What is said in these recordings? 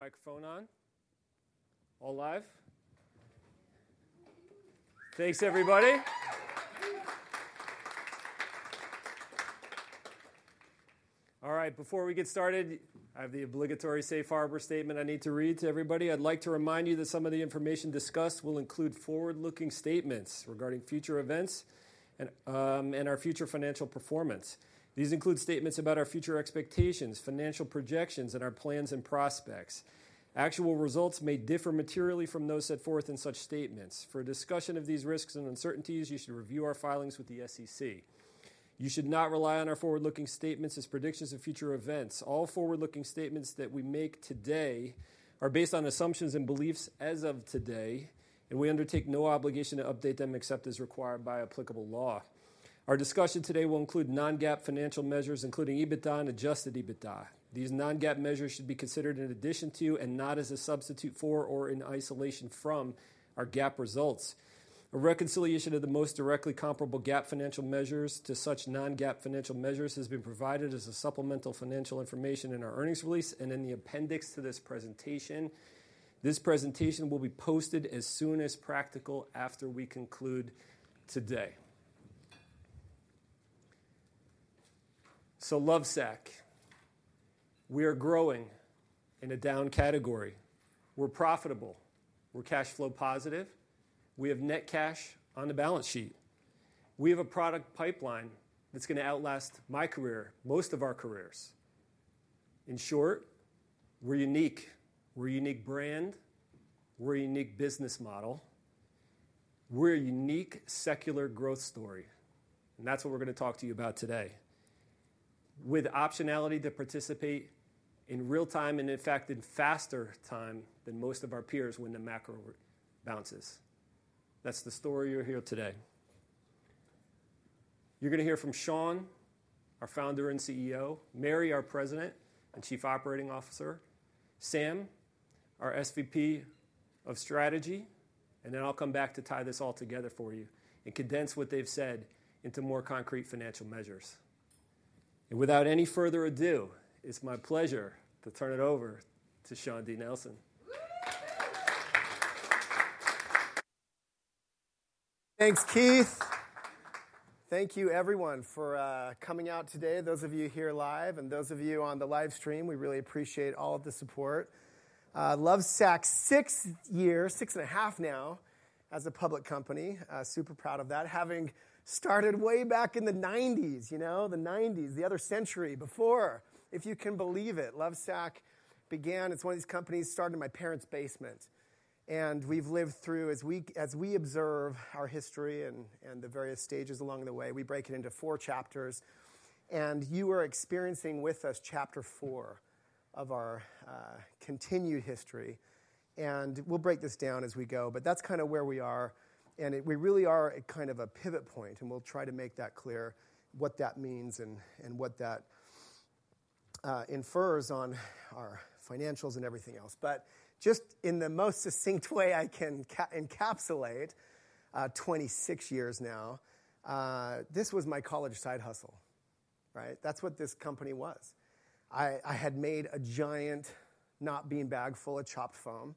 Microphone on. All live? Thanks, everybody. All right, before we get started, I have the obligatory safe harbor statement I need to read to everybody. I'd like to remind you that some of the information discussed will include forward-looking statements regarding future events and our future financial performance. These include statements about our future expectations, financial projections, and our plans and prospects. Actual results may differ materially from those set forth in such statements. For discussion of these risks and uncertainties, you should review our filings with the SEC. You should not rely on our forward-looking statements as predictions of future events. All forward-looking statements that we make today are based on assumptions and beliefs as of today, and we undertake no obligation to update them except as required by applicable law. Our discussion today will include non-GAAP financial measures, including EBITDA and adjusted EBITDA. These non-GAAP measures should be considered in addition to, and not as a substitute for, or in isolation from, our GAAP results. A reconciliation of the most directly comparable GAAP financial measures to such non-GAAP financial measures has been provided as supplemental financial information in our earnings release and in the appendix to this presentation. This presentation will be posted as soon as practical after we conclude today so, Lovesac, we are growing in a down category. We're profitable. We're cash flow positive. We have net cash on the balance sheet. We have a product pipeline that's going to outlast my career, most of our careers. In short, we're unique. We're a unique brand. We're a unique business model. We're a unique secular growth story. And that's what we're going to talk to you about today, with optionality to participate in real time and, in fact, in faster time than most of our peers when the macro bounces. That's the story you'll hear today. You're going to hear from Shawn, our founder and CEO, Mary, our President and Chief Operating Officer, Sam, our SVP of strategy, and then I'll come back to tie this all together for you and condense what they've said into more concrete financial measures. And without any further ado, it's my pleasure to turn it over to Shawn D. Nelson. Thanks, Keith. Thank you, everyone, for coming out today, those of you here live, and those of you on the live stream. We really appreciate all of the support. Lovesac, six years, six and a half now, as a public company. Super proud of that. Having started way back in the 1990s, you know, the 1990s, the other century before, if you can believe it, Lovesac began. It's one of these companies started in my parents' basement. And we've lived through, as we observe our history and the various stages along the way, we break it into four chapters. And you are experiencing with us chapter four of our continued history. And we'll break this down as we go. But that's kind of where we are. And we really are at kind of a pivot point. We'll try to make that clear, what that means and what that infers on our financials and everything else. But just in the most succinct way I can encapsulate, 26 years now, this was my college side hustle, right? That's what this company was. I had made a giant not-bean bag full of chopped foam,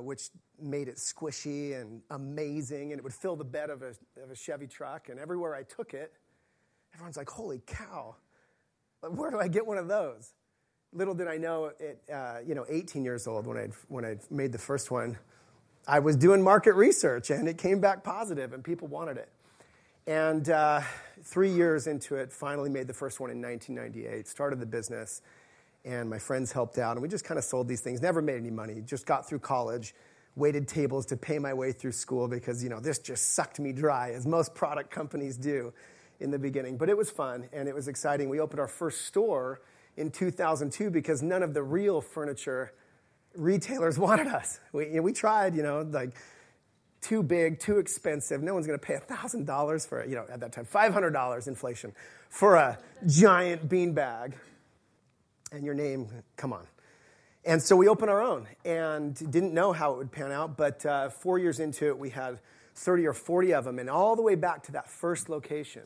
which made it squishy and amazing, and it would fill the bed of a Chevy truck. And everywhere I took it, everyone's like, "Holy cow. Where do I get one of those?" Little did I know, at 18 years old, when I made the first one, I was doing market research, and it came back positive, and people wanted it. And three years into it, finally made the first one in 1998, started the business, and my friends helped out. We just kind of sold these things, never made any money, just got through college, waited tables to pay my way through school because this just sucked me dry, as most product companies do in the beginning. But it was fun, and it was exciting. We opened our first store in 2002 because none of the real furniture retailers wanted us. We tried, like, too big, too expensive. No one's going to pay $1,000 for it at that time, $500, inflation, for a giant bean bag. And your name, come on. And so we opened our own and didn't know how it would pan out. But four years into it, we had 30 or 40 of them. And all the way back to that first location,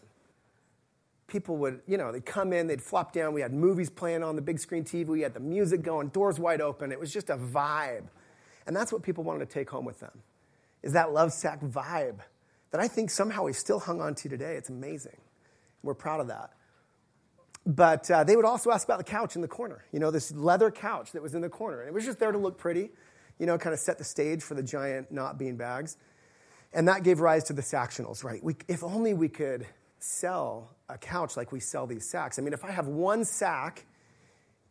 people would, you know, they'd come in, they'd flop down. We had movies playing on the big screen TV. We had the music going, doors wide open. It was just a vibe, and that's what people wanted to take home with them, is that Lovesac vibe that I think somehow we still hung on to today. It's amazing. We're proud of that, but they would also ask about the couch in the corner, you know, this leather couch that was in the corner, and it was just there to look pretty, you know, kind of set the stage for the giant not-bean bags, and that gave rise to the Sactionals, right? If only we could sell a couch like we sell these Sacs. I mean, if I have one Sac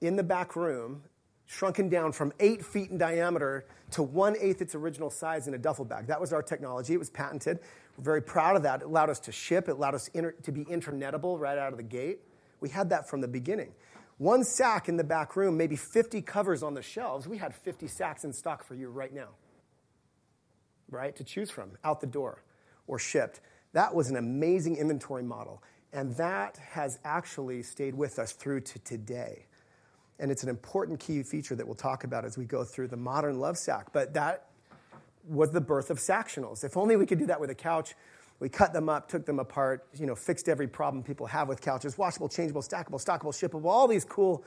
in the back room, shrunken down from eight feet in diameter to one-eighth its original size in a duffel bag, that was our technology. It was patented. We're very proud of that. It allowed us to ship. It allowed us to be rentable right out of the gate. We had that from the beginning. One Sac in the back room, maybe 50 covers on the shelves, we had 50 Sacs in stock for you right now, right, to choose from out the door or shipped. That was an amazing inventory model. And that has actually stayed with us through to today. And it's an important key feature that we'll talk about as we go through the modern Lovesac. But that was the birth of Sactionals. If only we could do that with a couch. We cut them up, took them apart, you know, fixed every problem people have with couches, washable, changeable, stackable, stockable, shippable, all these cool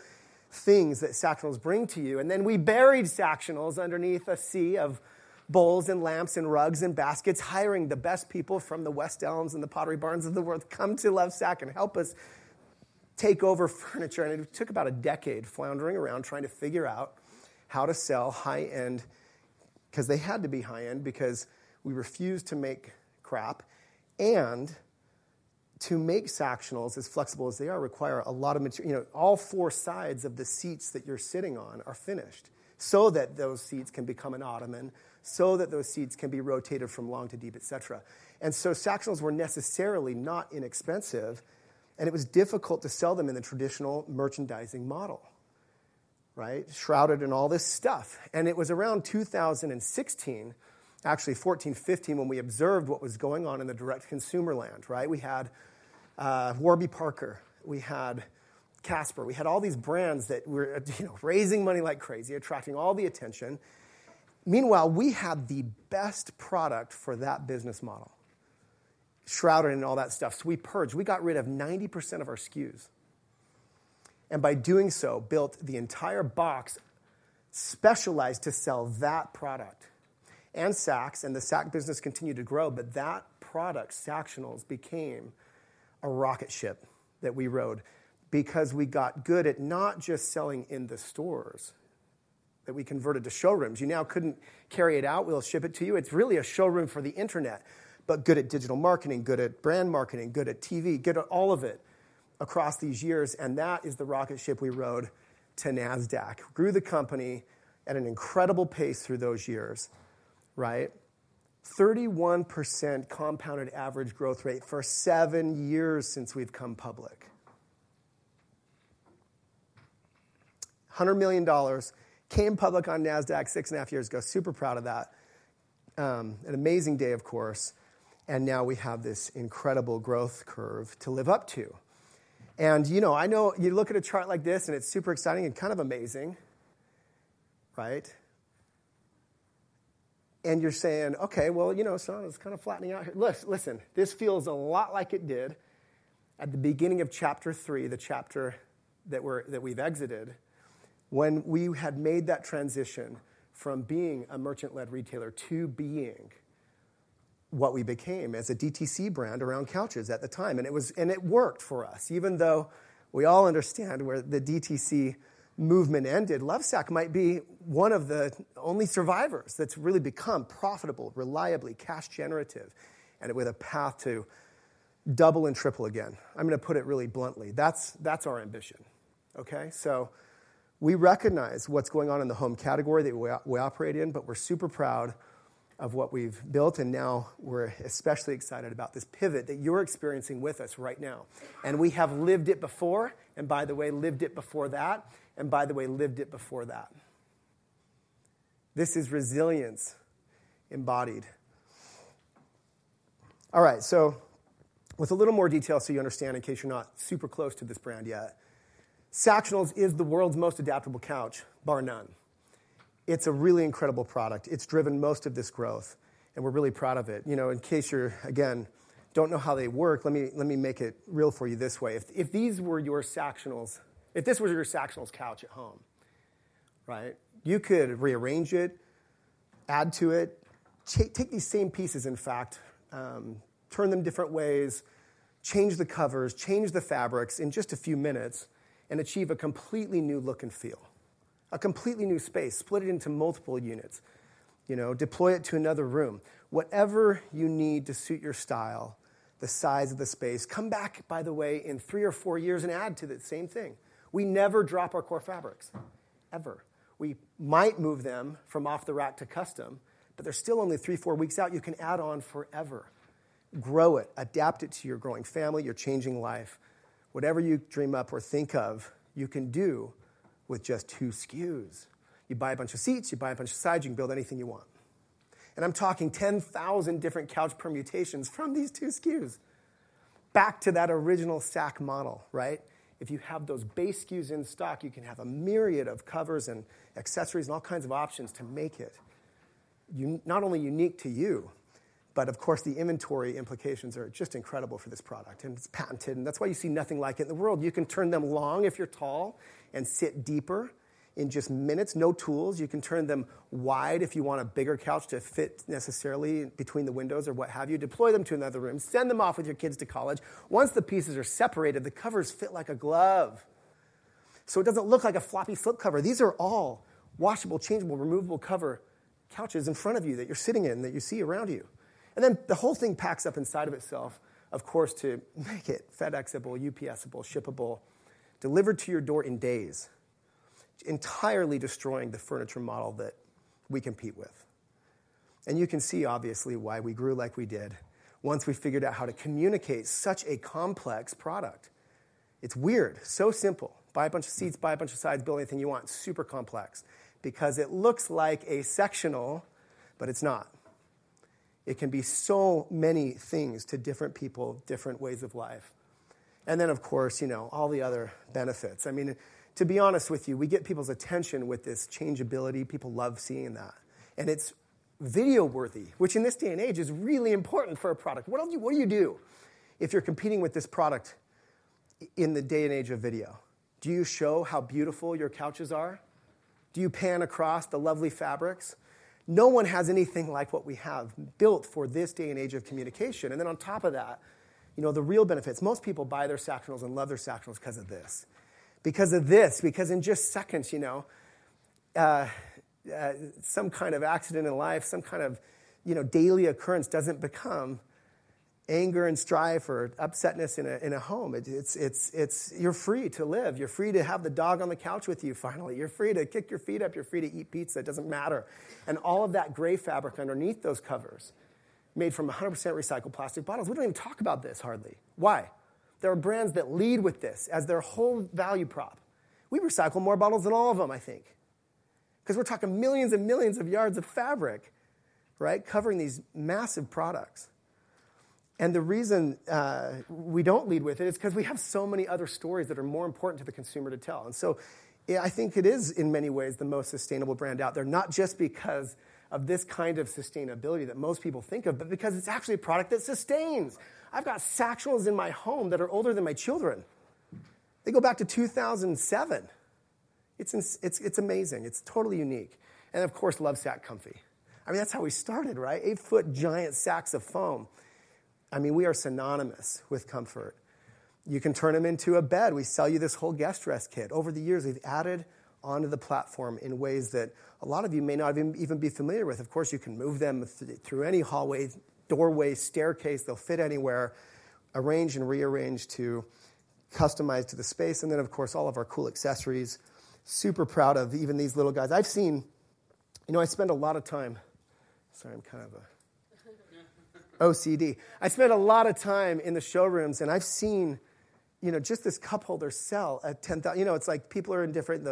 things that Sactionals bring to you. And then we buried Sactionals underneath a sea of bowls and lamps and rugs and baskets, hiring the best people from the West Elm and the Pottery Barn of the world to come to Lovesac and help us take over furniture. It took about a decade floundering around trying to figure out how to sell high-end because they had to be high-end because we refused to make crap. To make Sactionals, as flexible as they are, require a lot of material. You know, all four sides of the seats that you're sitting on are finished so that those seats can become an ottoman, so that those seats can be rotated from long to deep, et cetera. So Sactionals were necessarily not inexpensive. It was difficult to sell them in the traditional merchandising model, right, shrouded in all this stuff. It was around 2016, actually 2014, 2015, when we observed what was going on in the direct-to-consumer land, right? We had Warby Parker. We had Casper. We had all these brands that were raising money like crazy, attracting all the attention. Meanwhile, we had the best product for that business model, shrouded in all that stuff. So we purged. We got rid of 90% of our SKUs. And by doing so, built the entire box specialized to sell that product and Sacs. And the Sac business continued to grow. But that product, Sactionals, became a rocket ship that we rode because we got good at not just selling in the stores, that we converted to showrooms. You know, couldn't carry it out. We'll ship it to you. It's really a showroom for the internet, but good at digital marketing, good at brand marketing, good at TV, good at all of it across these years. And that is the rocket ship we rode to NASDAQ, grew the company at an incredible pace through those years, right? 31% compounded average growth rate for seven years since we've come public. $100 million came public on NASDAQ six and a half years ago. Super proud of that. An amazing day, of course. And now we have this incredible growth curve to live up to. And you know, I know you look at a chart like this, and it's super exciting and kind of amazing, right? You're saying, "Okay, well, you know, Shawn is kind of flattening out here." Listen, this feels a lot like it did at the beginning of chapter three, the chapter that we've exited, when we had made that transition from being a merchant-led retailer to being what we became as a DTC brand around couches at the time. It worked for us. Even though we all understand where the DTC movement ended, Lovesac might be one of the only survivors that's really become profitable, reliably, cash generative, and with a path to double and triple again. I'm going to put it really bluntly. That's our ambition, okay? So we recognize what's going on in the home category that we operate in, but we're super proud of what we've built. Now we're especially excited about this pivot that you're experiencing with us right now. And we have lived it before, and by the way, lived it before that, and by the way, lived it before that. This is resilience embodied. All right, so with a little more detail so you understand, in case you're not super close to this brand yet, Sactionals is the world's most adaptable couch, bar none. It's a really incredible product. It's driven most of this growth, and we're really proud of it. You know, in case you're, again, don't know how they work, let me make it real for you this way. If these were your Sactionals, if this was your Sactionals couch at home, right, you could rearrange it, add to it, take these same pieces, in fact, turn them different ways, change the covers, change the fabrics in just a few minutes, and achieve a completely new look and feel, a completely new space, split it into multiple units, you know, deploy it to another room. Whatever you need to suit your style, the size of the space. Come back, by the way, in three or four years and add to that same thing. We never drop our core fabrics, ever. We might move them from off the rack to custom, but they're still only three, four weeks out. You can add on forever, grow it, adapt it to your growing family, your changing life. Whatever you dream up or think of, you can do with just two SKUs. You buy a bunch of seats. You buy a bunch of sides. You can build anything you want. And I'm talking 10,000 different couch permutations from these two SKUs back to that original Sac model, right? If you have those base SKUs in stock, you can have a myriad of covers and accessories and all kinds of options to make it not only unique to you, but of course, the inventory implications are just incredible for this product. And it's patented. And that's why you see nothing like it in the world. You can turn them long if you're tall and sit deeper in just minutes, no tools. You can turn them wide if you want a bigger couch to fit necessarily between the windows or what have you. Deploy them to another room. Send them off with your kids to college. Once the pieces are separated, the covers fit like a glove, so it doesn't look like a floppy flip cover. These are all washable, changeable, removable cover couches in front of you that you're sitting in, that you see around you, and then the whole thing packs up inside of itself, of course, to make it FedEx-able, UPS-able, shippable, delivered to your door in days, entirely destroying the furniture model that we compete with, and you can see, obviously, why we grew like we did once we figured out how to communicate such a complex product. It's weird, so simple. Buy a bunch of seats, buy a bunch of sides, build anything you want, super complex because it looks like a sectional, but it's not. It can be so many things to different people, different ways of life, and then, of course, you know, all the other benefits. I mean, to be honest with you, we get people's attention with this changeability. People love seeing that. And it's video-worthy, which in this day and age is really important for a product. What do you do if you're competing with this product in the day and age of video? Do you show how beautiful your couches are? Do you pan across the lovely fabrics? No one has anything like what we have built for this day and age of communication. And then on top of that, you know, the real benefits. Most people buy their Sactionals and love their Sactionals because of this, because of this, because in just seconds, you know, some kind of accident in life, some kind of, you know, daily occurrence doesn't become anger and strife or upsetness in a home. You're free to live. You're free to have the dog on the couch with you, finally. You're free to kick your feet up. You're free to eat pizza. It doesn't matter. And all of that gray fabric underneath those covers made from 100% recycled plastic bottles. We don't even talk about this hardly. Why? There are brands that lead with this as their whole value prop. We recycle more bottles than all of them, I think, because we're talking millions and millions of yards of fabric, right, covering these massive products. And the reason we don't lead with it is because we have so many other stories that are more important to the consumer to tell. And so I think it is, in many ways, the most sustainable brand out there, not just because of this kind of sustainability that most people think of, but because it's actually a product that sustains. I've got Sactionals in my home that are older than my children. They go back to 2007. It's amazing. It's totally unique. And of course, Lovesac Comfy. I mean, that's how we started, right? Eight-foot giant Sacs of foam. I mean, we are synonymous with comfort. You can turn them into a bed. We sell you this whole guest dress kit. Over the years, we've added onto the platform in ways that a lot of you may not even be familiar with. Of course, you can move them through any hallway, doorway, staircase. They'll fit anywhere, arrange and rearrange to customize to the space. And then, of course, all of our cool accessories. Super proud of even these little guys. I've seen, you know, I spend a lot of time. Sorry, I'm kind of OCD. I spent a lot of time in the showrooms, and I've seen, you know, just this cup holder sell at $10,000. You know, it's like people are in different.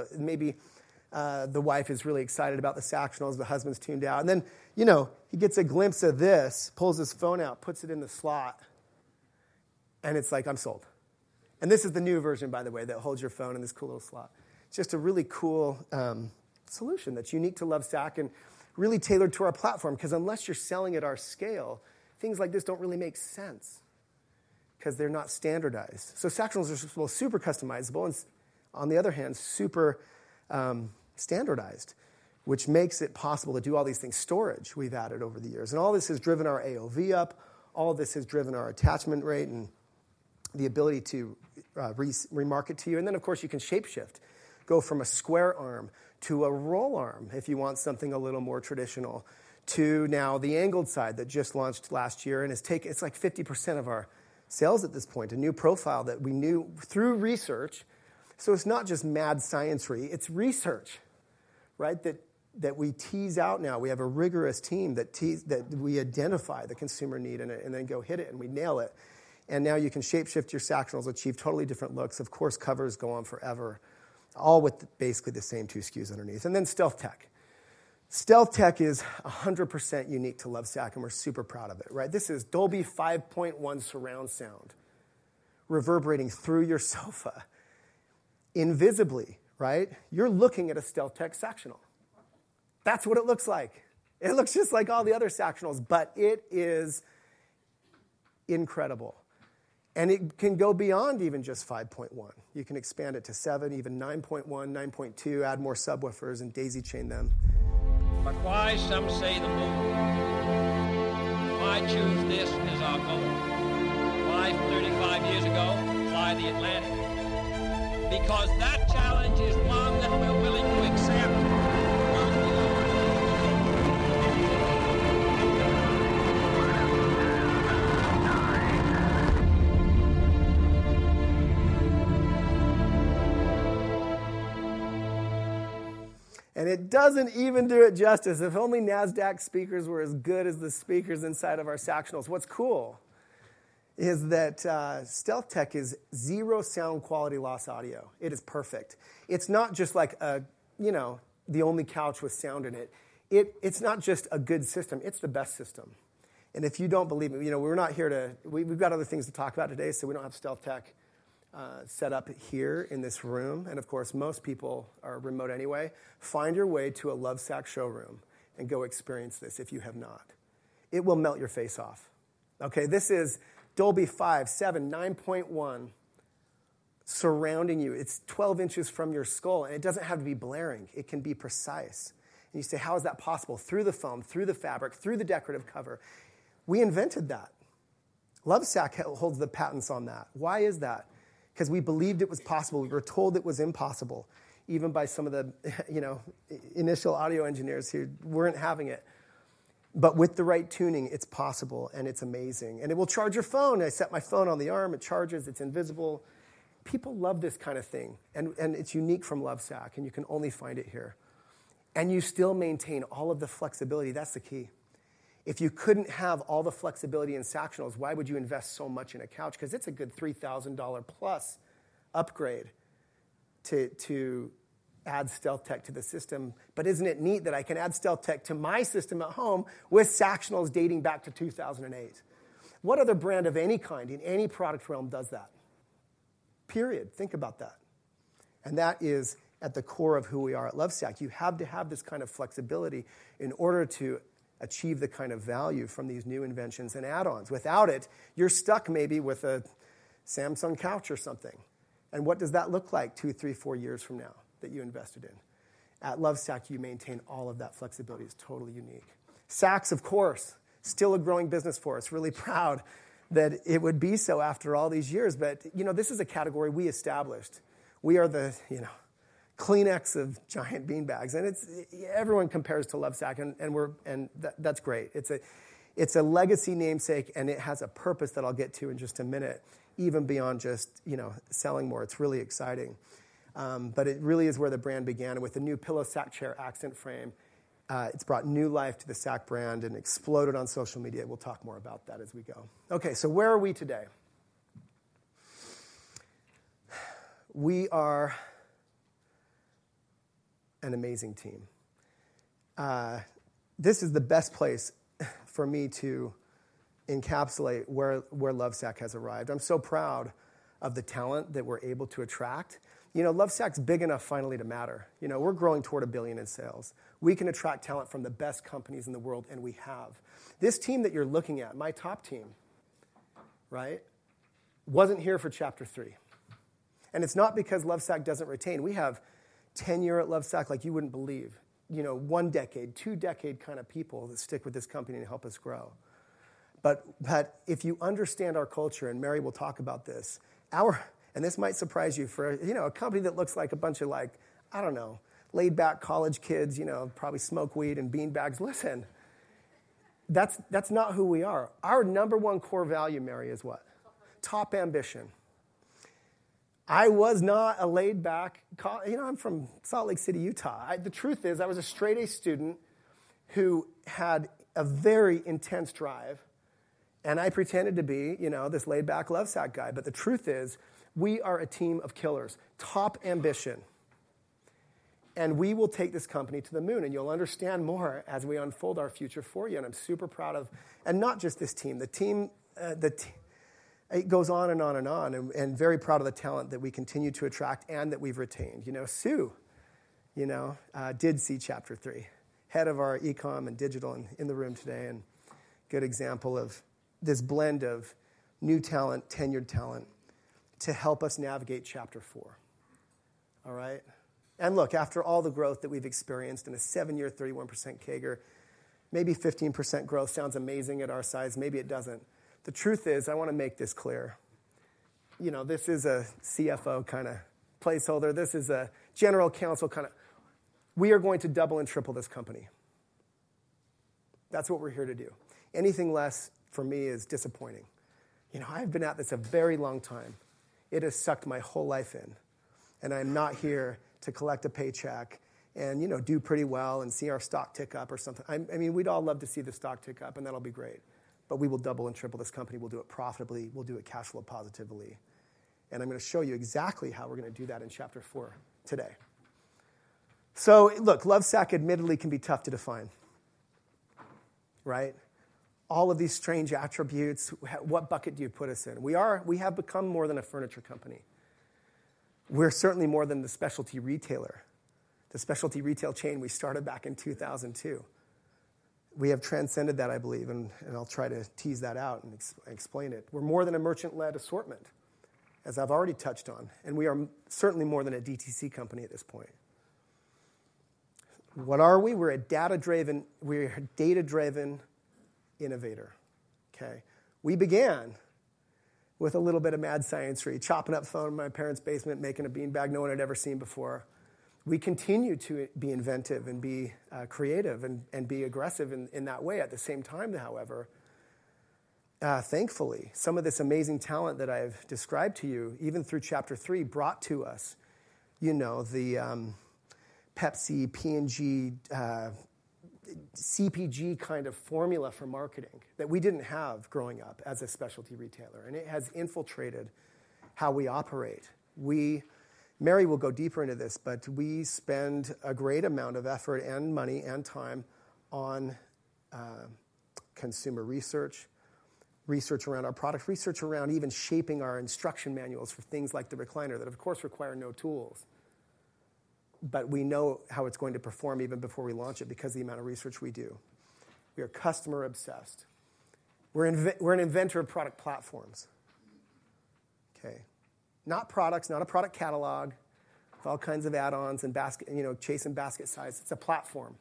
Maybe the wife is really excited about the Sactionals. The husband's tuned out. And then, you know, he gets a glimpse of this, pulls his phone out, puts it in the slot, and it's like, "I'm sold." And this is the new version, by the way, that holds your phone in this cool little slot. It's just a really cool solution that's unique to Lovesac and really tailored to our platform because unless you're selling at our scale, things like this don't really make sense because they're not standardized. So Sactionals are super customizable and, on the other hand, super standardized, which makes it possible to do all these things. Storage we've added over the years. And all this has driven our AOV up. All this has driven our attachment rate and the ability to remarket to you. And then, of course, you can shape-shift, go from a square arm to a roll arm if you w ant something a little more traditional, to now the angled side that just launched last year and has taken. It's like 50% of our sales at this point. A new profile that we knew through research. So it's not just mad science-y. It's research, right, that we tease out now. We have a rigorous team that we identify the consumer need and then go hit it, and we nail it. And now you can shape-shift your Sactionals, achieve totally different looks. Of course, covers go on forever, all with basically the same two SKUs underneath. And then StealthTech. StealthTech is 100% unique to Lovesac, and we're super proud of it, right? This is Dolby 5.1 surround sound reverberating through your sofa invisibly, right? You're looking at a StealthTech Sactional. That's what it looks like. It looks just like all the other Sactionals, but it is incredible. And it can go beyond even just 5.1. You can expand it to 7, even 9.1, 9.2, add more subwoofers, and daisy-chain them. But why some say the moon? Why choose this as our goal? Why 35 years ago? Why the Atlantic? Because that challenge is one that we're willing to accept. And it doesn't even do it justice. If only NASDAQ speakers were as good as the speakers inside of our Sactionals. What's cool is that StealthTech is zero sound quality loss audio. It is perfect. It's not just like a, you know, the only couch with sound in it. It's not just a good system. It's the best system. If you don't believe me, you know, we're not here to—we've got other things to talk about today, so we don't have StealthTech set up here in this room. Of course, most people are remote anyway. Find your way to a Lovesac showroom and go experience this if you have not. It will melt your face off, okay? This is Dolby 5.1, 7.1, 9.1 surrounding you. It's 12 in from your skull, and it doesn't have to be blaring. It can be precise. And you say, "How is that possible?" Through the foam, through the fabric, through he decorative cover. We invented that. Lovesac holds the patents on that. Why is that? Because we believed it was possible. We were told it was impossible, even by some of the, you know, initial audio engineers who weren't having it. But with the right tuning, it's possible, and it's amazing. And it will charge your phone. I set my phone on the arm. It charges. It's invisible. People love this kind of thing, and it's unique from Lovesac, and you can only find it here. And you still maintain all of the flexibility. That's the key. If you couldn't have all the flexibility in Sactionals, why would you invest so much in a couch? Because it's a good $3,000-plus upgrade to add StealthTech to the system. But isn't it neat that I can add StealthTech to my system at home with Sactionals dating back to 2008? What other brand of any kind in any product realm does that? Period. Think about that. And that is at the core of who we are at Lovesac. You have to have this kind of flexibility in order to achieve the kind of value from these new inventions and add-ons. Without it, you're stuck maybe with a Samsung couch or something. And what does that look like two, three, four years from now that you invested in? At Lovesac, you maintain all of that flexibility. It's totally unique. Sacs, of course, still a growing business for us. Really proud that it would be so after all these years. But, you know, this is a category we established. We are the, you know, Kleenex of giant beanbags. And it's everyone compares to Lovesac, and that's great. It's a legacy namesake, and it has a purpose that I'll get to in just a minute, even beyond just, you know, selling more. It's really exciting. But it really is where the brand began. With the new PillowSac Accent Chair Frame, it's brought new life to the Sac brand and exploded on social media. We'll talk more about that as we go. Okay, so where are we today? We are an amazing team. This is the best place for me to encapsulate where Lovesac has arrived. I'm so proud of the talent that we're able to attract. You know, Lovesac's big enough finally to matter. You know, we're growing toward $1 billion in sales. We can attract talent from the best companies in the world, and we have. This team that you're looking at, my top team, right, wasn't here for chapter three, and it's not because Lovesac doesn't retain. We have tenure at Lovesac like you wouldn't believe. You know, one decade, two decade kind of people that stick with this company and help us grow. But if you understand our culture, and Mary will talk about this, our and this might surprise you for, you know, a company that looks like a bunch of, like, I don't know, laid-back college kids, you know, probably smoke weed and beanbags. Listen, that's not who we are. Our number one core value, Mary, is what? Top ambition. I was not a laid-back, you know, I'm from Salt Lake City, Utah. The truth is I was a straight-A student who had a very intense drive, and I pretended to be, you know, this laid-back Lovesac guy. But the truth is we are a team of killers. Top ambition. And we will take this company to the moon, and you'll understand more as we unfold our future for you. And I'm super proud of and not just this team. The team goes on and on and on. And very proud of the talent that we continue to attract and that we've retained. You know, Sue, you know, did see chapter three, head of our e-comm and digital in the room today, and good example of this blend of new talent, tenured talent to help us navigate chapter four, all right? And look, after all the growth that we've experienced in a seven-year, 31% CAGR, maybe 15% growth sounds amazing at our size. Maybe it doesn't. The truth is I want to make this clear. You know, this is a CFO kind of placeholder. This is a general counsel kind of. We are going to double and triple this company. That's what we're here to do. Anything less for me is disappointing. You know, I've been at this a very long time. It has sucked my whole life in. I'm not here to collect a paycheck and, you know, do pretty well and see our stock tick up or something. I mean, we'd all love to see the stock tick up, and that'll be great. But we will double and triple this company. We'll do it profitably. We'll do it cash flow positively. And I'm going to show you exactly how we're going to do that in chapter four today. So look, Lovesac admittedly can be tough to define, right? All of these strange attributes, what bucket do you put us in? We have become more than a furniture company. We're certainly more than the specialty retailer, the specialty retail chain we started back in 2002. We have transcended that, I believe, and I'll try to tease that out and explain it. We're more than a merchant-led assortment, as I've already touched on. And we are certainly more than a DTC company at this point. What are we? We're a data-driven, we're a data-driven innovator, okay? We began with a little bit of mad science-y, chopping up foam in my parents' basement, making a beanbag no one had ever seen before. We continue to be inventive and be creative and be aggressive in that way. At the same time, however, thankfully, some of this amazing talent that I've described to you, even through chapter three, brought to us, you know, the Pepsi, P&G, CPG kind of formula for marketing that we didn't have growing up as a specialty retailer. And it has infiltrated how we operate. (Mary will go deeper into this) but we spend a great amount of effort and money and time on consumer research, research around our product, research around even shaping our instruction manuals for things like the recliner that, of course, require no tools. But we know how it's going to perform even before we launch it because of the amount of research we do. We are customer-obsessed. We're an inventor of product platforms, okay? Not products, not a product catalog with all kinds of add-ons and, you know, chase and basket size. It's a platform.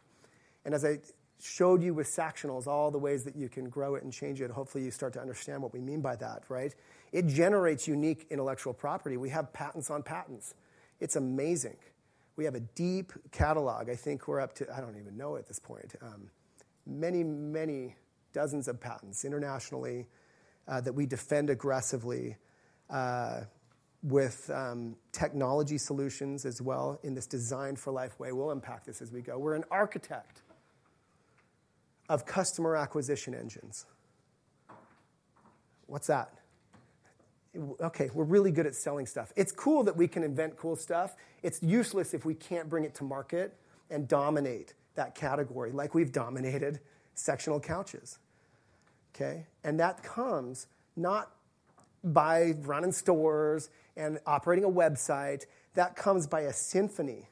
And as I showed you with Sactionals, all the ways that you can grow it and change it, hopefully you start to understand what we mean by that, right? It generates unique intellectual property. We have patents on patents. It's amazing. We have a deep catalog. I think we're up to. I don't even know at this point. Many, many dozens of patents internationally that we defend aggressively with technology solutions as well in this Designed for Life way. We'll unpack this as we go. We're an architect of customer acquisition engines. What's that? Okay, we're really good at selling stuff. It's cool that we can invent cool stuff. It's useless if we can't bring it to market and dominate that category like we've dominated sectional couches, okay? And that comes not by running stores and operating a website. That comes by a symphony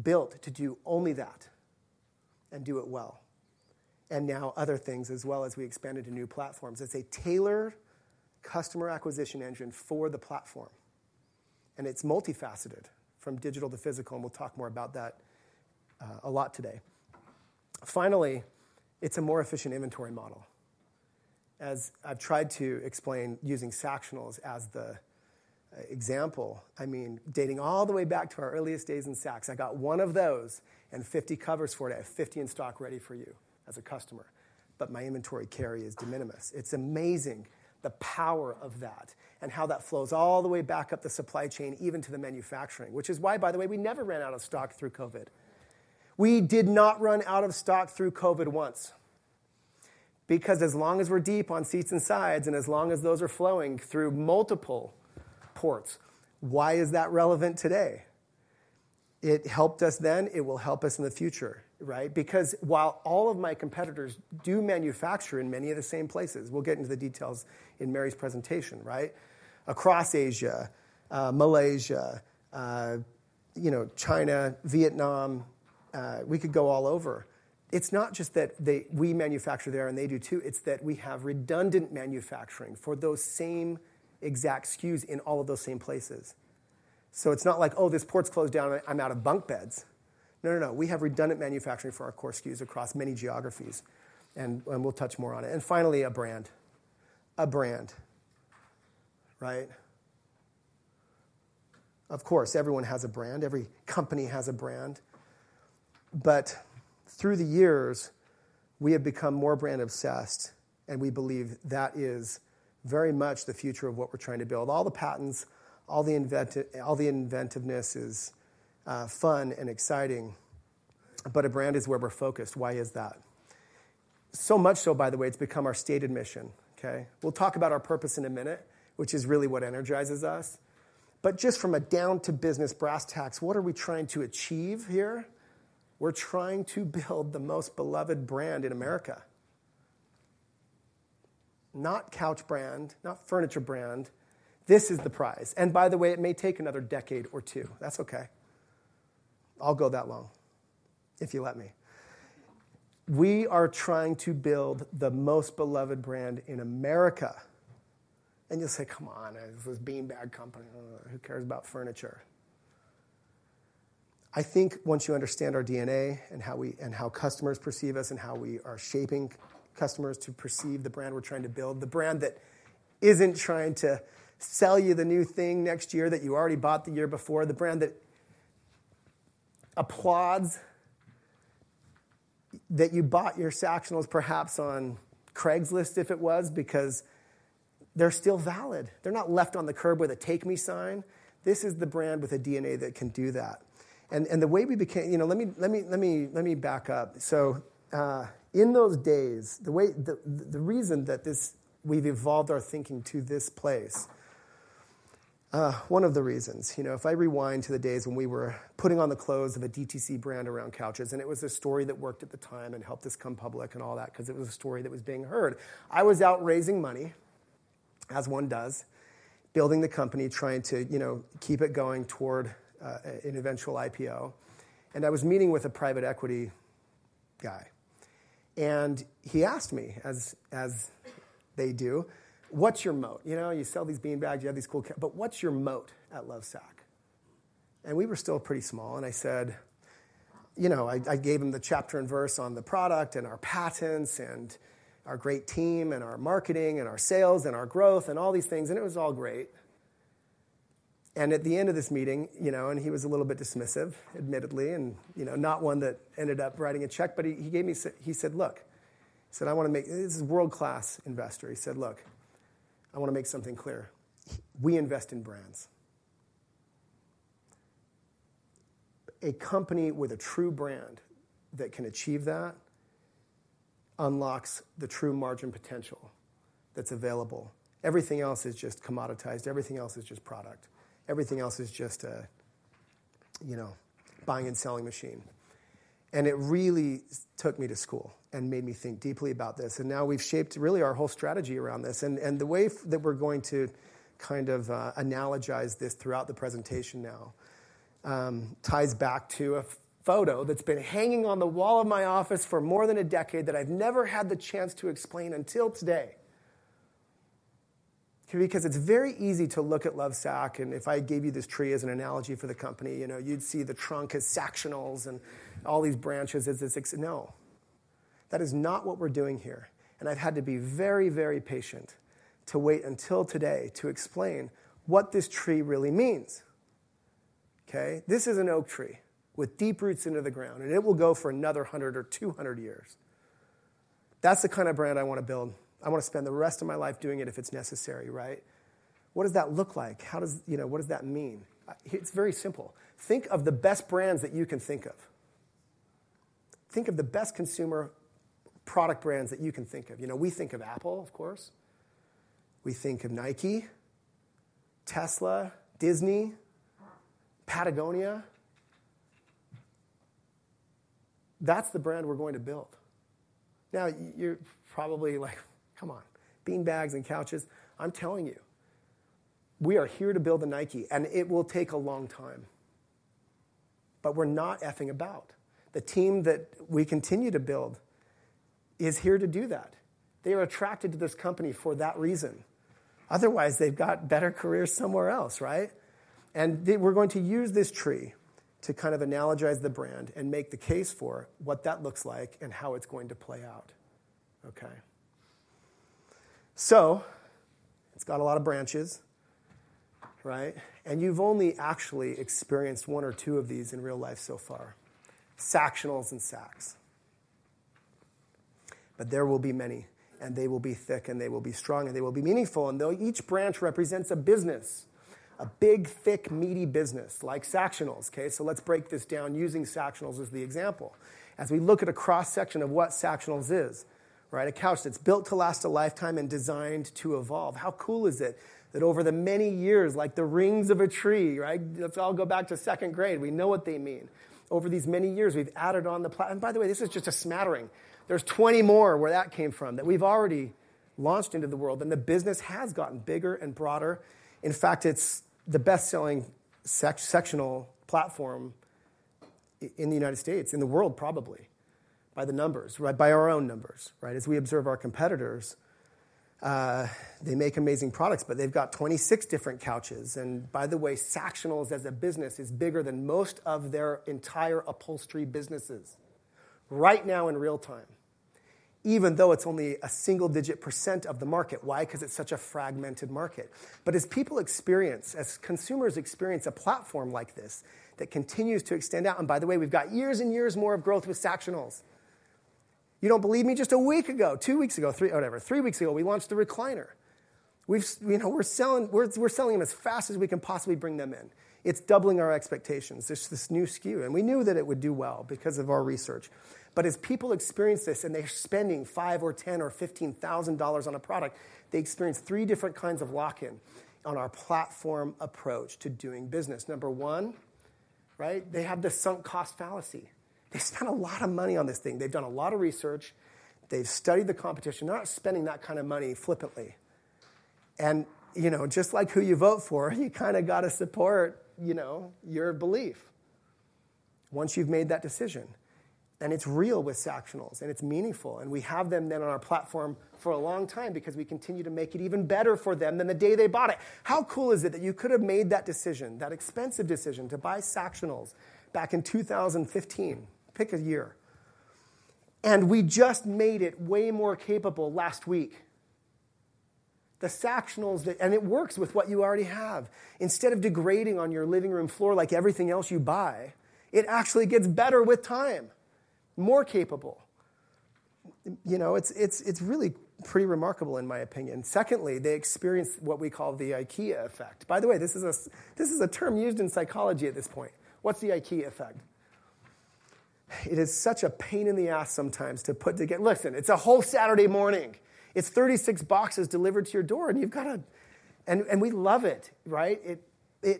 built to do only that and do it well. And now other things as well as we expanded to new platforms. It's a tailored customer acquisition engine for the platform. And it's multifaceted from digital to physical, and we'll talk more about that a lot today. Finally, it's a more efficient inventory model. As I've tried to explain using Sactionals as the example, I mean, dating all the way back to our earliest days in Sacs, I got one of those and 50 covers for it. I have 50 in stock ready for you as a customer. But my inventory carry is de minimis. It's amazing the power of that and how that flows all the way back up the supply chain, even to the manufacturing, which is why, by the way, we never ran out of stock through COVID. We did not run out of stock through COVID once because as long as we're deep on seats and sides and as long as those are flowing through multiple ports, why is that relevant today? It helped us then. It will help us in the future, right? Because while all of my competitors do manufacture in many of the same places, we'll get into the details in Mary's presentation, right? Across Asia, Malaysia, you know, China, Vietnam, we could go all over. It's not just that we manufacture there and they do too. It's that we have redundant manufacturing for those same exact SKUs in all of those same places. So it's not like, "Oh, this port's closed down. I'm out of bunk beds." No, no, no. We have redundant manufacturing for our core SKUs across many geographies. And we'll touch more on it. And finally, a brand. A brand, right? Of course, everyone has a brand. Every company has a brand. But through the years, we have become more brand-obsessed, and we believe that is very much the future of what we're trying to build. All the patents, all the inventiveness is fun and exciting. A brand is where we're focused. Why is that? So much so, by the way, it's become our stated mission, okay? We'll talk about our purpose in a minute, which is really what energizes us. But just from a down-to-business brass tacks, what are we trying to achieve here? We're trying to build the most beloved brand in America. Not couch brand, not furniture brand. This is the prize. And by the way, it may take another decade or two. That's okay. I'll go that long if you let me. We are trying to build the most beloved brand in America. And you'll say, "Come on, it was a beanbag company. Who cares about furniture?" I think once you understand our DNA and how customers perceive us and how we are shaping customers to perceive the brand we're trying to build, the brand that isn't trying to sell you the new thing next year that you already bought the year before, the brand that applauds that you bought your Sactionals perhaps on Craigslist if it was because they're still valid. They're not left on the curb with a "Take Me" sign. This is the brand with a DNA that can do that. And the way we became, you know, let me back up. So in those days, the way the reason that we've evolved our thinking to this place, one of the reasons, you know, if I rewind to the days when we were putting on the clothes of a DTC brand around couches, and it was a story that worked at the time and helped us come public and all that because it was a story that was being heard. I was out raising money, as one does, building the company, trying to, you know, keep it going toward an eventual IPO. And I was meeting with a private equity guy. And he asked me, as they do, "What's your moat?" You know, you sell these beanbags. You have these cool cat. But what's your moat at Lovesac? And we were still pretty small. I said, you know, I gave him the chapter and verse on the product and our patents and our great team and our marketing and our sales and our growth and all these things. It was all great. At the end of this meeting, you know, and he was a little bit dismissive, admittedly, and, you know, not one that ended up writing a check, but he gave me. He said, "Look." He said, "I want to make." This is a world-class investor. He said, "Look, I want to make something clear. We invest in brands. A company with a true brand that can achieve that unlocks the true margin potential that's available. Everything else is just commoditized. Everything else is just product. Everything else is just a, you know, buying and selling machine. And it really took me to school and made me think deeply about this. And now we've shaped really our whole strategy around this. And the way that we're going to kind of analogize this throughout the presentation now ties back to a photo that's been hanging on the wall of my office for more than a decade that I've never had the chance to explain until today. Because it's very easy to look at Lovesac, and if I gave you this tree as an analogy for the company, you know, you'd see the trunk as Sactionals and all these branches as this. No. That is not what we're doing here. And I've had to be very, very patient to wait until today to explain what this tree really means, okay? This is an oak tree with deep roots into the ground, and it will go for another 100 or 200 years. That's the kind of brand I want to build. I want to spend the rest of my life doing it if it's necessary, right? What does that look like? How does, you know, what does that mean? It's very simple. Think of the best brands that you can think of. Think of the best consumer product brands that you can think of. You know, we think of Apple, of course. We think of Nike, Tesla, Disney, Patagonia. That's the brand we're going to build. Now, you're probably like, "Come on, beanbags and couches." I'm telling you, we are here to build a Nike, and it will take a long time. But we're not effing about. The team that we continue to build is here to do that. They are attracted to this company for that reason, otherwise, they've got better careers somewhere else, right, and we're going to use this tree to kind of analogize the brand and make the case for what that looks like and how it's going to play out, okay, so it's got a lot of branches, right, and you've only actually experienced one or two of these in real life so far, Sactionals and Sacs, but there will be many, and they will be thick, and they will be strong, and they will be meaningful, and each branch represents a business, a big, thick, meaty business like Sactionals, okay, so let's break this down using Sactionals as the example. As we look at a cross-section of what Sactionals is, right, a couch that's built to last a lifetime and designed to evolve, how cool is it that over the many years, like the rings of a tree, right? Let's all go back to second grade. We know what they mean. Over these many years, we've added on the platform. And by the way, this is just a smattering. There's 20 more where that came from that we've already launched into the world, and the business has gotten bigger and broader. In fact, it's the best-selling sectional platform in the United States, in the world probably, by the numbers, right? By our own numbers, right? As we observe our competitors, they make amazing products, but they've got 26 different couches. By the way, Sactionals as a business is bigger than most of their entire upholstery businesses right now in real time, even though it's only a single-digit % of the market. Why? Because it's such a fragmented market. But as people experience, as consumers experience a platform like this that continues to extend out, and by the way, we've got years and years more of growth with Sactionals. You don't believe me? Just a week ago, two weeks ago, three, whatever, three weeks ago, we launched the recliner. We've, you know, we're selling, we're selling them as fast as we can possibly bring them in. It's doubling our expectations. There's this new SKU, and we knew that it would do well because of our research. But as people experience this and they're spending $5,000 or $10,000 or $15,000 on a product, they experience three different kinds of lock-in on our platform approach to doing business. Number one, right? They have the sunk cost fallacy. They spent a lot of money on this thing. They've done a lot of research. They've studied the competition. They're not spending that kind of money flippantly. And, you know, just like who you vote for, you kind of got to support, you know, your belief once you've made that decision. And it's real with Sactionals, and it's meaningful. And we have them then on our platform for a long time because we continue to make it even better for them than the day they bought it. How cool is it that you could have made that decision, that expensive decision to buy Sactionals back in 2015? Pick a year, and we just made it way more capable last week. The Sactionals, and it works with what you already have. Instead of degrading on your living room floor like everything else you buy, it actually gets better with time, more capable. You know, it's really pretty remarkable in my opinion. Secondly, they experience what we call the IKEA effect. By the way, this is a term used in psychology at this point. What's the IKEA effect? It is such a pain in the ass sometimes to put together. Listen, it's a whole Saturday morning. It's 36 boxes delivered to your door, and you've got to, and we love it, right?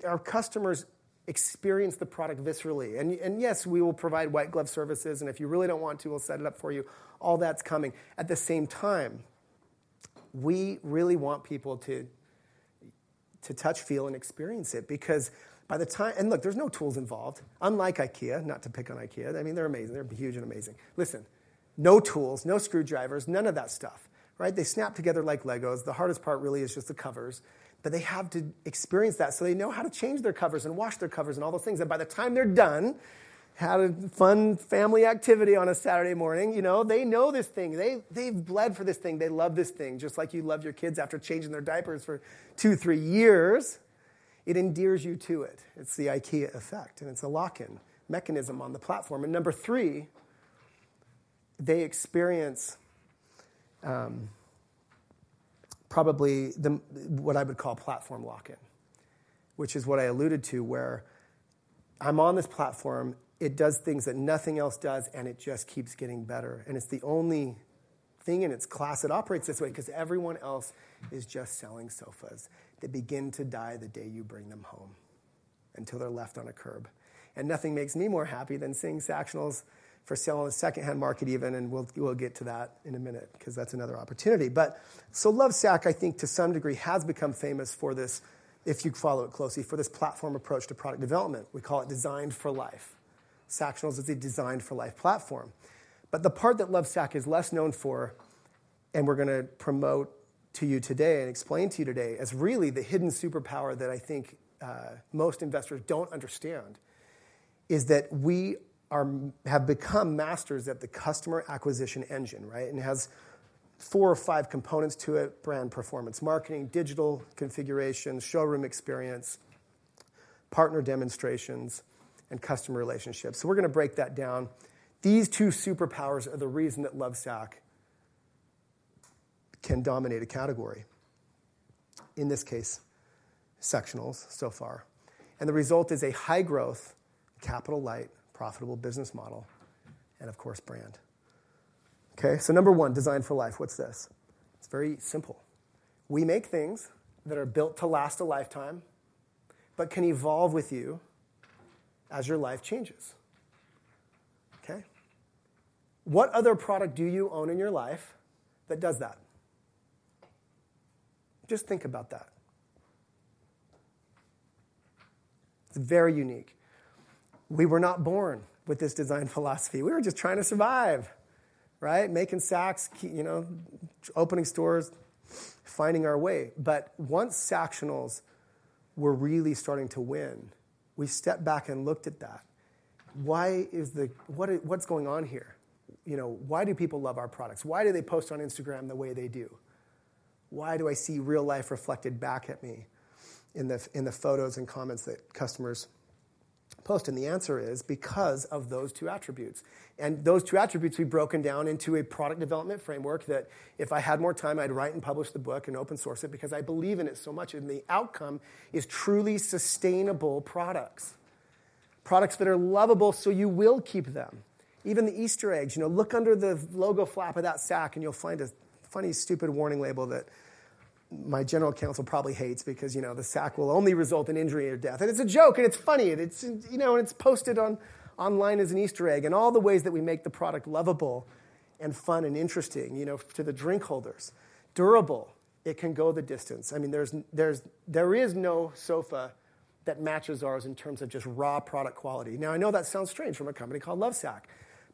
Our customers experience the product viscerally, and yes, we will provide white glove services, and if you really don't want to, we'll set it up for you. All that's coming. At the same time, we really want people to touch, feel, and experience it because by the time, and look, there's no tools involved, unlike IKEA, not to pick on IKEA. I mean, they're amazing. They're huge and amazing. Listen, no tools, no screwdrivers, none of that stuff, right? They snap together like Legos. The hardest part really is just the covers. But they have to experience that. So they know how to change their covers and wash their covers and all those things. And by the time they're done, had a fun family activity on a Saturday morning, you know, they know this thing. They've bled for this thing. They love this thing just like you love your kids after changing their diapers for two, three years. It endears you to it. It's the IKEA effect, and it's a lock-in mechanism on the platform. And number three, they experience probably what I would call platform lock-in, which is what I alluded to where I'm on this platform. It does things that nothing else does, and it just keeps getting better. And it's the only thing in its class that operates this way because everyone else is just selling sofas that begin to die the day you bring them home until they're left on a curb. And nothing makes me more happy than seeing Sactionals for sale in the secondhand market even. And we'll get to that in a minute because that's another opportunity. But so Lovesac, I think to some degree, has become famous for this, if you follow it closely, for this platform approach to product development. We call it Designed for Life. Sactionals is a Designed for Life platform. But the part that Lovesac is less known for, and we're going to promote to you today and explain to you today as really the hidden superpower that I think most investors don't understand is that we have become masters at the customer acquisition engine, right? And it has four or five components to it: brand performance, marketing, digital configuration, showroom experience, partner demonstrations, and customer relationships. So we're going to break that down. These two superpowers are the reason that Lovesac can dominate a category, in this case, Sactionals so far. And the result is a high-growth, capital-light, profitable business model, and of course, brand. Okay? So number one, Designed for Life. What's this? It's very simple. We make things that are built to last a lifetime but can evolve with you as your life changes. Okay? What other product do you own in your life that does that? Just think about that. It's very unique. We were not born with this design philosophy. We were just trying to survive, right? Making Sacs, you know, opening stores, finding our way. But once Sactionals were really starting to win, we stepped back and looked at that. Why is the, what's going on here? You know, why do people love our products? Why do they post on Instagram the way they do? Why do I see real life reflected back at me in the photos and comments that customers post? And the answer is because of those two attributes. And those two attributes we've broken down into a product development framework that if I had more time, I'd write and publish the book and open source it because I believe in it so much. And the outcome is truly sustainable products, products that are lovable, so you will keep them. Even the Easter eggs, you know, look under the logo flap of that Sac, and you'll find a funny, stupid warning label that my general counsel probably hates because, you know, the Sac will only result in injury or death. It's a joke, and it's funny, and it's, you know, and it's posted online as an Easter egg. All the ways that we make the product lovable and fun and interesting, you know, to the drink holders, durable, it can go the distance. I mean, there's no sofa that matches ours in terms of just raw product quality. Now, I know that sounds strange from a company called Lovesac,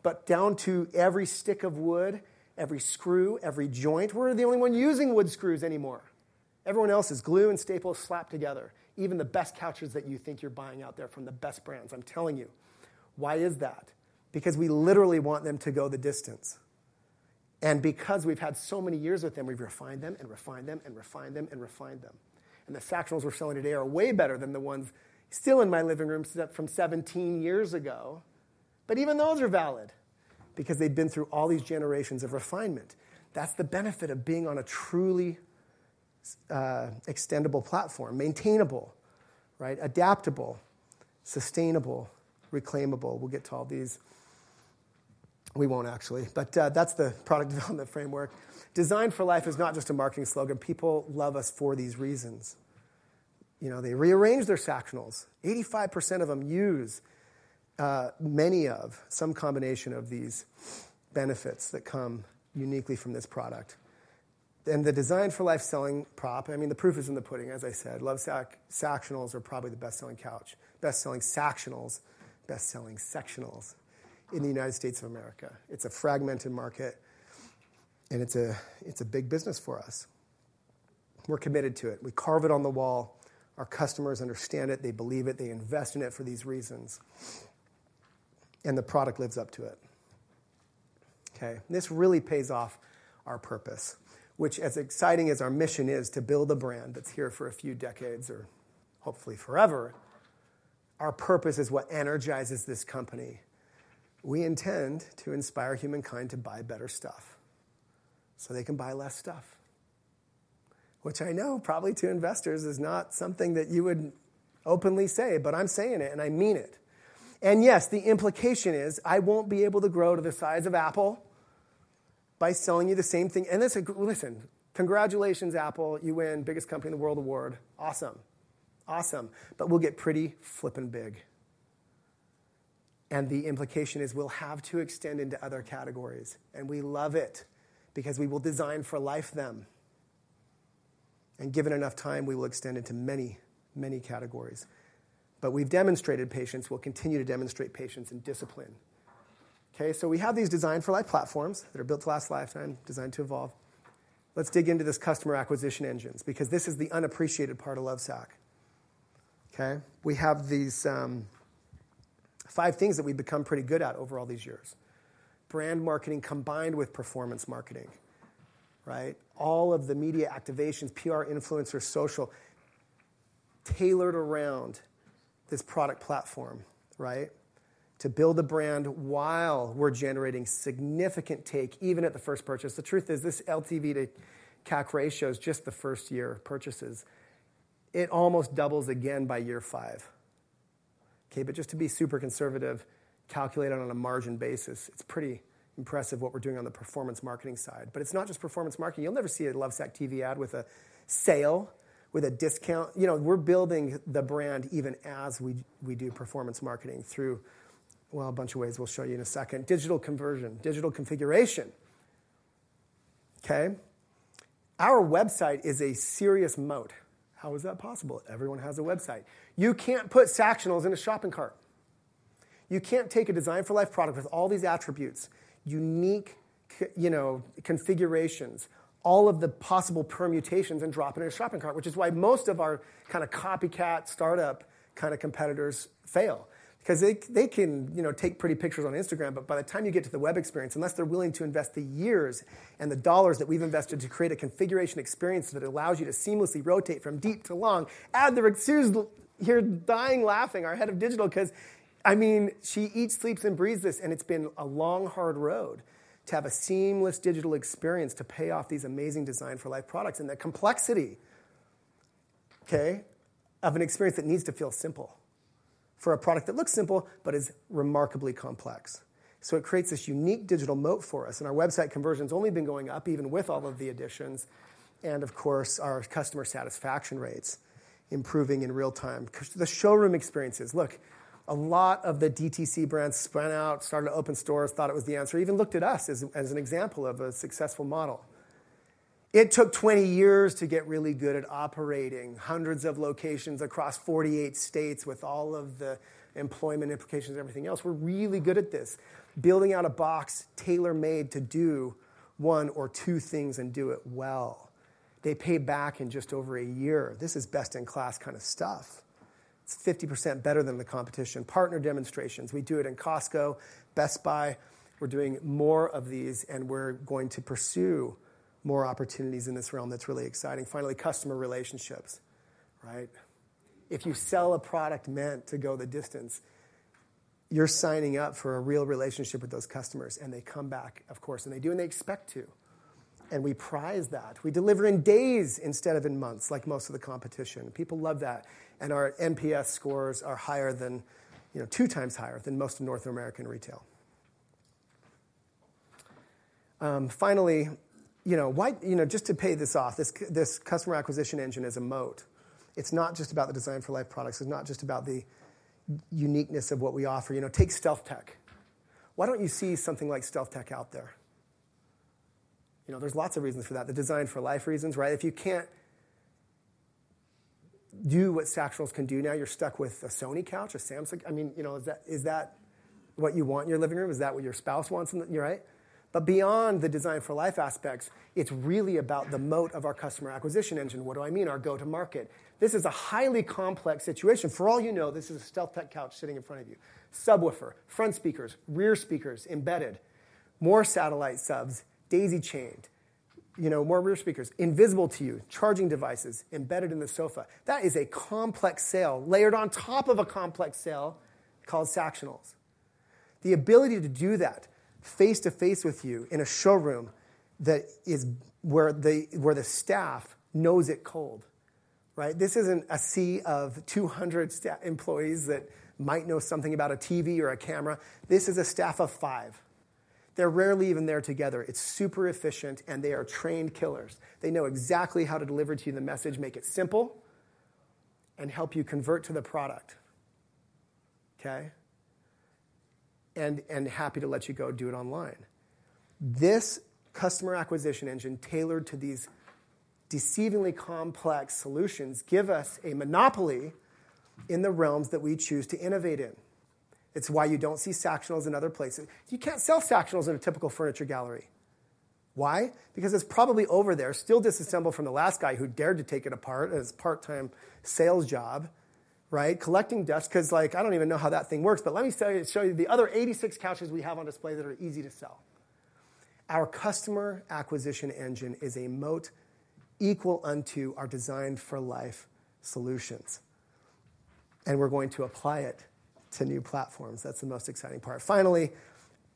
but down to every stick of wood, every screw, every joint, we're the only one using wood screws anymore. Everyone else is glue and staples slapped together. Even the best couches that you think you're buying out there from the best brands, I'm telling you. Why is that? Because we literally want them to go the distance. And because we've had so many years with them, we've refined them and refined them and refined them and refined them. And the Sactionals we're selling today are way better than the ones still in my living room set up from 17 years ago. But even those are valid because they've been through all these generations of refinement. That's the benefit of being on a truly extendable platform, maintainable, right? Adaptable, sustainable, reclaimable. We'll get to all these. We won't actually. But that's the product development framework. Designed for Life is not just a marketing slogan. People love us for these reasons. You know, they rearrange their Sactionals. 85% of them use many of some combination of these benefits that come uniquely from this product. And the Designed for Life selling prop, I mean, the proof is in the pudding, as I said. Lovesac Sactionals are probably the best-selling couch, best-selling Sactionals, best-selling Sactionals in the United States of America. It's a fragmented market, and it's a big business for us. We're committed to it. We carve it on the wall. Our customers understand it. They believe it. They invest in it for these reasons. And the product lives up to it. Okay? This really pays off our purpose, which, as exciting as our mission is to build a brand that's here for a few decades or hopefully forever, our purpose is what energizes this company. We intend to inspire humankind to buy better stuff so they can buy less stuff, which I know probably to investors is not something that you would openly say, but I'm saying it, and I mean it, and yes, the implication is I won't be able to grow to the size of Apple by selling you the same thing, and this is, listen, congratulations, Apple. You win biggest company in the world award. Awesome. Awesome. But we'll get pretty flipping big, and the implication is we'll have to extend into other categories. And we love it because we will Design for Life. Them. And given enough time, we will extend into many, many categories. But we've demonstrated patience. We'll continue to demonstrate patience and discipline. Okay. We have these Designed for Life platforms that are built to last a lifetime, designed to evolve. Let's dig into this customer acquisition engines because this is the unappreciated part of Lovesac. Okay? We have these five things that we've become pretty good at over all these years: brand marketing combined with performance marketing, right? All of the media activations, PR, influencers, social, tailored around this product platform, right? To build a brand while we're generating significant take, even at the first purchase. The truth is this LTV to CAC ratio is just the first year purchases. It almost doubles again by year five. Okay? But just to be super conservative, calculate it on a margin basis. It's pretty impressive what we're doing on the performance marketing side. But it's not just performance marketing. You'll never see a Lovesac TV ad with a sale, with a discount. You know, we're building the brand even as we do performance marketing through, well, a bunch of ways. We'll show you in a second. Digital conversion, digital configuration. Okay? Our website is a serious moat. How is that possible? Everyone has a website. You can't put Sactionals in a shopping cart. You can't take a Designed for Life product with all these attributes, unique, you know, configurations, all of the possible permutations and drop it in a shopping cart, which is why most of our kind of copycat startup kind of competitors fail because they can, you know, take pretty pictures on Instagram. But by the time you get to the web experience, unless they're willing to invest the years and the dollars that we've invested to create a configuration experience that allows you to seamlessly rotate from deep to long, Adla Ricks here dying laughing, our head of digital, because I mean, she eats, sleeps, and breathes this. And it's been a long, hard road to have a seamless digital experience to pay off these amazing Designed for Life products and the complexity, okay, of an experience that needs to feel simple for a product that looks simple but is remarkably complex. So it creates this unique digital moat for us. And our website conversion's only been going up even with all of the additions. And of course, our customer satisfaction rates improving in real time. The showroom experiences, look, a lot of the DTC brands spun out, started to open stores, thought it was the answer, even looked at us as an example of a successful model. It took 20 years to get really good at operating hundreds of locations across 48 states with all of the employment implications and everything else. We're really good at this, building out a box tailor-made to do one or two things and do it well. They pay back in just over a year. This is best-in-class kind of stuff. It's 50% better than the competition. Partner demonstrations. We do it in Costco, Best Buy. We're doing more of these, and we're going to pursue more opportunities in this realm that's really exciting. Finally, customer relationships, right? If you sell a product meant to go the distance, you're signing up for a real relationship with those customers. And they come back, of course, and they do, and they expect to. And we prize that. We deliver in days instead of in months, like most of the competition. People love that. And our NPS scores are higher than, you know, two times higher than most of North American retail. Finally, you know, why, you know, just to pay this off, this customer acquisition engine is a moat. It's not just about the Designed for Life products. It's not just about the uniqueness of what we offer. You know, take StealthTech. Why don't you see something like StealthTech out there? You know, there's lots of reasons for that. The Designed for Life reasons, right? If you can't do what Sactionals can do now, you're stuck with a Sony couch, a Samsung. I mean, you know, is that what you want in your living room? Is that what your spouse wants in the, you're right? But beyond the Designed for Life aspects, it's really about the moat of our customer acquisition engine. What do I mean? Our go-to-market. This is a highly complex situation. For all you know, this is a StealthTech couch sitting in front of you. Subwoofer, front speakers, rear speakers embedded, more satellite subs, daisy-chained, you know, more rear speakers, invisible to you, charging devices embedded in the sofa. That is a complex sale layered on top of a complex sale called Sactionals. The ability to do that face-to-face with you in a showroom, that is where the staff knows it cold, right? This isn't a sea of 200 employees that might know something about a TV or a camera. This is a staff of five. They're rarely even there together. It's super efficient, and they are trained killers. They know exactly how to deliver to you the message, make it simple, and help you convert to the product. Okay? And happy to let you go do it online. This customer acquisition engine tailored to these deceivingly complex solutions gives us a monopoly in the realms that we choose to innovate in. It's why you don't see Sactionals in other places. You can't sell Sactionals in a typical furniture gallery. Why? Because it's probably over there, still disassembled from the last guy who dared to take it apart as a part-time sales job, right? Collecting dust because, like, I don't even know how that thing works. But let me show you the other 86 couches we have on display that are easy to sell. Our customer acquisition engine is a moat equal unto our Designed for Life solutions. And we're going to apply it to new platforms. That's the most exciting part. Finally,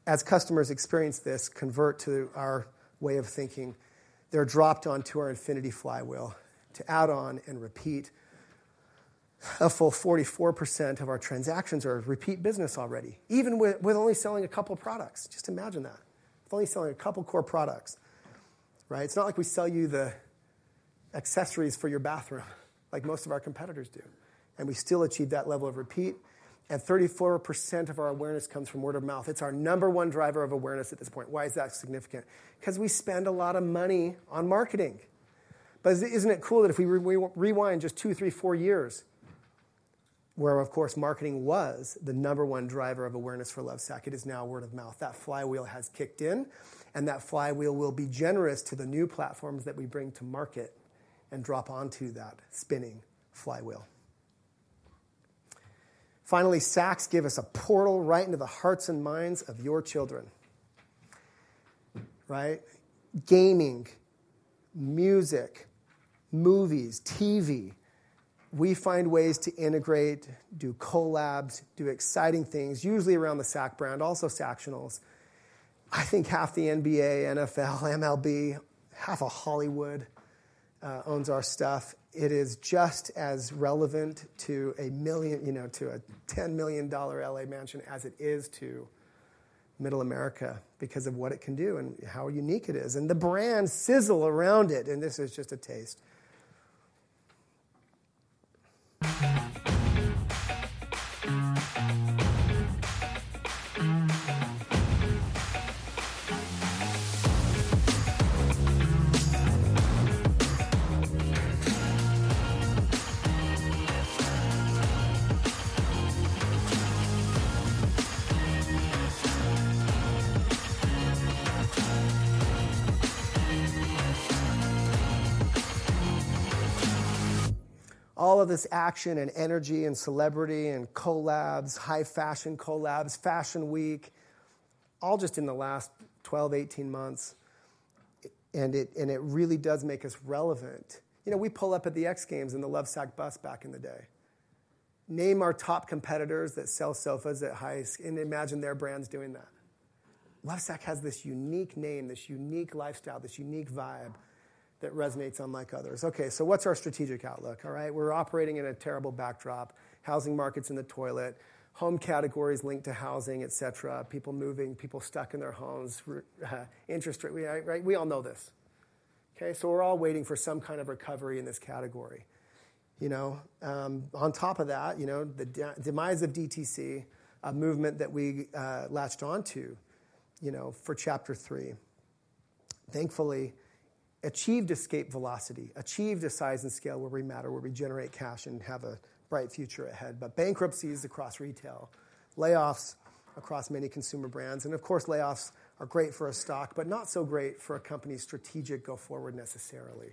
as customers experience this, convert to our way of thinking, they're dropped onto our infinity flywheel to add on and repeat. A full 44% of our transactions are repeat business already, even with only selling a couple of products. Just imagine that. With only selling a couple core products, right? It's not like we sell you the accessories for your bathroom like most of our competitors do. And we still achieve that level of repeat. And 34% of our awareness comes from word of mouth. It's our number one driver of awareness at this point. Why is that significant? Because we spend a lot of money on marketing. But isn't it cool that if we rewind just two, three, four years where, of course, marketing was the number one driver of awareness for Lovesac, it is now word of mouth. That flywheel has kicked in, and that flywheel will be generous to the new platforms that we bring to market and drop onto that spinning flywheel. Finally, Sacs give us a portal right into the hearts and minds of your children, right? Gaming, music, movies, TV. We find ways to integrate, do collabs, do exciting things, usually around the Sacs brand, also Sactionals. I think half the NBA, NFL, MLB, half of Hollywood owns our stuff. It is just as relevant to a million, you know, to a $10 million LA mansion as it is to Middle America because of what it can do and how unique it is. And the brands sizzle around it. And this is just a taste. All of this action and energy and celebrity and collabs, high fashion collabs, fashion week, all just in the last 12-18 months. And it really does make us relevant. You know, we pull up at the X Games and the Lovesac bus back in the day. Name our top competitors that sell sofas at high-end and imagine their brands doing that. Lovesac has this unique name, this unique lifestyle, this unique vibe that resonates unlike others. Okay, so what's our strategic outlook? All right. We're operating in a terrible backdrop. Housing markets in the toilet. Home categories linked to housing, et cetera. People moving, people stuck in their homes, interest rate, right? We all know this. Okay, so we're all waiting for some kind of recovery in this category. You know, on top of that, you know, the demise of DTC, a movement that we latched onto, you know, for chapter three. Thankfully, achieved escape velocity, achieved a size and scale where we matter, where we generate cash and have a bright future ahead, but bankruptcies across retail, layoffs across many consumer brands. And of course, layoffs are great for a stock, but not so great for a company's strategic go forward necessarily.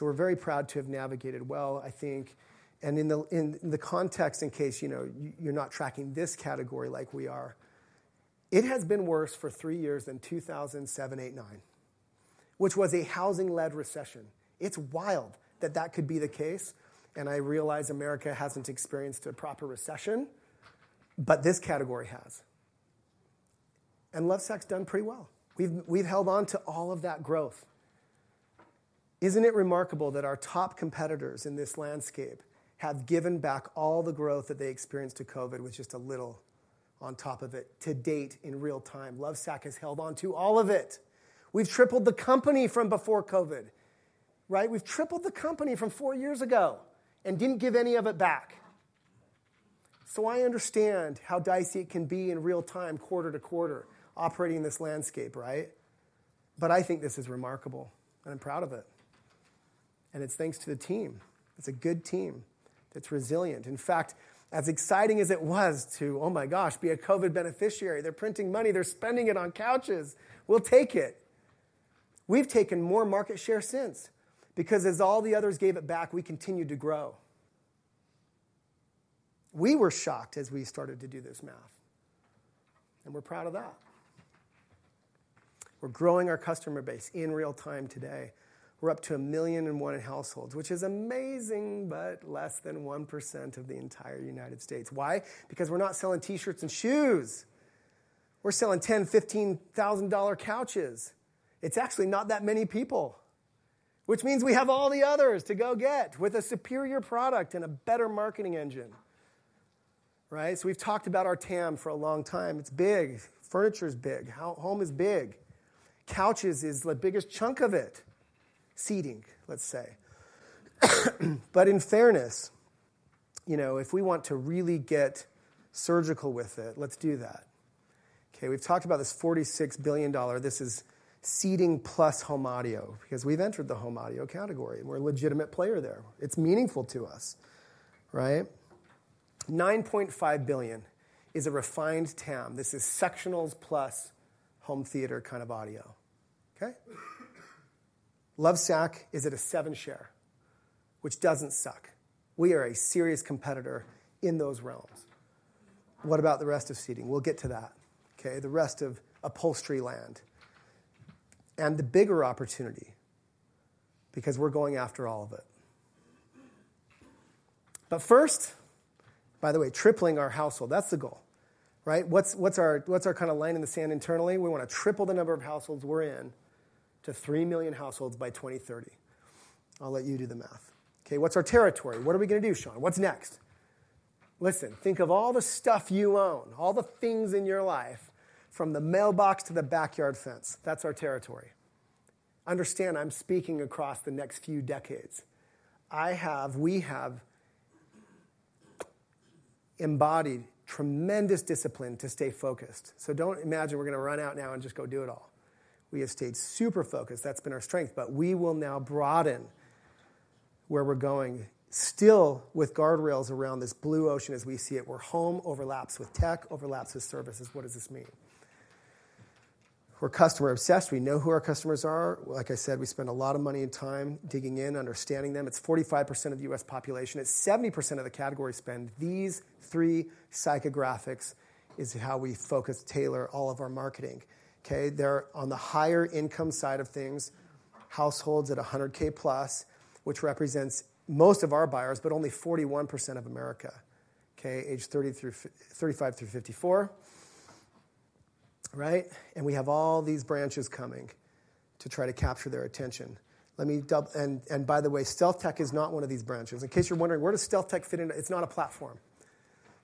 We're very proud to have navigated well, I think. In the context, in case, you know, you're not tracking this category like we are, it has been worse for three years than 2007, 2008, 2009, which was a housing-led recession. It's wild that that could be the case. I realize America hasn't experienced a proper recession, but this category has. Lovesac's done pretty well. We've held on to all of that growth. Isn't it remarkable that our top competitors in this landscape have given back all the growth that they experienced to COVID with just a little on top of it to date in real time? Lovesac has held on to all of it. We've tripled the company from before COVID, right? We've tripled the company from four years ago and didn't give any of it back. I understand how dicey it can be in real time, quarter to quarter, operating in this landscape, right? But I think this is remarkable, and I'm proud of it. It's thanks to the team. It's a good team that's resilient. In fact, as exciting as it was to, oh my gosh, be a COVID beneficiary, they're printing money, they're spending it on couches. We'll take it. We've taken more market share since because as all the others gave it back, we continued to grow. We were shocked as we started to do this math, and we're proud of that. We're growing our customer base in real time today. We're up to a million and one households, which is amazing, but less than 1% of the entire United States. Why? Because we're not selling T-shirts and shoes. We're selling $10,000-$15,000 couches. It's actually not that many people, which means we have all the others to go get with a superior product and a better marketing engine, right? So we've talked about our TAM for a long time. It's big. Furniture's big. Home is big. Couches is the biggest chunk of it. Seating, let's say. But in fairness, you know, if we want to really get surgical with it, let's do that. Okay. We've talked about this $46 billion. This is seating plus home audio because we've entered the home audio category. We're a legitimate player there. It's meaningful to us, right? $9.5 billion is a refined TAM. This is Sactionals plus home theater kind of audio. Okay. Lovesac is at a 7% share, which doesn't suck. We are a serious competitor in those realms. What about the rest of seating? We'll get to that. Okay. The rest of upholstery land and the bigger opportunity because we're going after all of it. But first, by the way, tripling our household, that's the goal, right? What's our kind of line in the sand internally? We want to triple the number of households we're in to 3 million households by 2030. I'll let you do the math. Okay. What's our territory? What are we going to do, Shawn? What's next? Listen, think of all the stuff you own, all the things in your life from the mailbox to the backyard fence. That's our territory. Understand I'm speaking across the next few decades. I have, we have embodied tremendous discipline to stay focused. So don't imagine we're going to run out now and just go do it all. We have stayed super focused. That's been our strength. But we will now broaden where we're going, still with guardrails around this blue ocean as we see it. We're home overlaps with tech, overlaps with services. What does this mean? We're customer obsessed. We know who our customers are. Like I said, we spend a lot of money and time digging in, understanding them. It's 45% of the U.S. population. It's 70% of the category spend. These three psychographics is how we focus, tailor all of our marketing. Okay. They're on the higher income side of things, households at 100K plus, which represents most of our buyers, but only 41% of America. Okay. Age 35 through 54, right? And we have all these brands coming to try to capture their attention. Let me double. And by the way, StealthTech is not one of these brands. In case you're wondering, where does StealthTech fit in? It's not a platform.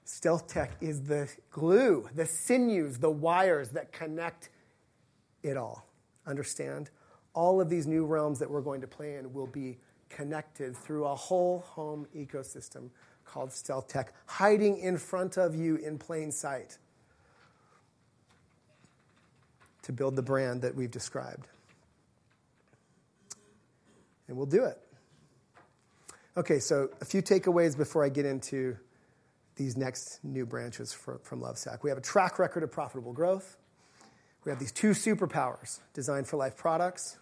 StealthTech is the glue, the sinews, the wires that connect it all. Understand all of these new realms that we're going to play in will be connected through a whole home ecosystem called StealthTech, hiding in front of you in plain sight to build the brand that we've described. And we'll do it. Okay. So a few takeaways before I get into these next new branches from Lovesac. We have a track record of profitable growth. We have these two superpowers, Designed for Life products,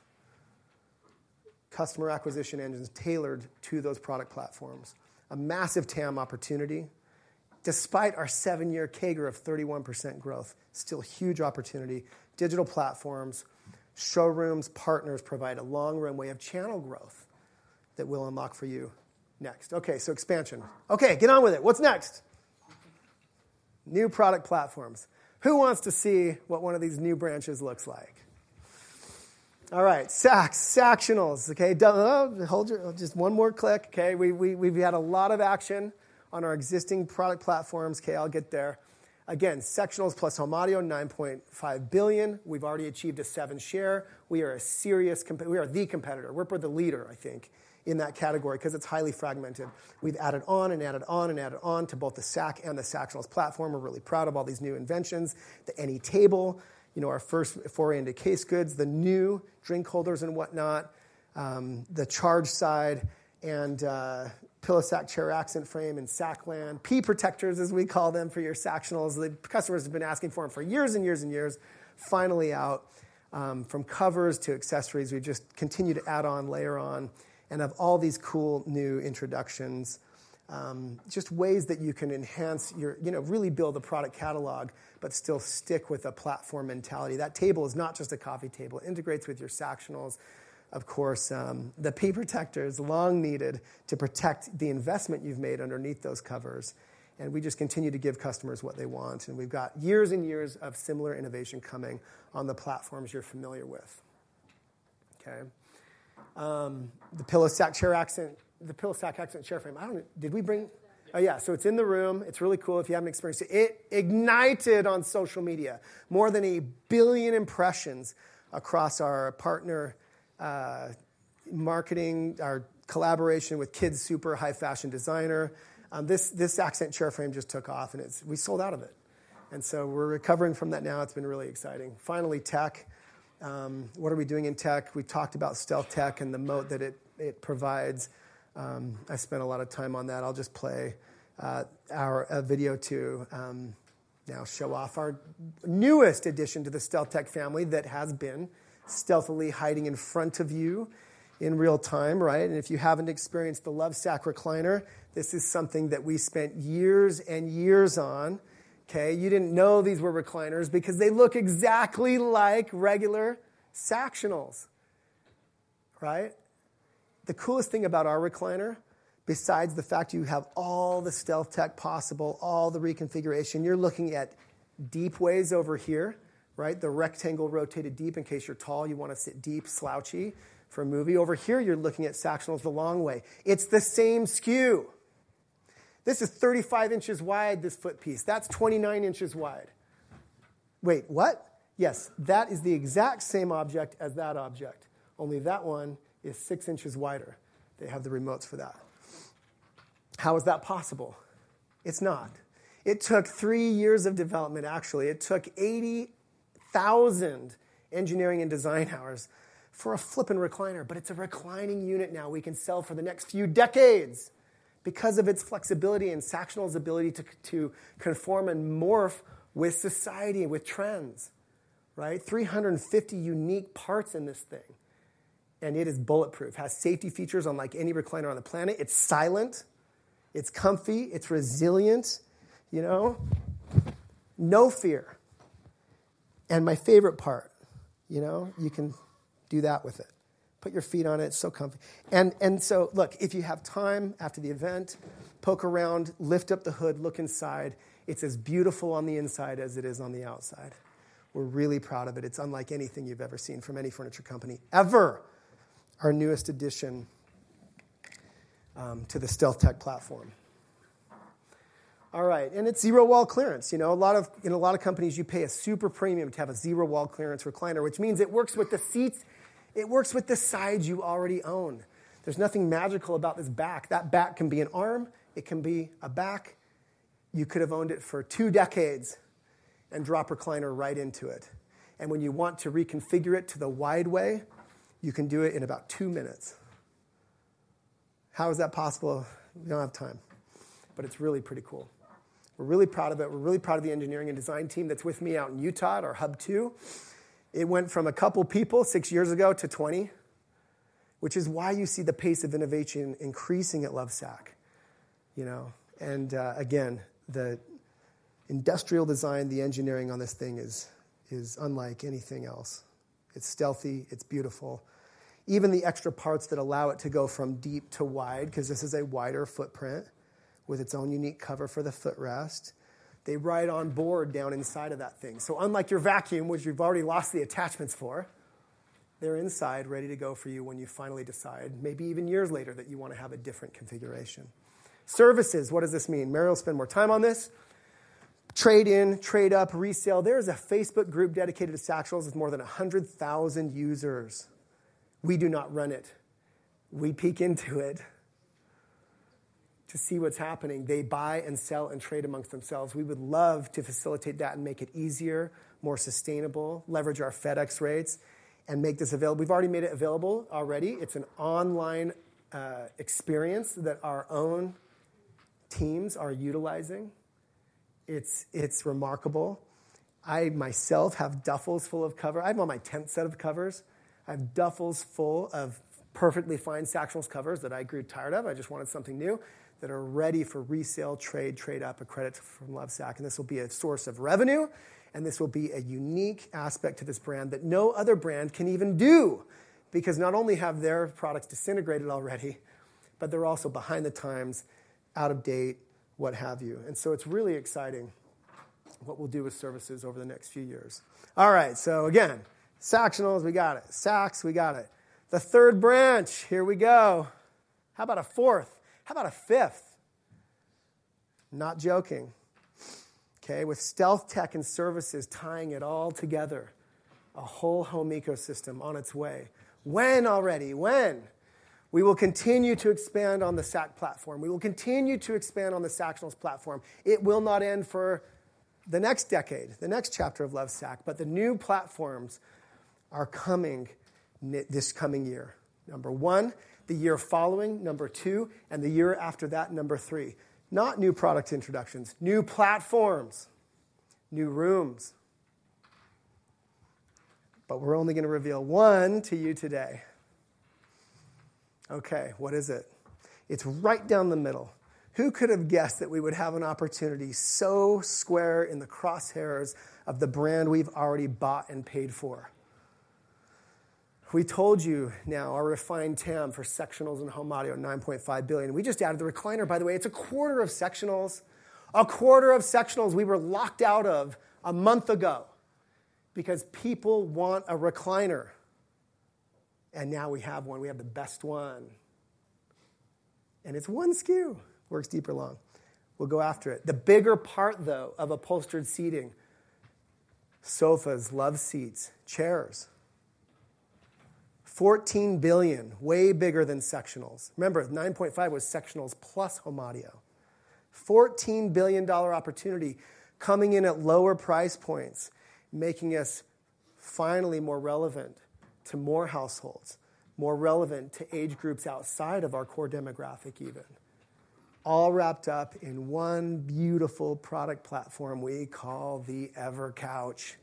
customer acquisition engines tailored to those product platforms. A massive TAM opportunity. Despite our seven-year CAGR of 31% growth, still huge opportunity. Digital platforms, showrooms, partners provide a long run. We have channel growth that we'll unlock for you next. Okay. So expansion. Okay. Get on with it. What's next? New product platforms. Who wants to see what one of these new branches looks like? All right. Sacs, Sactionals. Okay. Hold on, just one more click. Okay. We've had a lot of action on our existing product platforms. Okay. I'll get there. Again, Sactionals plus home audio, $9.5 billion. We've already achieved a 7% share. We are a serious competitor. We are the competitor. We're the leader, I think, in that category because it's highly fragmented. We've added on and added on and added on to both the Sac and the Sactionals platform. We're really proud of all these new inventions. The AnyTable, you know, our first foray into case goods, the new drink holders and whatnot, the Charge Side, and PillowSac Accent Chair Frame and Sactionals pee protectors as we call them for your Sactionals. The customers have been asking for them for years and years and years. Finally out from covers to accessories. We just continue to add on, layer on, and have all these cool new introductions. Just ways that you can enhance your, you know, really build a product catalog, but still stick with a platform mentality. That table is not just a coffee table. It integrates with your Sactionals. Of course, the pee protectors long needed to protect the investment you've made underneath those covers. And we just continue to give customers what they want. And we've got years and years of similar innovation coming on the platforms you're familiar with. Okay. The PillowSac chair accent, the PillowSac accent chair frame. I don't know. Did we bring? Oh yeah. So it's in the room. It's really cool if you haven't experienced it. It ignited on social media. More than a billion impressions across our partner marketing, our collaboration with KidSuper High Fashion Designer. This accent chair frame just took off and we sold out of it. So we're recovering from that now. It's been really exciting. Finally, tech. What are we doing in tech? We talked about StealthTech and the moat that it provides. I spent a lot of time on that. I'll just play our video to now show off our newest addition to the StealthTech family that has been stealthily hiding in front of you in real time, right? And if you haven't experienced the Lovesac recliner, this is something that we spent years and years on. Okay. You didn't know these were recliners because they look exactly like regular Sactionals, right? The coolest thing about our recliner, besides the fact you have all the StealthTech possible, all the reconfiguration, you're looking at deep ways over here, right? The rectangle rotated deep in case you're tall, you want to sit deep, slouchy for a movie. Over here, you're looking at Sactionals the long way. It's the same SKU. This is 35 inches wide, this foot piece. That's 29 inches wide. Wait, what? Yes. That is the exact same object as that object. Only that one is six inches wider. They have the remotes for that. How is that possible? It's not. It took three years of development, actually. It took 80,000 engineering and design hours for a flipping recliner. But it's a reclining unit now. We can sell for the next few decades because of its flexibility and Sactionals' ability to conform and morph with society, with trends, right? 350 unique parts in this thing. And it is bulletproof, has safety features unlike any recliner on the planet. It's silent. It's comfy. It's resilient. You know, no fear. And my favorite part, you know, you can do that with it. Put your feet on it. It's so comfy. And so look, if you have time after the event, poke around, lift up the hood, look inside. It's as beautiful on the inside as it is on the outside. We're really proud of it. It's unlike anything you've ever seen from any furniture company ever. Our newest addition to the StealthTech platform. All right. And it's zero wall clearance. You know, a lot of, in a lot of companies, you pay a super premium to have a zero wall clearance recliner, which means it works with the seats. It works with the sides you already own. There's nothing magical about this back. That back can be an arm. It can be a back. You could have owned it for two decades and drop a recliner right into it. And when you want to reconfigure it to the wide way, you can do it in about two minutes. How is that possible? We don't have time, but it's really pretty cool. We're really proud of it. We're really proud of the engineering and design team that's with me out in Utah at our Hub Two. It went from a couple people six years ago to 20, which is why you see the pace of innovation increasing at Lovesac, you know? And again, the industrial design, the engineering on this thing is unlike anything else. It's stealthy. It's beautiful. Even the extra parts that allow it to go from deep to wide, because this is a wider footprint with its own unique cover for the footrest, they ride on board down inside of that thing. Unlike your vacuum, which you've already lost the attachments for, they're inside ready to go for you when you finally decide, maybe even years later, that you want to have a different configuration. Services, what does this mean? Mary spent more time on this. Trade in, trade up, resale. There is a Facebook group dedicated to Sactionals with more than 100,000 users. We do not run it. We peek into it to see what's happening. They buy and sell and trade amongst themselves. We would love to facilitate that and make it easier, more sustainable, leverage our FedEx rates, and make this available. We've already made it available already. It's an online experience that our own teams are utilizing. It's remarkable. I myself have duffels full of covers. I have all my ten set of covers. I have duffels full of perfectly fine Sactionals covers that I grew tired of. I just wanted something new that are ready for resale, trade, trade up, a credit from Lovesac. And this will be a source of revenue, and this will be a unique aspect to this brand that no other brand can even do because not only have their products disintegrated already, but they're also behind the times, out of date, what have you. And so it's really exciting what we'll do with services over the next few years. All right. So again, Sactionals, we got it. Sacs, we got it. The third brand. Here we go. How about a fourth? How about a fifth? Not joking. Okay. With StealthTech and services tying it all together, a whole home ecosystem on its way. When already? When? We will continue to expand on the Sac platform. We will continue to expand on the Sactionals platform. It will not end for the next decade, the next chapter of Lovesac, but the new platforms are coming this coming year. Number one, the year following. Number two, and the year after that, number three. Not new product introductions, new platforms, new rooms. But we're only going to reveal one to you today. Okay. What is it? It's right down the middle. Who could have guessed that we would have an opportunity so square in the crosshairs of the brand we've already bought and paid for? We told you now our refined TAM for Sactionals and home audio $9.5 billion. We just added the recliner, by the way. It's a quarter of Sactionals, a quarter of Sactionals we were locked out of a month ago because people want a recliner. And now we have one. We have the best one. It's one SKU. Works deeper long. We'll go after it. The bigger part though of upholstered seating, sofas, love seats, chairs. $14 billion, way bigger than Sactionals. Remember, $9.5 billion was Sactionals plus home audio. $14 billion opportunity coming in at lower price points, making us finally more relevant to more households, more relevant to age groups outside of our core demographic even. All wrapped up in one beautiful product platform we call the EverCouch.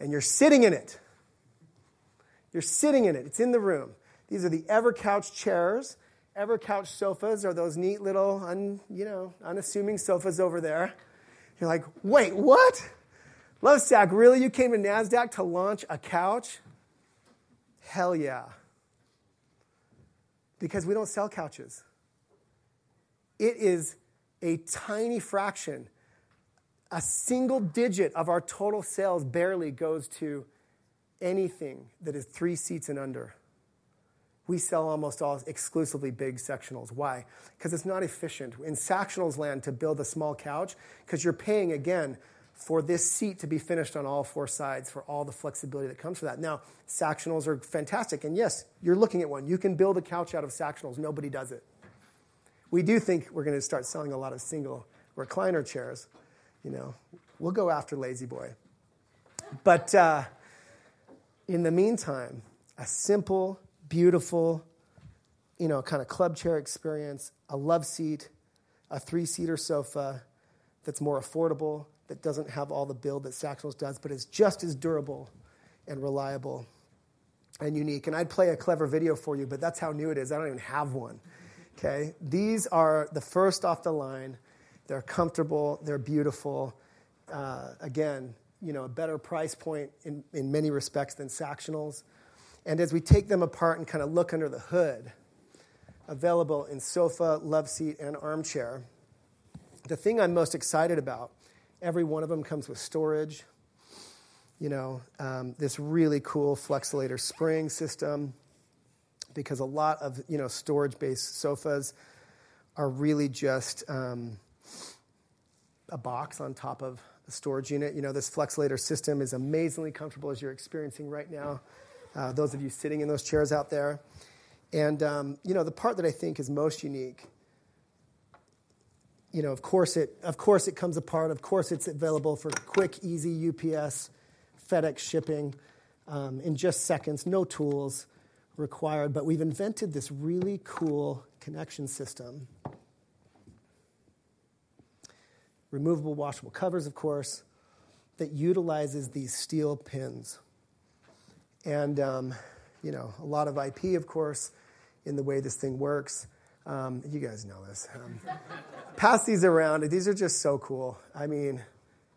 And you're sitting in it. You're sitting in it. It's in the room. These are the EverCouch chairs. EverCouch sofas are those neat little, you know, unassuming sofas over there. You're like, "Wait, what? Lovesac, really? You came to NASDAQ to launch a couch?" Hell yeah. Because we don't sell couches. It is a tiny fraction. A single digit of our total sales barely goes to anything that is three seats and under. We sell almost all exclusively big Sactionals. Why? Because it's not efficient in Sactionals land to build a small couch because you're paying again for this seat to be finished on all four sides for all the flexibility that comes with that. Now, Sactionals are fantastic and yes, you're looking at one. You can build a couch out of Sactionals. Nobody does it. We do think we're going to start selling a lot of single recliner chairs. You know, we'll go after La-Z-Boy, but in the meantime, a simple, beautiful, you know, kind of club chair experience, a love seat, a three-seater sofa that's more affordable, that doesn't have all the build that Sactionals does, but it's just as durable and reliable and unique, and I'd play a clever video for you, but that's how new it is. I don't even have one. Okay. These are the first off the line. They're comfortable. They're beautiful. Again, you know, a better price point in many respects than Sactionals. And as we take them apart and kind of look under the hood, available in sofa, love seat, and armchair, the thing I'm most excited about, every one of them comes with storage, you know, this really cool Flexolator spring system because a lot of, you know, storage-based sofas are really just a box on top of a storage unit. You know, this Flexolator system is amazingly comfortable as you're experiencing right now, those of you sitting in those chairs out there. And you know, the part that I think is most unique, you know, of course it comes apart. Of course it's available for quick, easy UPS, FedEx shipping in just seconds. No tools required. But we've invented this really cool connection system, removable washable covers, of course, that utilizes these steel pins. And you know, a lot of IP, of course, in the way this thing works. You guys know this. Pass these around. These are just so cool. I mean,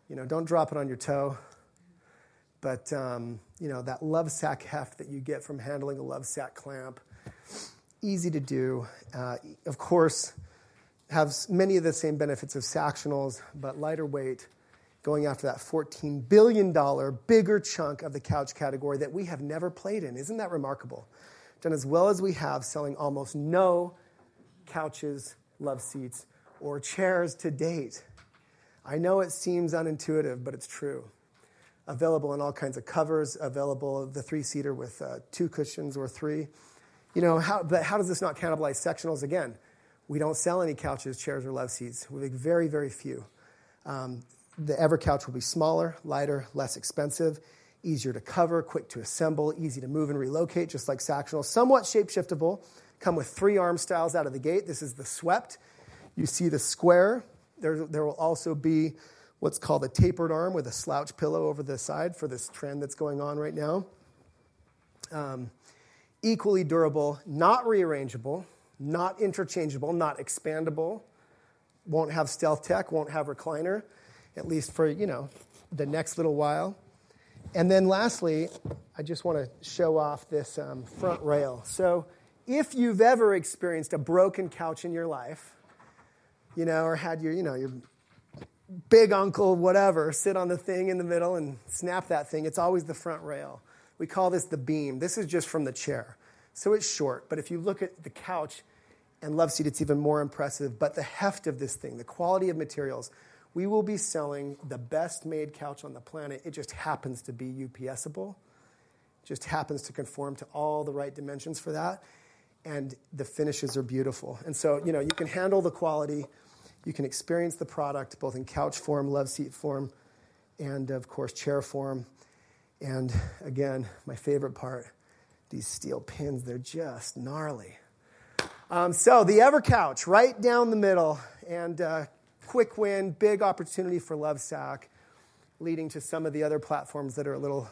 you know, don't drop it on your toe. But you know, that Lovesac heft that you get from handling a Lovesac clamp, easy to do. Of course, have many of the same benefits of Sactionals, but lighter weight, going after that $14 billion bigger chunk of the couch category that we have never played in. Isn't that remarkable? Done as well as we have selling almost no couches, love seats, or chairs to date. I know it seems unintuitive, but it's true. Available in all kinds of covers, available the three-seater with two cushions or three. You know, but how does this not cannibalize Sactionals? Again, we don't sell any couches, chairs, or love seats. We make very, very few. The EverCouch will be smaller, lighter, less expensive, easier to cover, quick to assemble, easy to move and relocate, just like Sactionals. Somewhat shape-shiftable. Come with three arm styles out of the gate. This is the swept. You see the square. There will also be what's called a tapered arm with a slouch pillow over the side for this trend that's going on right now. Equally durable, not rearrangeable, not interchangeable, not expandable. Won't have StealthTech, won't have recliner, at least for, you know, the next little while. And then lastly, I just want to show off this front rail. So if you've ever experienced a broken couch in your life, you know, or had your, you know, your big uncle, whatever, sit on the thing in the middle and snap that thing, it's always the front rail. We call this the beam. This is just from the chair. So it's short. But if you look at the couch and love seat, it's even more impressive. But the heft of this thing, the quality of materials, we will be selling the best-made couch on the planet. It just happens to be UPS-able. It just happens to conform to all the right dimensions for that. And the finishes are beautiful. And so, you know, you can handle the quality. You can experience the product both in couch form, love seat form, and of course, chair form. And again, my favorite part, these steel pins, they're just gnarly. So the EverCouch, right down the middle and quick win, big opportunity for Lovesac, leading to some of the other platforms that are a little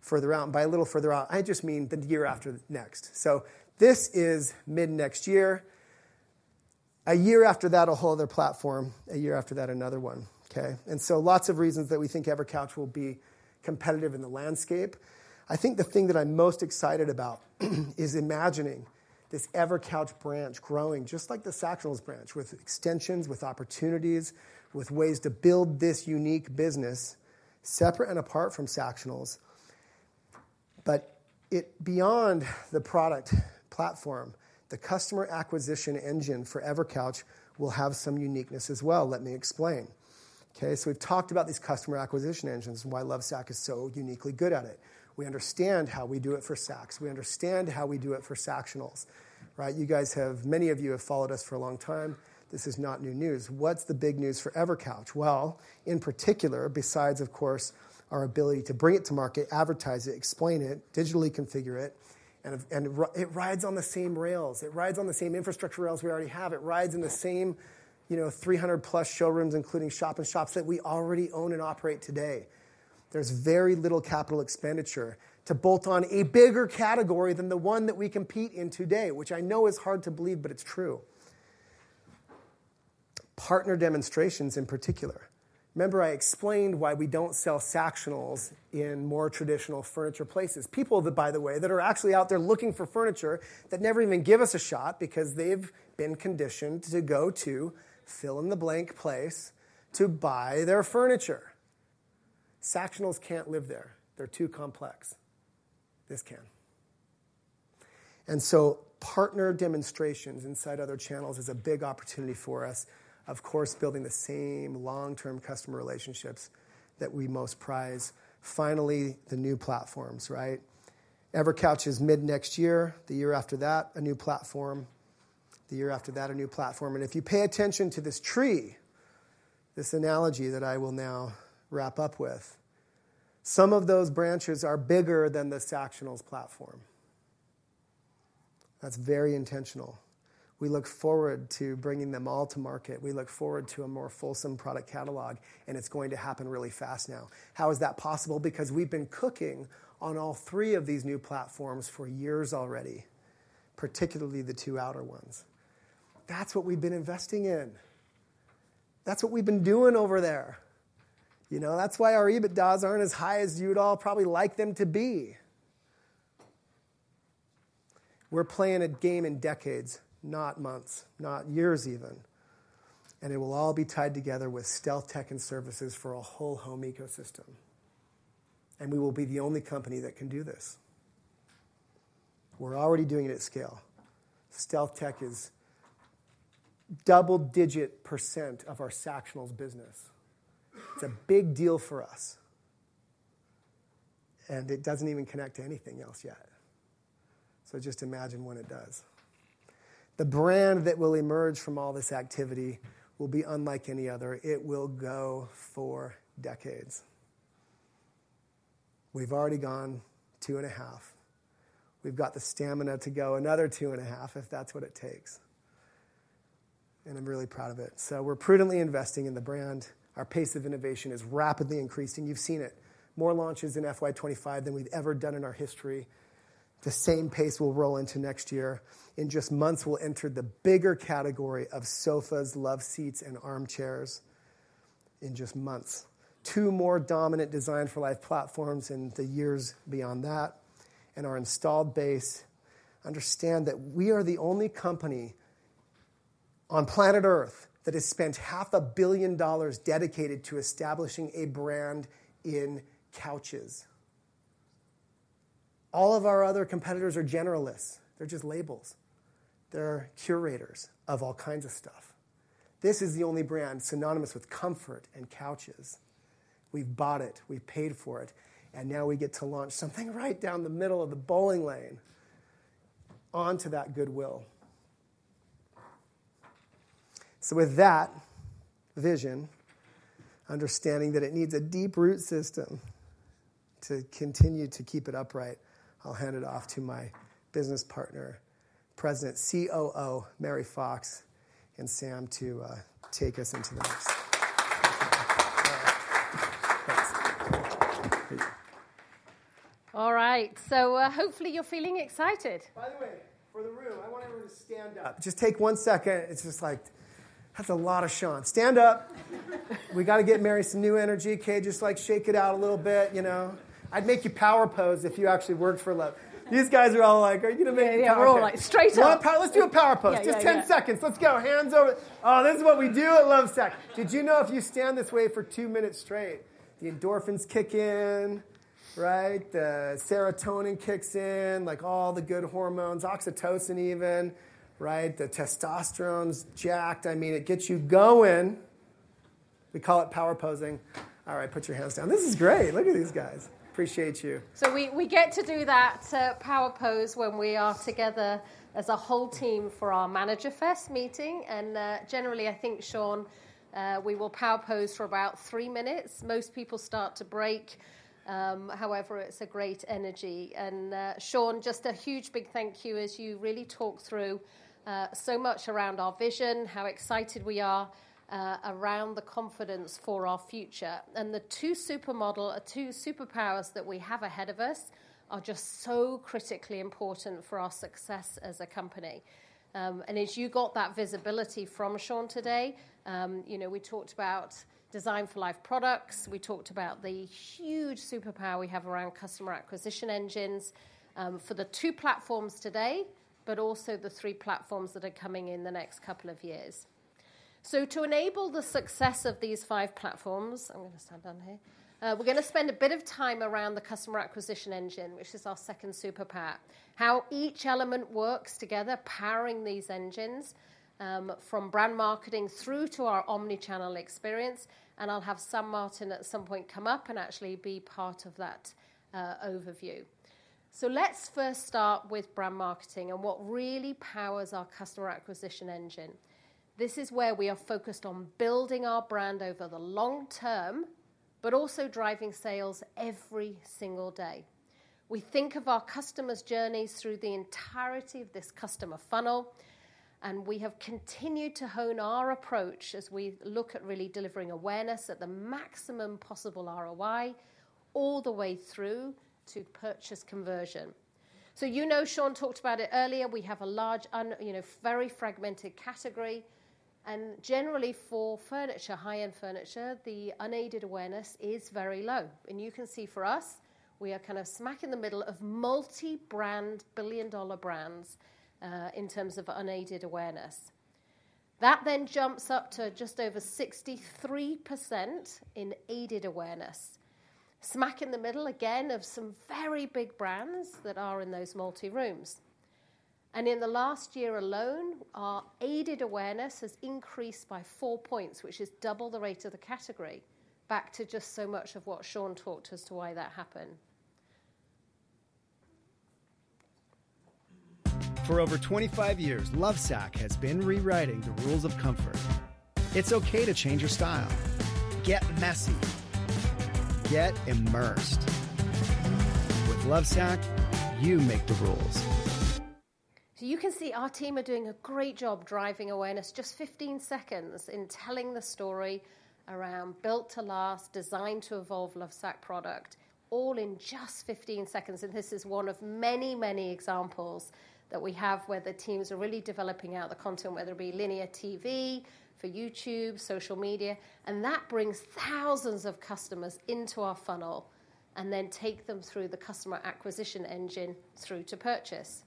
further out. And by a little further out, I just mean the year after next. So this is mid-next year. A year after that, a whole other platform. A year after that, another one. Okay. And so lots of reasons that we think EverCouch will be competitive in the landscape. I think the thing that I'm most excited about is imagining this EverCouch branch growing just like the Sactionals branch with extensions, with opportunities, with ways to build this unique business separate and apart from Sactionals. But beyond the product platform, the customer acquisition engine for EverCouch will have some uniqueness as well. Let me explain. Okay. So we've talked about these customer acquisition engines and why Lovesac is so uniquely good at it. We understand how we do it for Sacs. We understand how we do it for Sactionals. Right? You guys have, many of you have followed us for a long time. This is not new news. What's the big news for EverCouch? Well, in particular, besides, of course, our ability to bring it to market, advertise it, explain it, digitally configure it. And it rides on the same rails. It rides on the same infrastructure rails we already have. It rides in the same, you know, 300 plus showrooms, including shop-in-shops that we already own and operate today. There's very little capital expenditure to bolt on a bigger category than the one that we compete in today, which I know is hard to believe, but it's true. Partner demonstrations in particular. Remember I explained why we don't sell Sactionals in more traditional furniture places. People that, by the way, that are actually out there looking for furniture that never even give us a shot because they've been conditioned to go to fill-in-the-blank place to buy their furniture. Sactionals can't live there. They're too complex. This can. And so partner demonstrations inside other channels is a big opportunity for us, of course, building the same long-term customer relationships that we most prize. Finally, the new platforms, right? EverCouch is mid-next year. The year after that, a new platform. The year after that, a new platform. And if you pay attention to this tree, this analogy that I will now wrap up with, some of those branches are bigger than the Sactionals platform. That's very intentional. We look forward to bringing them all to market. We look forward to a more fulsome product catalog, and it's going to happen really fast now. How is that possible? Because we've been cooking on all three of these new platforms for years already, particularly the two outer ones. That's what we've been investing in. That's what we've been doing over there. You know, that's why our EBITDAs aren't as high as you'd all probably like them to be. We're playing a game in decades, not months, not years even. And it will all be tied together with StealthTech and services for a whole home ecosystem. And we will be the only company that can do this. We're already doing it at scale. StealthTech is double-digit% of our Sactionals business. It's a big deal for us. And it doesn't even connect to anything else yet. So just imagine when it does. The brand that will emerge from all this activity will be unlike any other. It will go for decades. We've already gone two and a half. We've got the stamina to go another two and a half if that's what it takes, and I'm really proud of it, so we're prudently investing in the brand. Our pace of innovation is rapidly increasing. You've seen it. More launches in FY 2025 than we've ever done in our history. The same pace we'll roll into next year. In just months, we'll enter the bigger category of sofas, love seats, and armchairs in just months. Two more dominant Designed for Life platforms in the years beyond that, and our installed base, understand that we are the only company on planet Earth that has spent $500 million dedicated to establishing a brand in couches. All of our other competitors are generalists. They're just labels. They're curators of all kinds of stuff. This is the only brand synonymous with comfort and couches. We've bought it. We've paid for it. Now we get to launch something right down the middle of the bowling lane onto that goodwill. With that vision, understanding that it needs a deep root system to continue to keep it upright, I'll hand it off to my business partner, President and COO Mary Fox, and Sam to take us into the next. All right. Hopefully you're feeling excited. By the way, for the room, I want everyone to stand up. Just take one second. It's just like, that's a lot of shunt. Stand up. We got to get Mary some new energy. Okay. Just like shake it out a little bit, you know? I'd make you power pose if you actually worked for Lovesac. These guys are all like, are you going to make me power pose? We're all like, straight up. Let's do a power pose. Just 10 seconds. Let's go. Hands over. Oh, this is what we do at Lovesac. Did you know if you stand this way for two minutes straight, the endorphins kick in, right? The serotonin kicks in, like all the good hormones, oxytocin even, right? The testosterone's jacked. I mean, it gets you going. We call it power posing. All right. Put your hands down. This is great. Look at these guys. Appreciate you. So we get to do that power pose when we are together as a whole team for our Manager Fest meeting, and generally, I think, Shawn, we will power pose for about three minutes. Most people start to break. However, it's a great energy, and Shawn, just a huge big thank you as you really talk through so much around our vision, how excited we are around the confidence for our future. And the two superpowers that we have ahead of us are just so critically important for our success as a company. And as you got that visibility from Shawn today, you know, we talked about Design for Life products. We talked about the huge superpower we have around customer acquisition engines for the two platforms today, but also the three platforms that are coming in the next couple of years. So to enable the success of these five platforms, I'm going to stand down here. We're going to spend a bit of time around the customer acquisition engine, which is our second superpower, how each element works together, powering these engines from brand marketing through to our omnichannel experience. And I'll have Sam Martin at some point come up and actually be part of that overview. So let's first start with brand marketing and what really powers our customer acquisition engine. This is where we are focused on building our brand over the long term, but also driving sales every single day. We think of our customers' journeys through the entirety of this customer funnel. And we have continued to hone our approach as we look at really delivering awareness at the maximum possible ROI all the way through to purchase conversion. So you know, Shawn talked about it earlier. We have a large, you know, very fragmented category. And generally for furniture, high-end furniture, the unaided awareness is very low. And you can see for us, we are kind of smack in the middle of multi-brand billion-dollar brands in terms of unaided awareness. That then jumps up to just over 63% in aided awareness. Smack in the middle again of some very big brands that are in those multi-rooms. In the last year alone, our aided awareness has increased by four points, which is double the rate of the category, back to just so much of what Shawn talked as to why that happened. For over 25 years, Lovesac has been rewriting the rules of comfort. It's okay to change your style. Get messy. Get immersed. With Lovesac, you make the rules. You can see our team are doing a great job driving awareness. Just 15 seconds in telling the story around built to last, designed to evolve Lovesac product, all in just 15 seconds. This is one of many, many examples that we have where the teams are really developing out the content, whether it be linear TV for YouTube, social media. And that brings thousands of customers into our funnel and then takes them through the customer acquisition engine through to purchase.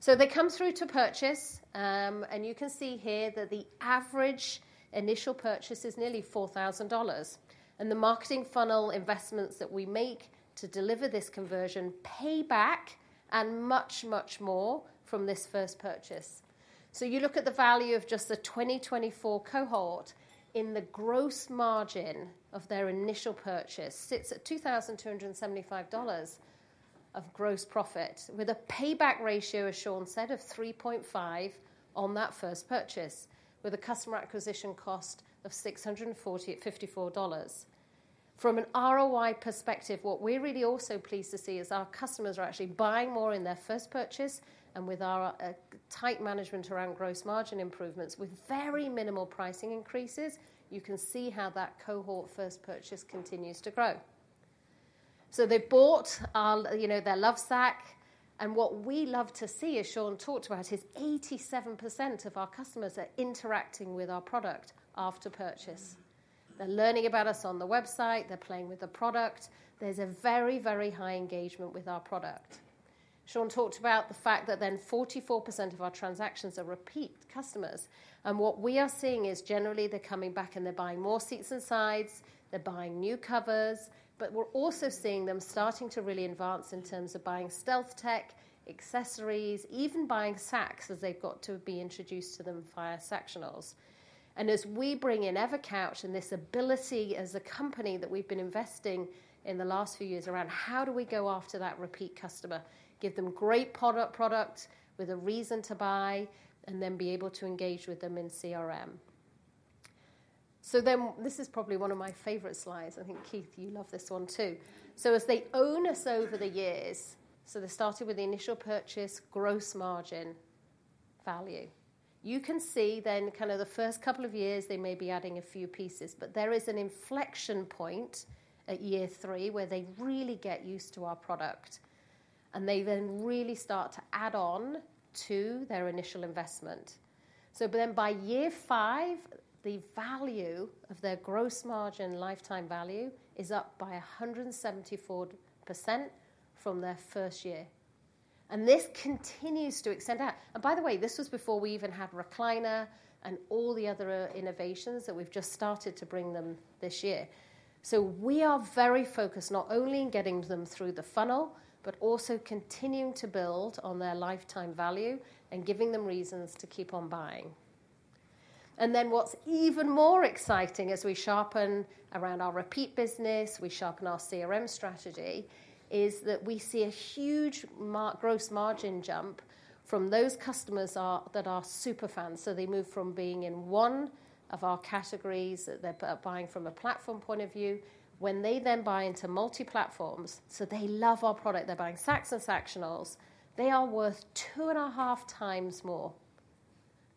So they come through to purchase. And you can see here that the average initial purchase is nearly $4,000. And the marketing funnel investments that we make to deliver this conversion pay back and much, much more from this first purchase. So you look at the value of just the 2024 cohort in the gross margin of their initial purchase, which sits at $2,275 of gross profit with a payback ratio, as Shawn said, of 3.5% on that first purchase with a customer acquisition cost of $644. From an ROI perspective, what we're really also pleased to see is our customers are actually buying more in their first purchase. With our tight management around gross margin improvements with very minimal pricing increases, you can see how that cohort first purchase continues to grow. So they've bought their Lovesac. And what we love to see, as Shawn talked about, is 87% of our customers are interacting with our product after purchase. They're learning about us on the website. They're playing with the product. There's a very, very high engagement with our product. Shawn talked about the fact that then 44% of our transactions are repeat customers. And what we are seeing is generally they're coming back and they're buying more seats and sides. They're buying new covers. But we're also seeing them starting to really advance in terms of buying StealthTech, accessories, even buying Sacs as they've got to be introduced to them via Sactionals. As we bring in EverCouch and this ability as a company that we've been investing in the last few years around how do we go after that repeat customer, give them great product with a reason to buy, and then be able to engage with them in CRM. This is probably one of my favorite slides. I think Keith, you love this one too. As they own us over the years, so they started with the initial purchase gross margin value. You can see then kind of the first couple of years they may be adding a few pieces, but there is an inflection point at year three where they really get used to our product. They then really start to add on to their initial investment. So then by year five, the value of their gross margin lifetime value is up by 174% from their first year. And this continues to extend out. And by the way, this was before we even had Recliner and all the other innovations that we've just started to bring them this year. So we are very focused not only in getting them through the funnel, but also continuing to build on their lifetime value and giving them reasons to keep on buying. And then what's even more exciting as we sharpen around our repeat business, we sharpen our CRM strategy, is that we see a huge gross margin jump from those customers that are super fans. So they move from being in one of our categories that they're buying from a platform point of view when they then buy into multi-platforms. So they love our product. They're buying Sacs and Sactionals. They are worth two and a half times more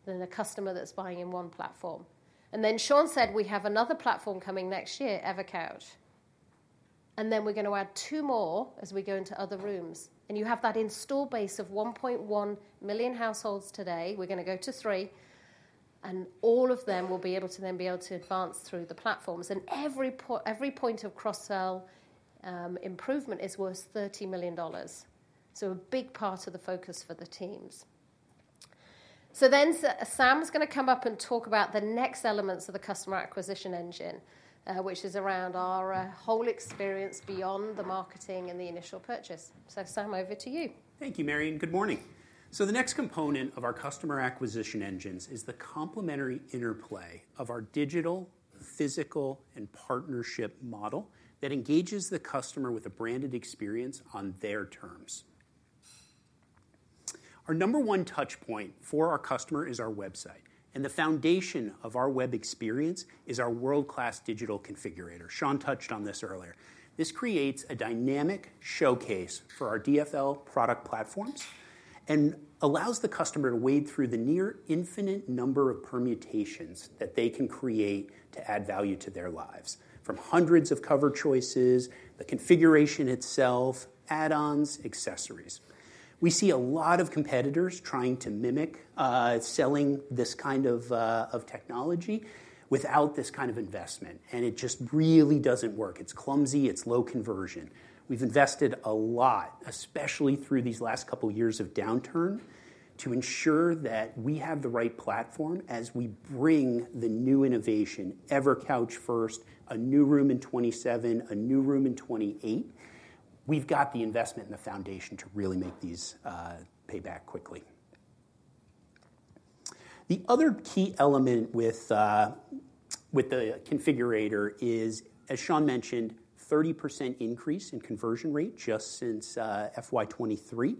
than a customer that's buying in one platform. And then Shawn said we have another platform coming next year, EverCouch. And then we're going to add two more as we go into other rooms. And you have that install base of 1.1 million households today. We're going to go to three. And all of them will be able to advance through the platforms. And every point of cross-sell improvement is worth $30 million. So a big part of the focus for the teams. So then Sam's going to come up and talk about the next elements of the customer acquisition engine, which is around our whole experience beyond the marketing and the initial purchase. So Sam, over to you. Thank you, Mary. And good morning. So the next component of our customer acquisition engines is the complementary interplay of our digital, physical, and partnership model that engages the customer with a branded experience on their terms. Our number one touchpoint for our customer is our website. And the foundation of our web experience is our world-class digital configurator. Shawn touched on this earlier. This creates a dynamic showcase for our DFL product platforms and allows the customer to wade through the near infinite number of permutations that they can create to add value to their lives from hundreds of cover choices, the configuration itself, add-ons, accessories. We see a lot of competitors trying to mimic selling this kind of technology without this kind of investment. And it just really doesn't work. It's clumsy. It's low conversion. We've invested a lot, especially through these last couple of years of downturn, to ensure that we have the right platform as we bring the new innovation, EverCouch first, a new room in 2027, a new room in 2028. We've got the investment and the foundation to really make these pay back quickly. The other key element with the configurator is, as Shawn mentioned, a 30% increase in conversion rate just since FY 2023.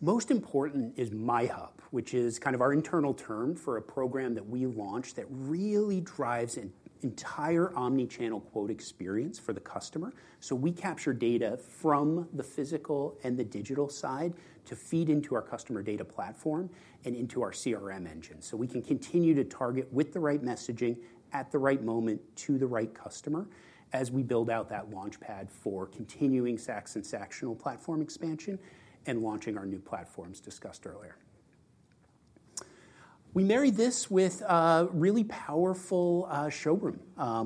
Most important is MyHub, which is kind of our internal term for a program that we launched that really drives an entire omnichannel quote experience for the customer. So we capture data from the physical and the digital side to feed into our customer data platform and into our CRM engine. So we can continue to target with the right messaging at the right moment to the right customer as we build out that launchpad for continuing Sacs and Sactionals platform expansion and launching our new platforms discussed earlier. We marry this with a really powerful showroom.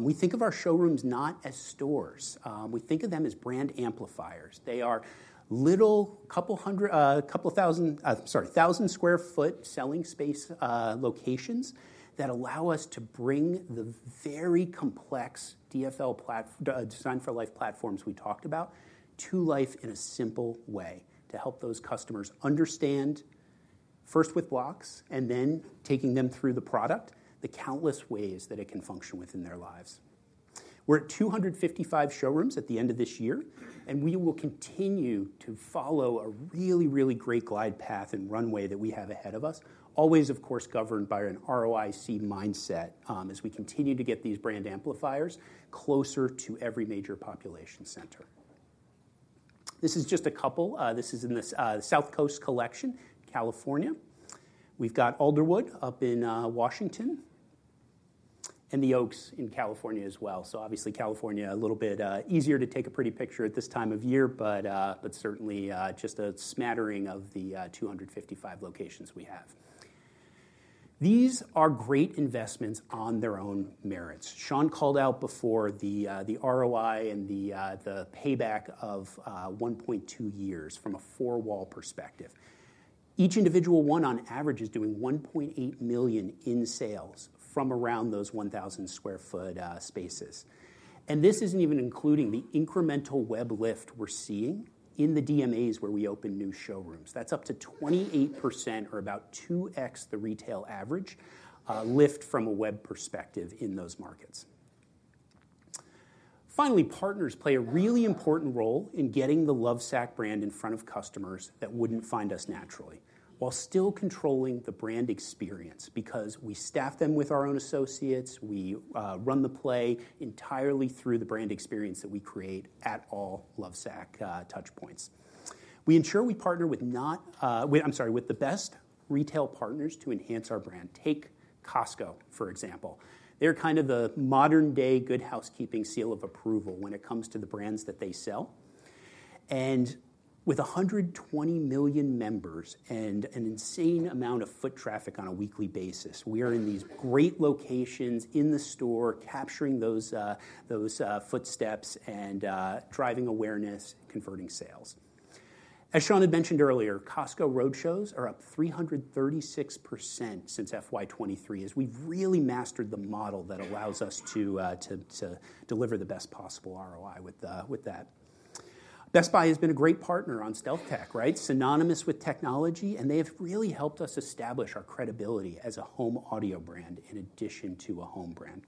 We think of our showrooms not as stores. We think of them as brand amplifiers. They are little couple thousand, sorry, thousand sq ft selling space locations that allow us to bring the very complex Designed for Life platforms we talked about to life in a simple way to help those customers understand first with blocks and then taking them through the product, the countless ways that it can function within their lives. We're at 255 showrooms at the end of this year. We will continue to follow a really, really great glide path and runway that we have ahead of us, always, of course, governed by an ROIC mindset as we continue to get these brand amplifiers closer to every major population center. This is just a couple. This is in the South Coast Collection, California. We've got Alderwood up in Washington and The Oaks in California as well. So obviously, California, a little bit easier to take a pretty picture at this time of year, but certainly just a smattering of the 255 locations we have. These are great investments on their own merits. Shawn called out before the ROI and the payback of 1.2 years from a four-wall perspective. Each individual one, on average, is doing 1.8 million in sales from around those 1,000 sq ft spaces. And this isn't even including the incremental web lift we're seeing in the DMAs where we open new showrooms. That's up to 28% or about 2x the retail average lift from a web perspective in those markets. Finally, partners play a really important role in getting the Lovesac brand in front of customers that wouldn't find us naturally while still controlling the brand experience because we staff them with our own associates. We run the play entirely through the brand experience that we create at all Lovesac touchpoints. We ensure we partner with, I'm sorry, with the best retail partners to enhance our brand. Take Costco, for example. They're kind of the modern-day Good Housekeeping seal of approval when it comes to the brands that they sell. With 120 million members and an insane amount of foot traffic on a weekly basis, we are in these great locations in the store capturing those footsteps and driving awareness and converting sales. As Shawn had mentioned earlier, Costco roadshows are up 336% since FY 2023 as we've really mastered the model that allows us to deliver the best possible ROI with that. Best Buy has been a great partner on StealthTech, right? Synonymous with technology. They have really helped us establish our credibility as a home audio brand in addition to a home brand.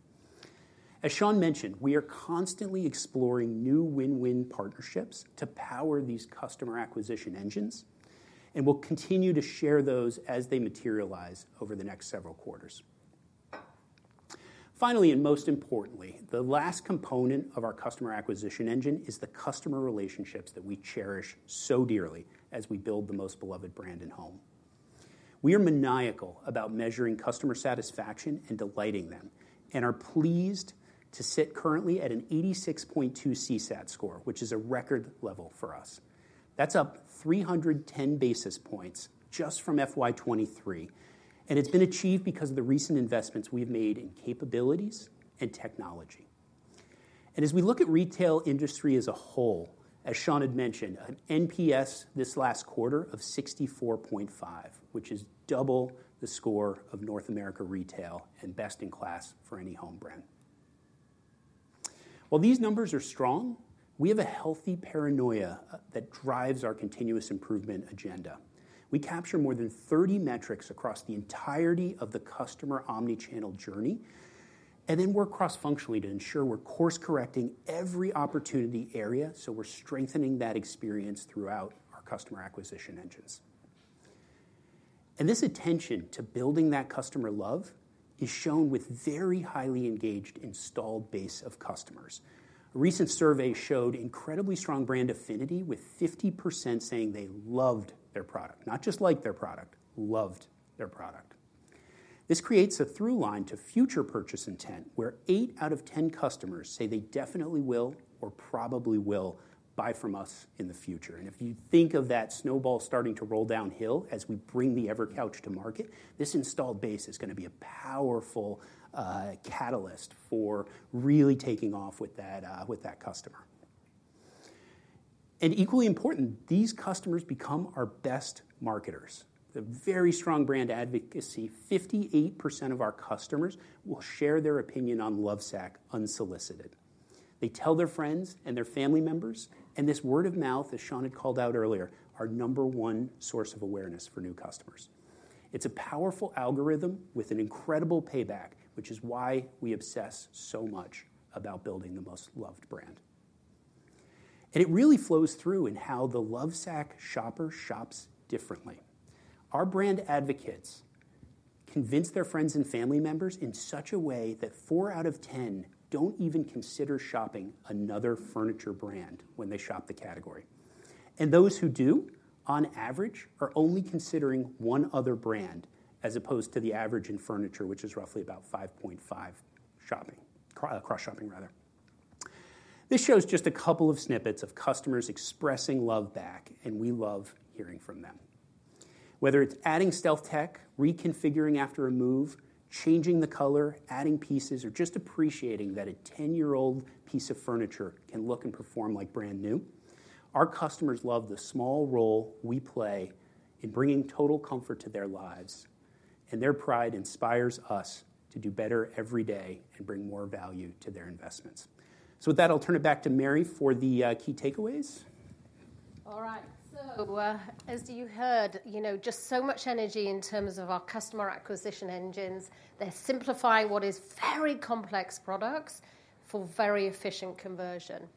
As Shawn mentioned, we are constantly exploring new win-win partnerships to power these customer acquisition engines. We'll continue to share those as they materialize over the next several quarters. Finally, and most importantly, the last component of our customer acquisition engine is the customer relationships that we cherish so dearly as we build the most beloved brand and home. We are maniacal about measuring customer satisfaction and delighting them and are pleased to sit currently at an 86.2 CSAT score, which is a record level for us. That's up 310 basis points just from FY 2023. It's been achieved because of the recent investments we've made in capabilities and technology. As we look at retail industry as a whole, as Shawn had mentioned, an NPS this last quarter of 64.5, which is double the score of North America retail and best in class for any home brand. While these numbers are strong, we have a healthy paranoia that drives our continuous improvement agenda. We capture more than 30 metrics across the entirety of the customer omnichannel journey. We're cross-functionally to ensure we're course-correcting every opportunity area. We're strengthening that experience throughout our customer acquisition engines. This attention to building that customer love is shown with very highly engaged installed base of customers. A recent survey showed incredibly strong brand affinity with 50% saying they loved their product, not just like their product, loved their product. This creates a through line to future purchase intent where eight out of 10 customers say they definitely will or probably will buy from us in the future. If you think of that snowball starting to roll downhill as we bring the EverCouch to market, this installed base is going to be a powerful catalyst for really taking off with that customer. Equally important, these customers become our best marketers. The very strong brand advocacy, 58% of our customers will share their opinion on Lovesac unsolicited. They tell their friends and their family members, and this word of mouth, as Shawn had called out earlier, our number one source of awareness for new customers. It's a powerful algorithm with an incredible payback, which is why we obsess so much about building the most loved brand, and it really flows through in how the Lovesac shopper shops differently. Our brand advocates convince their friends and family members in such a way that four out of 10 don't even consider shopping another furniture brand when they shop the category. And those who do, on average, are only considering one other brand as opposed to the average in furniture, which is roughly about 5.5%, cross-shopping rather. This shows just a couple of snippets of customers expressing love back, and we love hearing from them. Whether it's adding StealthTech, reconfiguring after a move, changing the color, adding pieces, or just appreciating that a 10-year-old piece of furniture can look and perform like brand new, our customers love the small role we play in bringing total comfort to their lives. And their pride inspires us to do better every day and bring more value to their investments. So with that, I'll turn it back to Mary for the key takeaways. All right. So as you heard, just so much energy in terms of our customer acquisition engines. They're simplifying what is very complex products for very efficient conversion.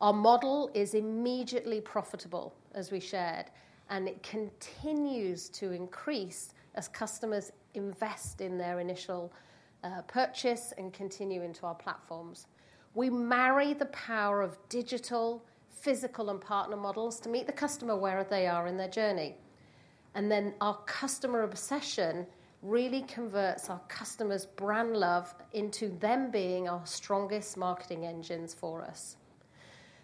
Our model is immediately profitable, as we shared. And it continues to increase as customers invest in their initial purchase and continue into our platforms. We marry the power of digital, physical, and partner models to meet the customer where they are in their journey. Our customer obsession really converts our customers' brand love into them being our strongest marketing engines for us.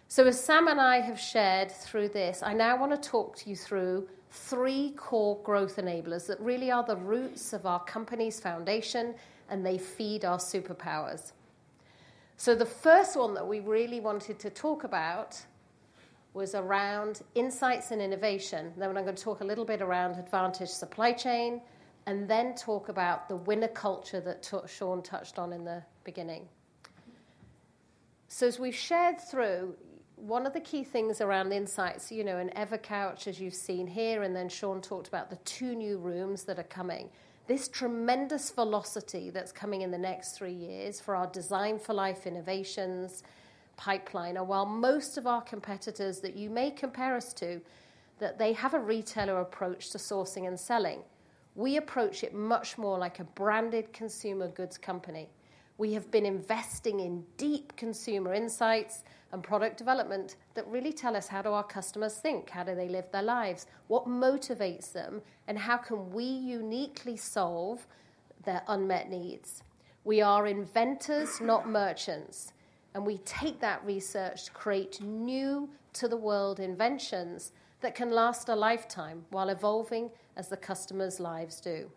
So as Sam and I have shared through this, I now want to talk to you through three core growth enablers that really are the roots of our company's foundation, and they feed our superpowers. So the first one that we really wanted to talk about was around insights and innovation. Then I'm going to talk a little bit around advantage supply chain and then talk about the winning culture that Shawn touched on in the beginning. So as we've shared through, one of the key things around insights in EverCouch, as you've seen here, and then Shawn talked about the two new Sacs that are coming, this tremendous velocity that's coming in the next three years for our Designed for Life innovations pipeline. While most of our competitors that you may compare us to, that they have a retailer approach to sourcing and selling, we approach it much more like a branded consumer goods company. We have been investing in deep consumer insights and product development that really tell us how do our customers think, how do they live their lives, what motivates them, and how can we uniquely solve their unmet needs. We are inventors, not merchants. We take that research to create new-to-the-world inventions that can last a lifetime while evolving as the customers' lives do.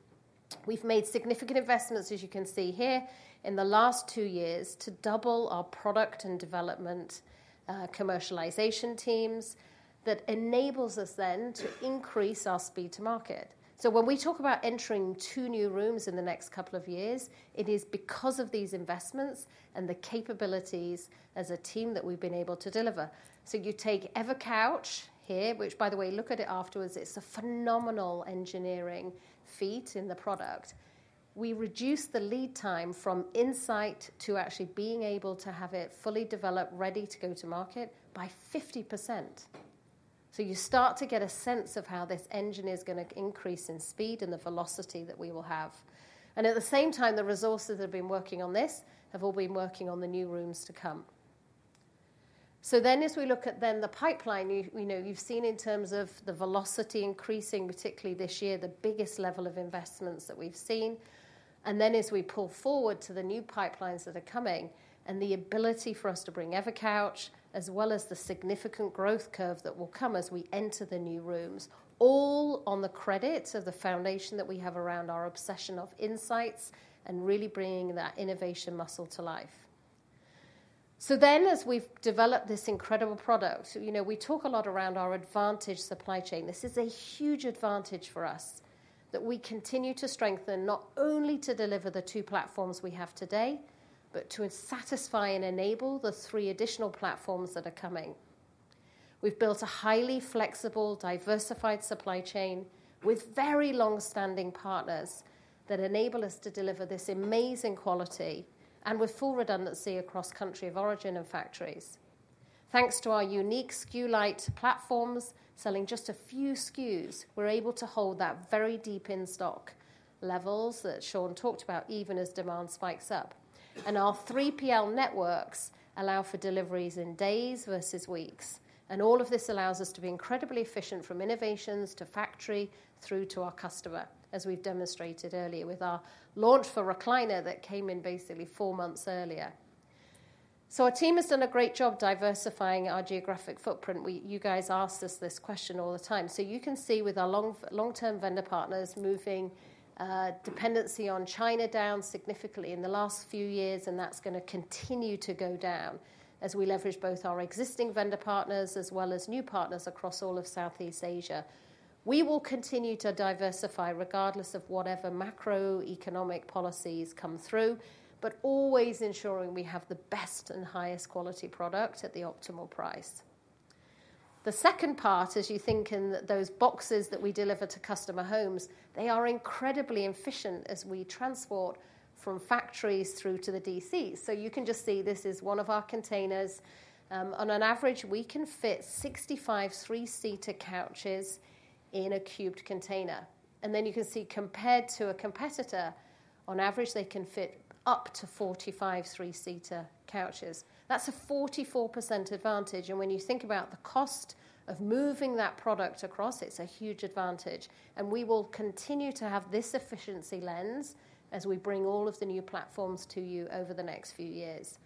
We've made significant investments, as you can see here, in the last two years to double our product and development commercialization teams that enables us then to increase our speed to market. So when we talk about entering two new rooms in the next couple of years, it is because of these investments and the capabilities as a team that we've been able to deliver. So you take EverCouch here, which, by the way, look at it afterwards. It's a phenomenal engineering feat in the product. We reduce the lead time from insight to actually being able to have it fully developed, ready to go to market by 50%. So you start to get a sense of how this engine is going to increase in speed and the velocity that we will have. And at the same time, the resources that have been working on this have all been working on the new rooms to come. So then as we look at then the pipeline, you've seen in terms of the velocity increasing, particularly this year, the biggest level of investments that we've seen. And then as we pull forward to the new pipelines that are coming and the ability for us to bring EverCouch as well as the significant growth curve that will come as we enter the new rooms, all on the credits of the foundation that we have around our obsession of insights and really bringing that innovation muscle to life. So then as we've developed this incredible product, we talk a lot around our advantage supply chain. This is a huge advantage for us that we continue to strengthen not only to deliver the two platforms we have today, but to satisfy and enable the three additional platforms that are coming. We've built a highly flexible, diversified supply chain with very long-standing partners that enable us to deliver this amazing quality and with full redundancy across country of origin and factories. Thanks to our unique SKU light platforms selling just a few SKUs, we're able to hold that very deep in stock levels that Shawn talked about even as demand spikes up. Our 3PL networks allow for deliveries in days versus weeks. All of this allows us to be incredibly efficient from innovations to factory through to our customer, as we've demonstrated earlier with our launch for Recliner that came in basically four months earlier. Our team has done a great job diversifying our geographic footprint. You guys asked us this question all the time. You can see with our long-term vendor partners moving dependency on China down significantly in the last few years, and that's going to continue to go down as we leverage both our existing vendor partners as well as new partners across all of Southeast Asia. We will continue to diversify regardless of whatever macroeconomic policies come through, but always ensuring we have the best and highest quality product at the optimal price. The second part, as you think in those boxes that we deliver to customer homes, they are incredibly efficient as we transport from factories through to the DCs. You can just see this is one of our containers. On an average, we can fit 65 three-seater couches in a cubed container. Then you can see compared to a competitor, on average, they can fit up to 45 three-seater couches. That's a 44% advantage. When you think about the cost of moving that product across, it's a huge advantage. We will continue to have this efficiency lens as we bring all of the new platforms to you over the next few years.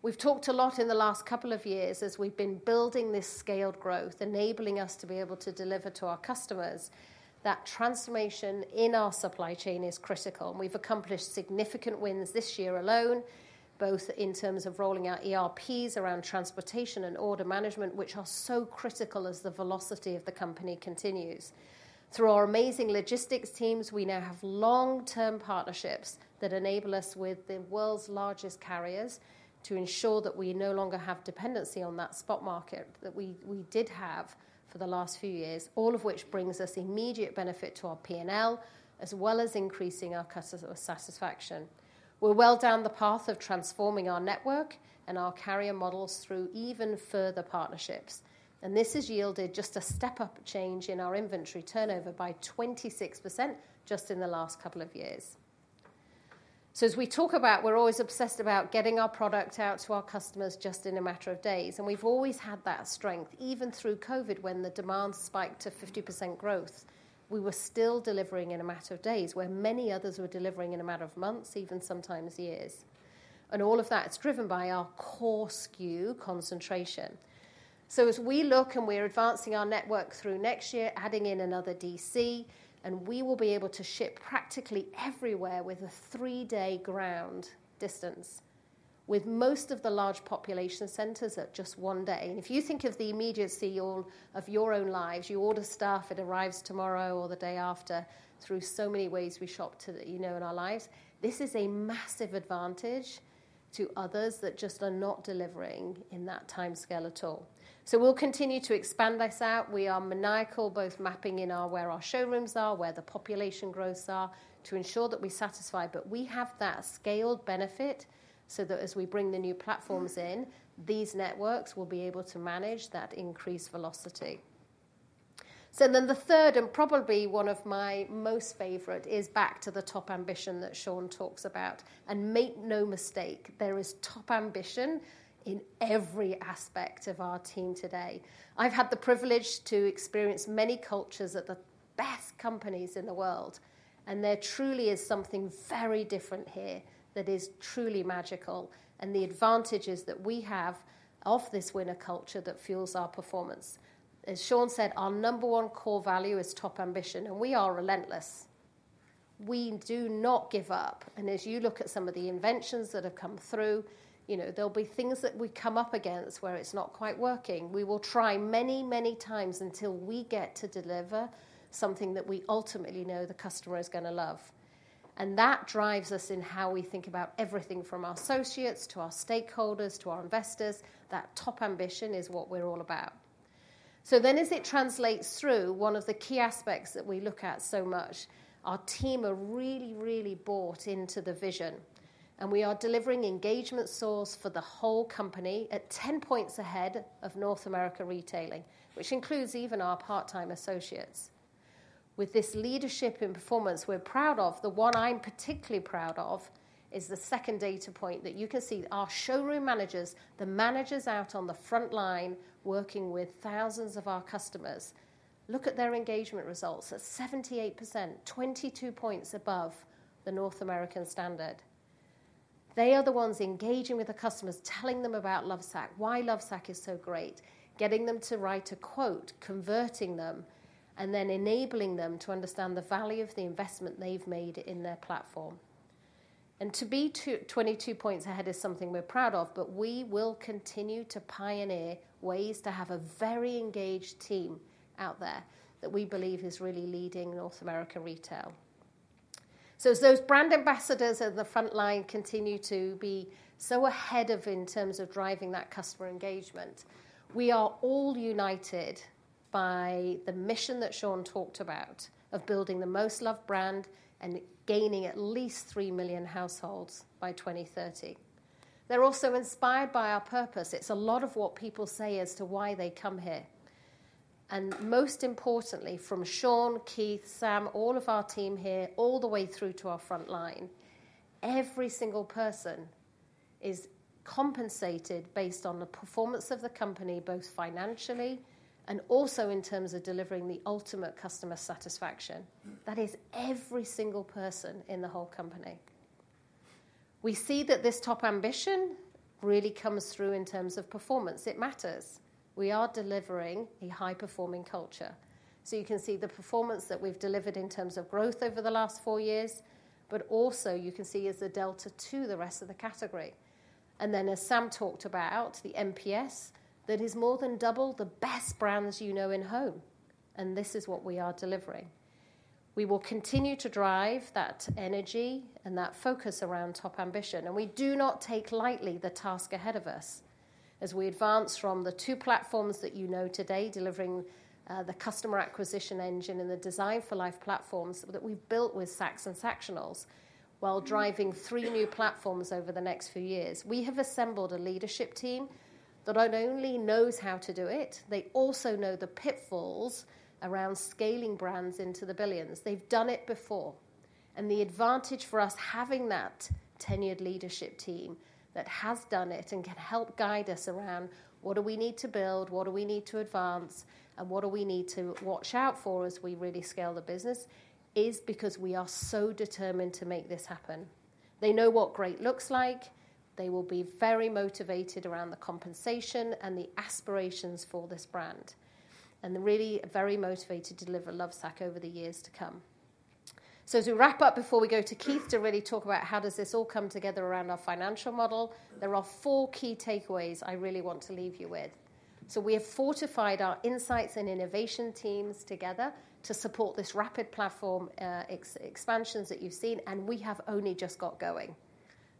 We've talked a lot in the last couple of years as we've been building this scaled growth, enabling us to be able to deliver to our customers. That transformation in our supply chain is critical. We've accomplished significant wins this year alone, both in terms of rolling out ERPs around transportation and order management, which are so critical as the velocity of the company continues. Through our amazing logistics teams, we now have long-term partnerships that enable us, with the world's largest carriers, to ensure that we no longer have dependency on that spot market that we did have for the last few years, all of which brings us immediate benefit to our P&L as well as increasing our customer satisfaction. We're well down the path of transforming our network and our carrier models through even further partnerships, and this has yielded just a step-up change in our inventory turnover by 26% just in the last couple of years. So, as we talk about, we're always obsessed about getting our product out to our customers just in a matter of days, and we've always had that strength. Even through COVID, when the demand spiked to 50% growth, we were still delivering in a matter of days where many others were delivering in a matter of months, even sometimes years. And all of that is driven by our core SKU concentration. So as we look and we're advancing our network through next year, adding in another DC, and we will be able to ship practically everywhere with a three-day ground distance, with most of the large population centers at just one day. And if you think of the immediacy of your own lives, you order stuff, it arrives tomorrow or the day after through so many ways we shop in our lives. This is a massive advantage to others that just are not delivering in that timescale at all. So we'll continue to expand this out. We are maniacal both mapping in where our showrooms are, where the population growths are to ensure that we satisfy, but we have that scaled benefit so that as we bring the new platforms in, these networks will be able to manage that increased velocity, so then the third and probably one of my most favorite is back to the top ambition that Shawn talks about, and make no mistake, there is top ambition in every aspect of our team today. I've had the privilege to experience many cultures at the best companies in the world, and there truly is something very different here that is truly magical, and the advantages that we have of this winning culture that fuels our performance. As Shawn said, our number one core value is top ambition, and we are relentless. We do not give up. And as you look at some of the inventions that have come through, there'll be things that we come up against where it's not quite working. We will try many, many times until we get to deliver something that we ultimately know the customer is going to love. And that drives us in how we think about everything from our associates to our stakeholders to our investors. That top ambition is what we're all about. So then as it translates through, one of the key aspects that we look at so much, our team are really, really bought into the vision. And we are delivering engagement scores for the whole company at 10 points ahead of North American retailing, which includes even our part-time associates. With this leadership in performance, we're proud of. The one I'm particularly proud of is the second data point that you can see. Our showroom managers, the managers out on the front line working with thousands of our customers, look at their engagement results at 78%, 22 points above the North American standard. They are the ones engaging with the customers, telling them about Lovesac, why Lovesac is so great, getting them to write a quote, converting them, and then enabling them to understand the value of the investment they've made in their platform, and to be 22 points ahead is something we're proud of, but we will continue to pioneer ways to have a very engaged team out there that we believe is really leading North America retail. So, as those brand ambassadors at the front line continue to be so ahead of in terms of driving that customer engagement, we are all united by the mission that Shawn talked about of building the most loved brand and gaining at least three million households by 2030. They're also inspired by our purpose. It's a lot of what people say as to why they come here. And most importantly, from Shawn, Keith, Sam, all of our team here, all the way through to our front line, every single person is compensated based on the performance of the company, both financially and also in terms of delivering the ultimate customer satisfaction. That is every single person in the whole company. We see that this top ambition really comes through in terms of performance. It matters. We are delivering a high-performing culture. So you can see the performance that we've delivered in terms of growth over the last four years, but also you can see as a delta to the rest of the category. And then as Sam talked about, the NPS, that is more than double the best brands you know in home. And this is what we are delivering. We will continue to drive that energy and that focus around top ambition. And we do not take lightly the task ahead of us. As we advance from the two platforms that you know today, delivering the customer acquisition engine and the Design for Life platforms that we've built with Sacs and Sactionals while driving three new platforms over the next few years, we have assembled a leadership team that not only knows how to do it, they also know the pitfalls around scaling brands into the billions. They've done it before. And the advantage for us having that tenured leadership team that has done it and can help guide us around what do we need to build, what do we need to advance, and what do we need to watch out for as we really scale the business is because we are so determined to make this happen. They know what great looks like. They will be very motivated around the compensation and the aspirations for this brand. And they're really very motivated to deliver Lovesac over the years to come. So as we wrap up before we go to Keith to really talk about how does this all come together around our financial model, there are four key takeaways I really want to leave you with. So we have fortified our insights and innovation teams together to support this rapid platform expansions that you've seen, and we have only just got going.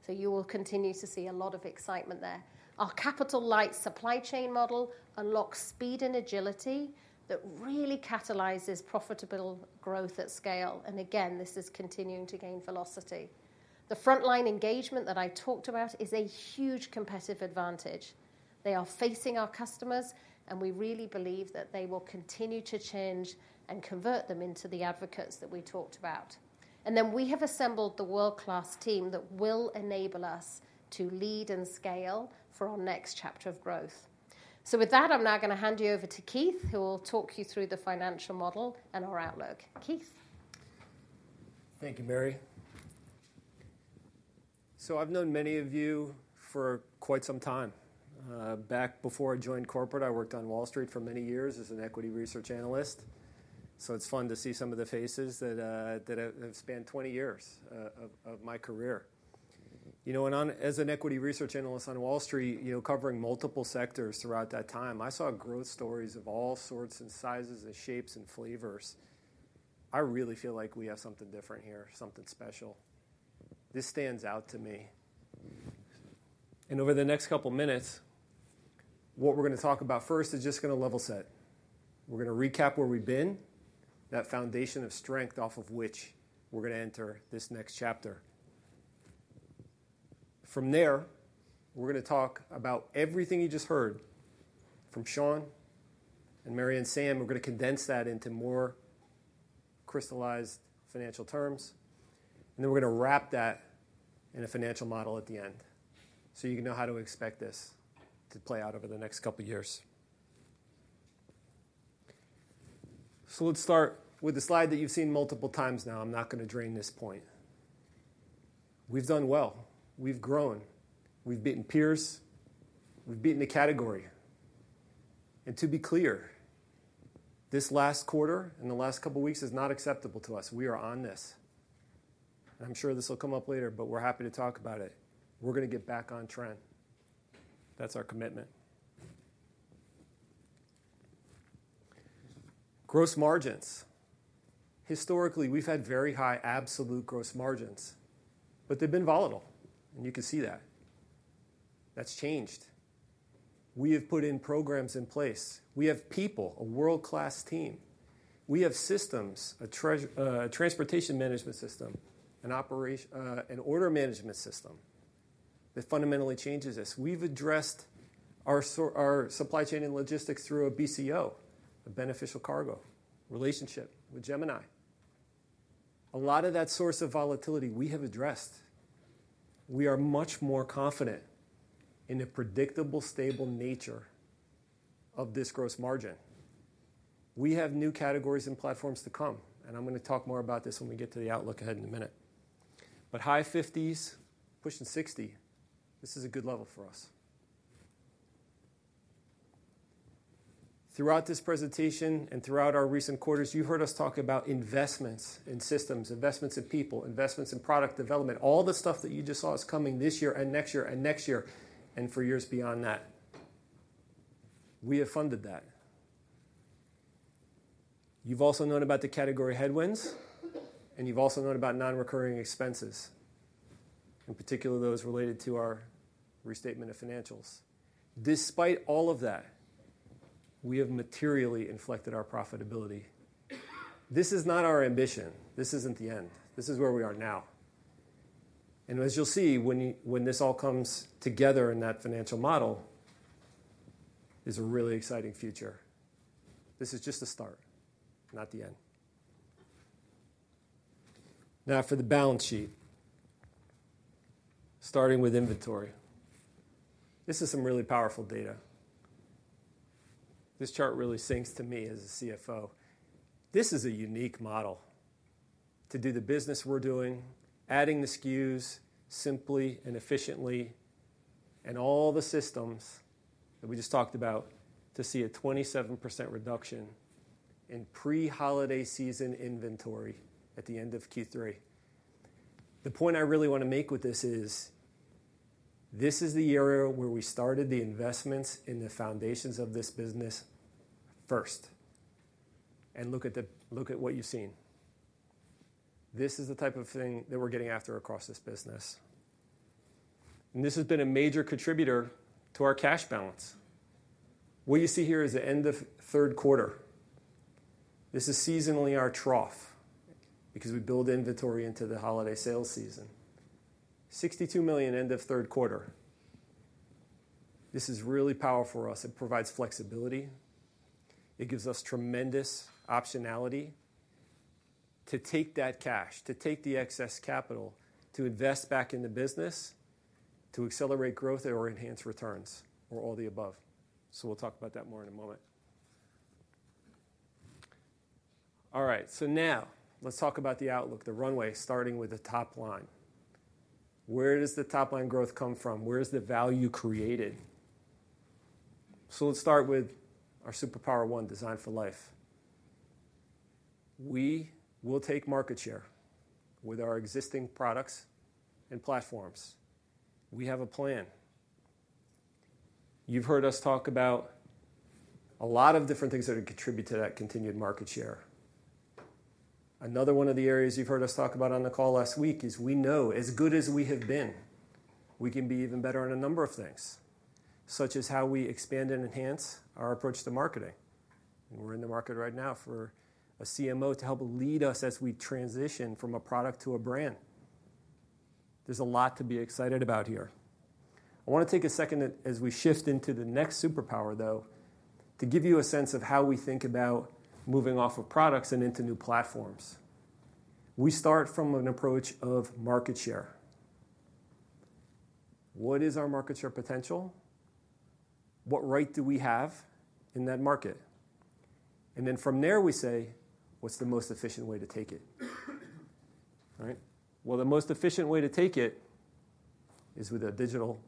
So you will continue to see a lot of excitement there. Our capital light supply chain model unlocks speed and agility that really catalyzes profitable growth at scale. And again, this is continuing to gain velocity. The frontline engagement that I talked about is a huge competitive advantage. They are facing our customers, and we really believe that they will continue to change and convert them into the advocates that we talked about. And then we have assembled the world-class team that will enable us to lead and scale for our next chapter of growth. So with that, I'm now going to hand you over to Keith, who will talk you through the financial model and our outlook. Keith. Thank you, Mary. So I've known many of you for quite some time. Back before I joined corporate, I worked on Wall Street for many years as an equity research analyst. So it's fun to see some of the faces that have spanned 20 years of my career. And as an equity research analyst on Wall Street, covering multiple sectors throughout that time, I saw growth stories of all sorts and sizes and shapes and flavors. I really feel like we have something different here, something special. This stands out to me. And over the next couple of minutes, what we're going to talk about first is just going to level set. We're going to recap where we've been, that foundation of strength off of which we're going to enter this next chapter. From there, we're going to talk about everything you just heard from Shawn and Mary and Sam. We're going to condense that into more crystallized financial terms and then we're going to wrap that in a financial model at the end so you can know how to expect this to play out over the next couple of years. Let's start with the slide that you've seen multiple times now. I'm not going to dwell on this point. We've done well. We've grown. We've beaten peers. We've beaten the category. To be clear, this last quarter and the last couple of weeks is not acceptable to us. We are on this. I'm sure this will come up later, but we're happy to talk about it. We're going to get back on trend. That's our commitment. Gross margins. Historically, we've had very high absolute gross margins, but they've been volatile. You can see that. That's changed. We have put in programs in place. We have people, a world-class team. We have systems, a transportation management system, an order management system that fundamentally changes us. We've addressed our supply chain and logistics through a BCO, a Beneficial Cargo Owner relationship with Gemini. A lot of that source of volatility we have addressed. We are much more confident in the predictable, stable nature of this gross margin. We have new categories and platforms to come. And I'm going to talk more about this when we get to the outlook ahead in a minute. But high 50s%, pushing 60%, this is a good level for us. Throughout this presentation and throughout our recent quarters, you've heard us talk about investments in systems, investments in people, investments in product development. All the stuff that you just saw is coming this year and next year and next year and for years beyond that. We have funded that. You've also known about the category headwinds, and you've also known about non-recurring expenses, in particular those related to our restatement of financials. Despite all of that, we have materially inflected our profitability. This is not our ambition. This isn't the end. This is where we are now. And as you'll see, when this all comes together in that financial model, it's a really exciting future. This is just the start, not the end. Now for the balance sheet, starting with inventory. This is some really powerful data. This chart really sings to me as a CFO. This is a unique model to do the business we're doing, adding the SKUs simply and efficiently, and all the systems that we just talked about to see a 27% reduction in pre-holiday season inventory at the end of Q3. The point I really want to make with this is this is the area where we started the investments in the foundations of this business first. And look at what you've seen. This is the type of thing that we're getting after across this business. And this has been a major contributor to our cash balance. What you see here is the end of third quarter. This is seasonally our trough because we build inventory into the holiday sales season. $62 million end of third quarter. This is really powerful for us. It provides flexibility. It gives us tremendous optionality to take that cash, to take the excess capital, to invest back in the business, to accelerate growth or enhance returns or all the above. So we'll talk about that more in a moment. All right. So now let's talk about the outlook, the runway, starting with the top line. Where does the top line growth come from? Where is the value created? So let's start with our superpower one, Designed for Life. We will take market share with our existing products and platforms. We have a plan. You've heard us talk about a lot of different things that have contributed to that continued market share. Another one of the areas you've heard us talk about on the call last week is we know as good as we have been, we can be even better on a number of things, such as how we expand and enhance our approach to marketing. And we're in the market right now for a CMO to help lead us as we transition from a product to a brand. There's a lot to be excited about here. I want to take a second as we shift into the next superpower, though, to give you a sense of how we think about moving off of products and into new platforms. We start from an approach of market share. What is our market share potential? What right do we have in that market? And then from there, we say, what's the most efficient way to take it? All right. Well, the most efficient way to take it is with a digital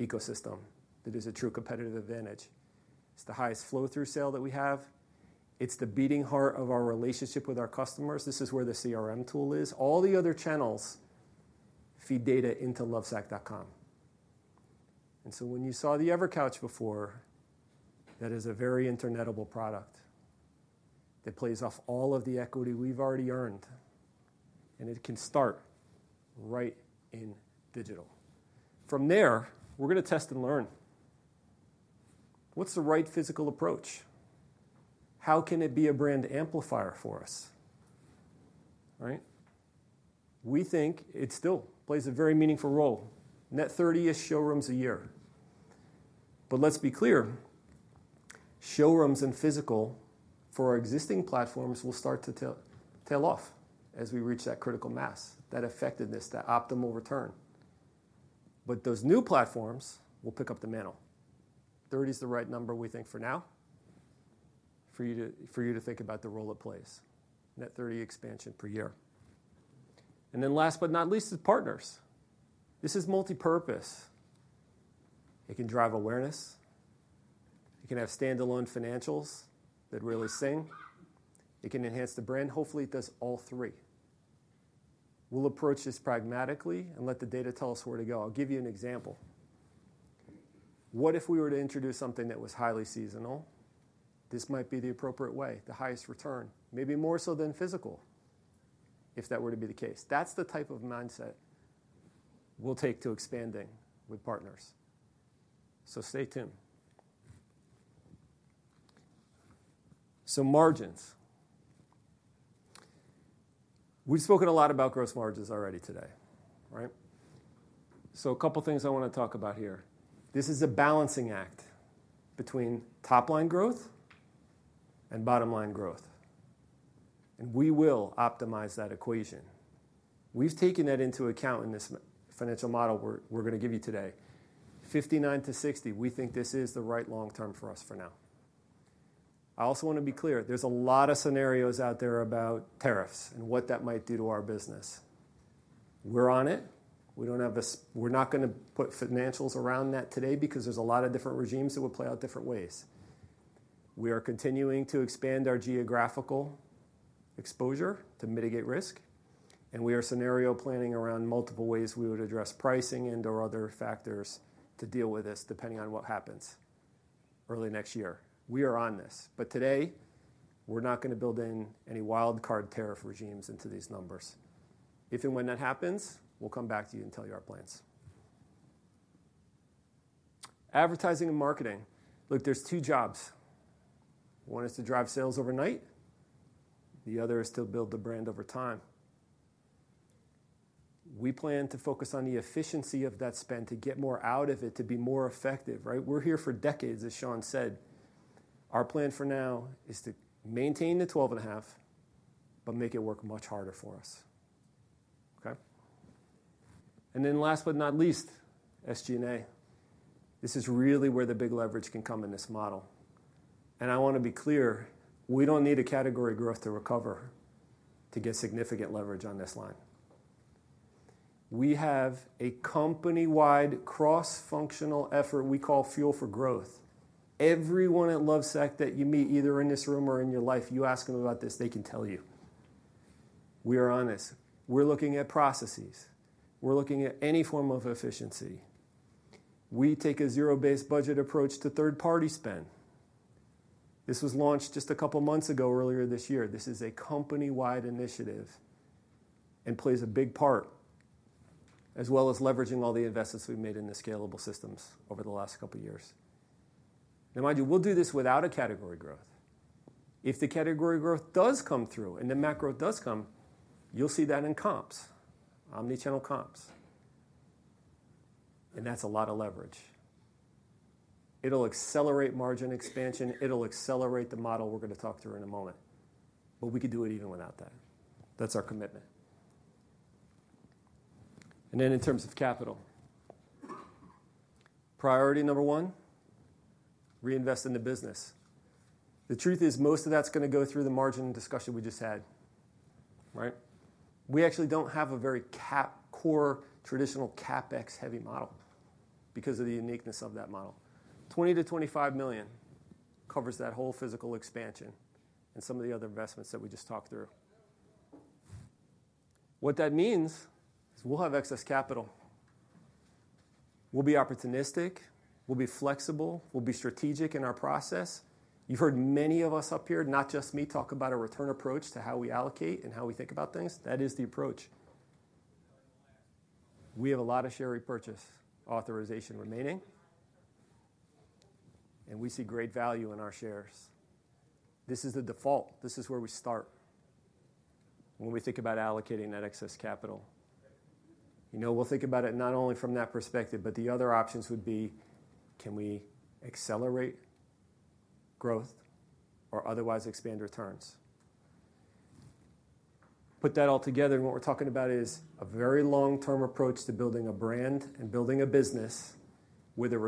ecosystem that is a true competitive advantage. It's the highest flow-through sale that we have. It's the beating heart of our relationship with our customers. This is where the CRM tool is. All the other channels feed data into Lovesac.com. And so when you saw the EverCouch before, that is a very internetable product that plays off all of the equity we've already earned. And it can start right in digital. From there, we're going to test and learn. What's the right physical approach? How can it be a brand amplifier for us? All right. We think it still plays a very meaningful role. Net 30 is showrooms a year. But let's be clear, showrooms and physical for our existing platforms will start to tail off as we reach that critical mass, that effectiveness, that optimal return. But those new platforms will pick up the mantle. 30 is the right number, we think, for now, for you to think about the role it plays. Net 30 expansion per year. And then last but not least is partners. This is multipurpose. It can drive awareness. It can have standalone financials that really sing. It can enhance the brand. Hopefully, it does all three. We'll approach this pragmatically and let the data tell us where to go. I'll give you an example. What if we were to introduce something that was highly seasonal? This might be the appropriate way, the highest return, maybe more so than physical, if that were to be the case. That's the type of mindset we'll take to expanding with partners, so stay tuned. So, margins. We've spoken a lot about gross margins already today, right? So a couple of things I want to talk about here. This is a balancing act between top-line growth and bottom-line growth, and we will optimize that equation. We've taken that into account in this financial model we're going to give you today. 59%-60%, we think this is the right long-term for us for now. I also want to be clear. There's a lot of scenarios out there about tariffs and what that might do to our business. We're on it. We're not going to put financials around that today because there's a lot of different regimes that will play out different ways. We are continuing to expand our geographical exposure to mitigate risk. And we are scenario planning around multiple ways we would address pricing and/or other factors to deal with this depending on what happens early next year. We are on this. But today, we're not going to build in any wildcard tariff regimes into these numbers. If and when that happens, we'll come back to you and tell you our plans. Advertising and marketing. Look, there's two jobs. One is to drive sales overnight. The other is to build the brand over time. We plan to focus on the efficiency of that spend to get more out of it, to be more effective, right? We're here for decades, as Shawn said. Our plan for now is to maintain the 12 and a half, but make it work much harder for us. Okay? And then last but not least, SG&A. This is really where the big leverage can come in this model. And I want to be clear, we don't need a category growth to recover to get significant leverage on this line. We have a company-wide cross-functional effort we call Fuel for Growth. Everyone at Lovesac that you meet either in this room or in your life, you ask them about this, they can tell you. We are on this. We're looking at processes. We're looking at any form of efficiency. We take a zero-based budget approach to third-party spend. This was launched just a couple of months ago, earlier this year. This is a company-wide initiative and plays a big part, as well as leveraging all the investments we've made in the scalable systems over the last couple of years. Now, mind you, we'll do this without a category growth. If the category growth does come through and the macro does come, you'll see that in comps, omnichannel comps, and that's a lot of leverage. It'll accelerate margin expansion. It'll accelerate the model we're going to talk through in a moment, but we could do it even without that. That's our commitment and then in terms of capital, priority number one, reinvest in the business. The truth is most of that's going to go through the margin discussion we just had, right? We actually don't have a very core traditional CapEx-heavy model because of the uniqueness of that model. $20-$25 million covers that whole physical expansion and some of the other investments that we just talked through. What that means is we'll have excess capital. We'll be opportunistic. We'll be flexible. We'll be strategic in our process. You've heard many of us up here, not just me, talk about a return approach to how we allocate and how we think about things. That is the approach. We have a lot of share repurchase authorization remaining, and we see great value in our shares. This is the default. This is where we start when we think about allocating that excess capital. We'll think about it not only from that perspective, but the other options would be, can we accelerate growth or otherwise expand returns? Put that all together, and what we're talking about is a very long-term approach to building a brand and building a business with a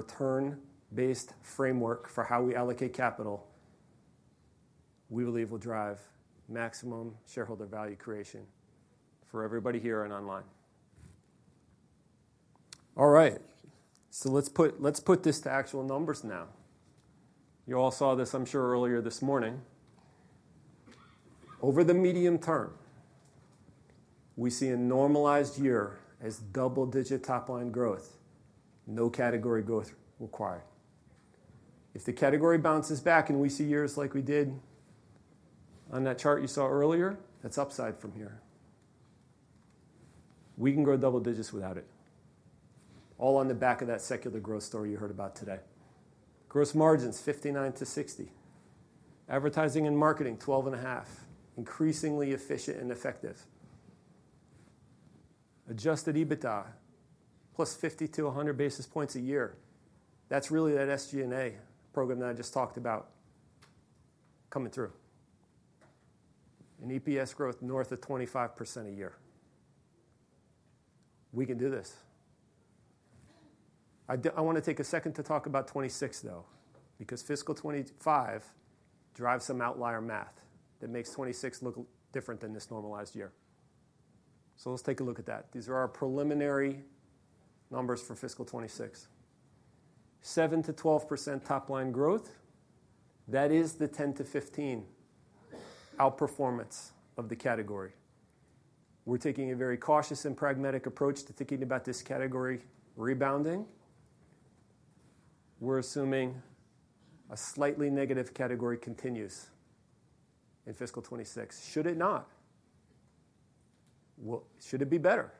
return-based framework for how we allocate capital. We believe will drive maximum shareholder value creation for everybody here and online. All right. So let's put this to actual numbers now. You all saw this, I'm sure, earlier this morning. Over the medium term, we see a normalized year as double-digit top-line growth, no category growth required. If the category bounces back and we see years like we did on that chart you saw earlier, that's upside from here. We can grow double digits without it. All on the back of that secular growth story you heard about today. Gross margins, 59%-60%. Advertising and marketing, 12.5%, increasingly efficient and effective. Adjusted EBITDA, plus 50-100 basis points a year. That's really that SG&A program that I just talked about coming through, and EPS growth north of 25% a year. We can do this. I want to take a second to talk about 26, though, because fiscal 25 drives some outlier math that makes 26 look different than this normalized year. So let's take a look at that. These are our preliminary numbers for fiscal 26. 7%-12% top-line growth. That is the 10%-15% outperformance of the category. We're taking a very cautious and pragmatic approach to thinking about this category rebounding. We're assuming a slightly negative category continues in fiscal 26. Should it not? Should it be better?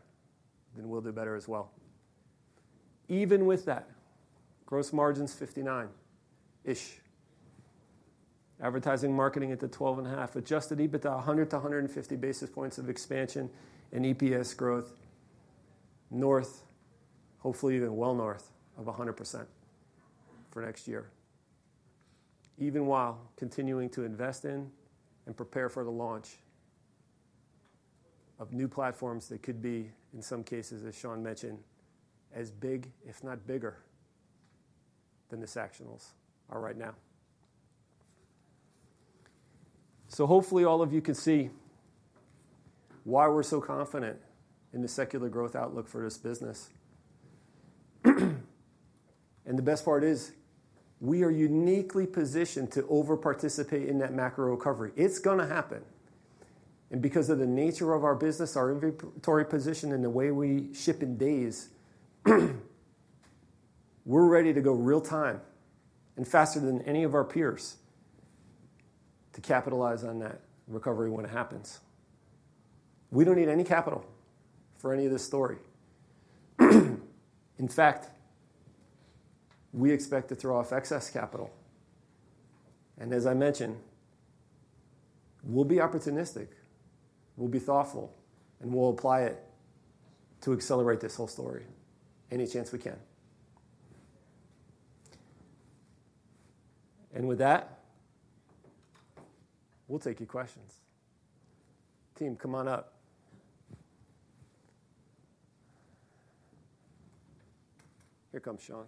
Then we'll do better as well. Even with that, gross margins 59%. Advertising and marketing at the 12.5. Adjusted EBITDA, 100-150 basis points of expansion and EPS growth north of, hopefully even well north of, 100% for next year. Even while continuing to invest in and prepare for the launch of new platforms that could be, in some cases, as Shawn mentioned, as big, if not bigger, than the Sactionals are right now, so hopefully all of you can see why we're so confident in the secular growth outlook for this business, and the best part is we are uniquely positioned to over-participate in that macro recovery. It's going to happen, and because of the nature of our business, our inventory position, and the way we ship in days, we're ready to go real-time and faster than any of our peers to capitalize on that recovery when it happens. We don't need any capital for any of this story. In fact, we expect to throw off excess capital. And as I mentioned, we'll be opportunistic. We'll be thoughtful, and we'll apply it to accelerate this whole story any chance we can. And with that, we'll take your questions. Team, come on up. Here comes Shawn.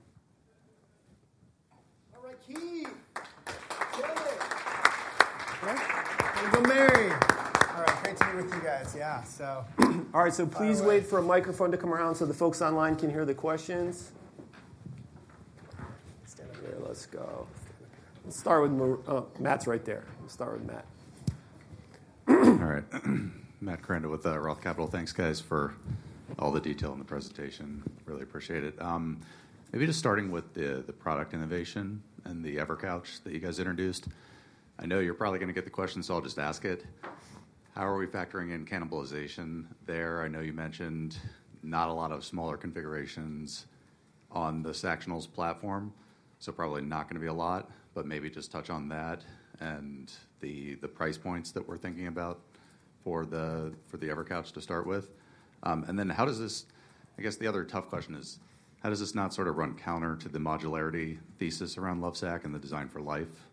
All right, Keith. All right. Great to be with you guys. Yeah. All right. So please wait for a microphone to come around so the folks online can hear the questions. Stand over there. Let's go. Let's start with Matt. Matt's right there. Let's start with Matt. All right. Matt Kuranda with Roth Capital. Thanks, guys, for all the detail in the presentation. Really appreciate it. Maybe just starting with the product innovation and the EverCouch that you guys introduced. I know you're probably going to get the question, so I'll just ask it. How are we factoring in cannibalization there? I know you mentioned not a lot of smaller configurations on the Sactionals platform, so probably not going to be a lot, but maybe just touch on that and the price points that we're thinking about for the EverCouch to start with. And then how does this, I guess the other tough question is, how does this not sort of run counter to the modularity thesis around Lovesac and the Design for Life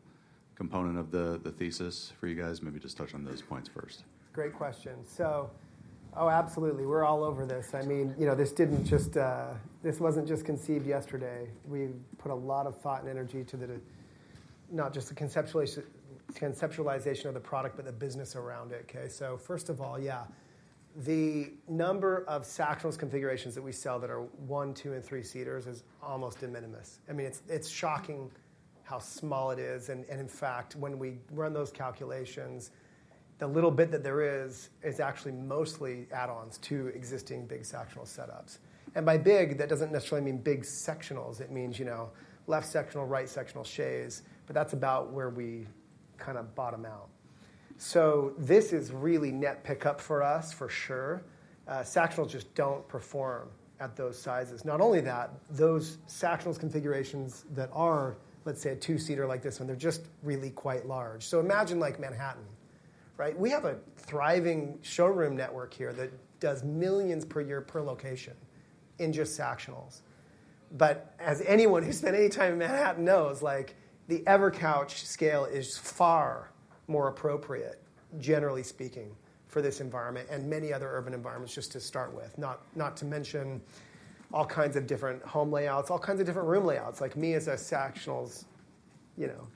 component of the thesis for you guys? Maybe just touch on those points first. Great question. So, oh, absolutely. We're all over this. I mean, this didn't just, this wasn't just conceived yesterday. We put a lot of thought and energy to not just the conceptualization of the product, but the business around it, okay? So first of all, yeah, the number of Sactionals configurations that we sell that are one, two, and three-seaters is almost de minimis. I mean, it's shocking how small it is, and in fact, when we run those calculations, the little bit that there is is actually mostly add-ons to existing big Sactional setups, and by big, that doesn't necessarily mean big Sactionals. It means left Sactional, right Sactional, Chaise, but that's about where we kind of bottom out, so this is really net pickup for us, for sure. Sactionals just don't perform at those sizes. Not only that, those Sactionals configurations that are, let's say, a two-seater like this one, they're just really quite large, so imagine Manhattan, right? We have a thriving showroom network here that does millions per year per location in just Sactionals. But as anyone who spent any time in Manhattan knows, the EverCouch scale is far more appropriate, generally speaking, for this environment and many other urban environments just to start with, not to mention all kinds of different home layouts, all kinds of different room layouts. Like me, as a Sactionals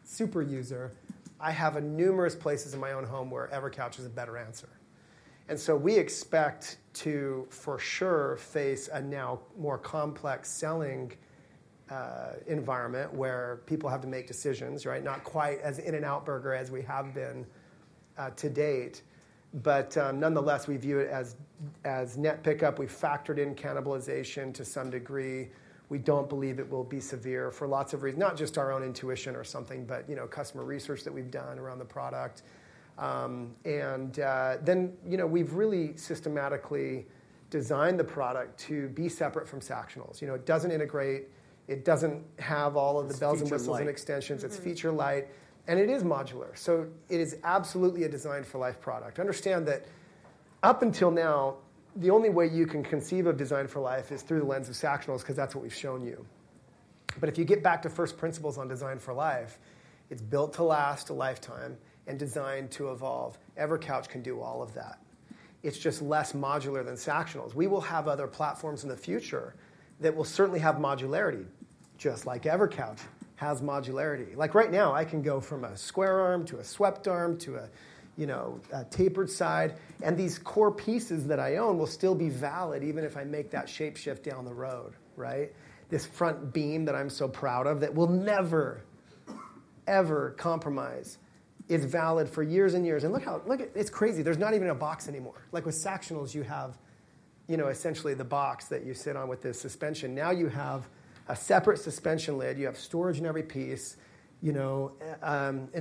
super user, I have numerous places in my own home where EverCouch is a better answer. And so we expect to, for sure, face a now more complex selling environment where people have to make decisions, right? Not quite as In-N-Out Burger as we have been to date, but nonetheless, we view it as net pickup. We've factored in cannibalization to some degree. We don't believe it will be severe for lots of reasons, not just our own intuition or something, but customer research that we've done around the product. And then we've really systematically designed the product to be separate from Sactionals. It doesn't integrate. It doesn't have all of the bells and whistles and extensions. It's feature light, and it is modular. So it is absolutely a Design for Life product. Understand that up until now, the only way you can conceive of Design for Life is through the lens of Sactionals because that's what we've shown you. But if you get back to first principles on Design for Life, it's built to last a lifetime and designed to evolve. EverCouch can do all of that. It's just less modular than Sactionals. We will have other platforms in the future that will certainly have modularity, just like EverCouch has modularity. Like right now, I can go from a square arm to a swept arm to a tapered side, and these core pieces that I own will still be valid even if I make that shape shift down the road, right? This front beam that I'm so proud of that will never, ever compromise is valid for years and years, and look at it. It's crazy. There's not even a box anymore. Like with Sactionals, you have essentially the box that you sit on with the suspension. Now you have a separate suspension lid. You have storage in every piece, and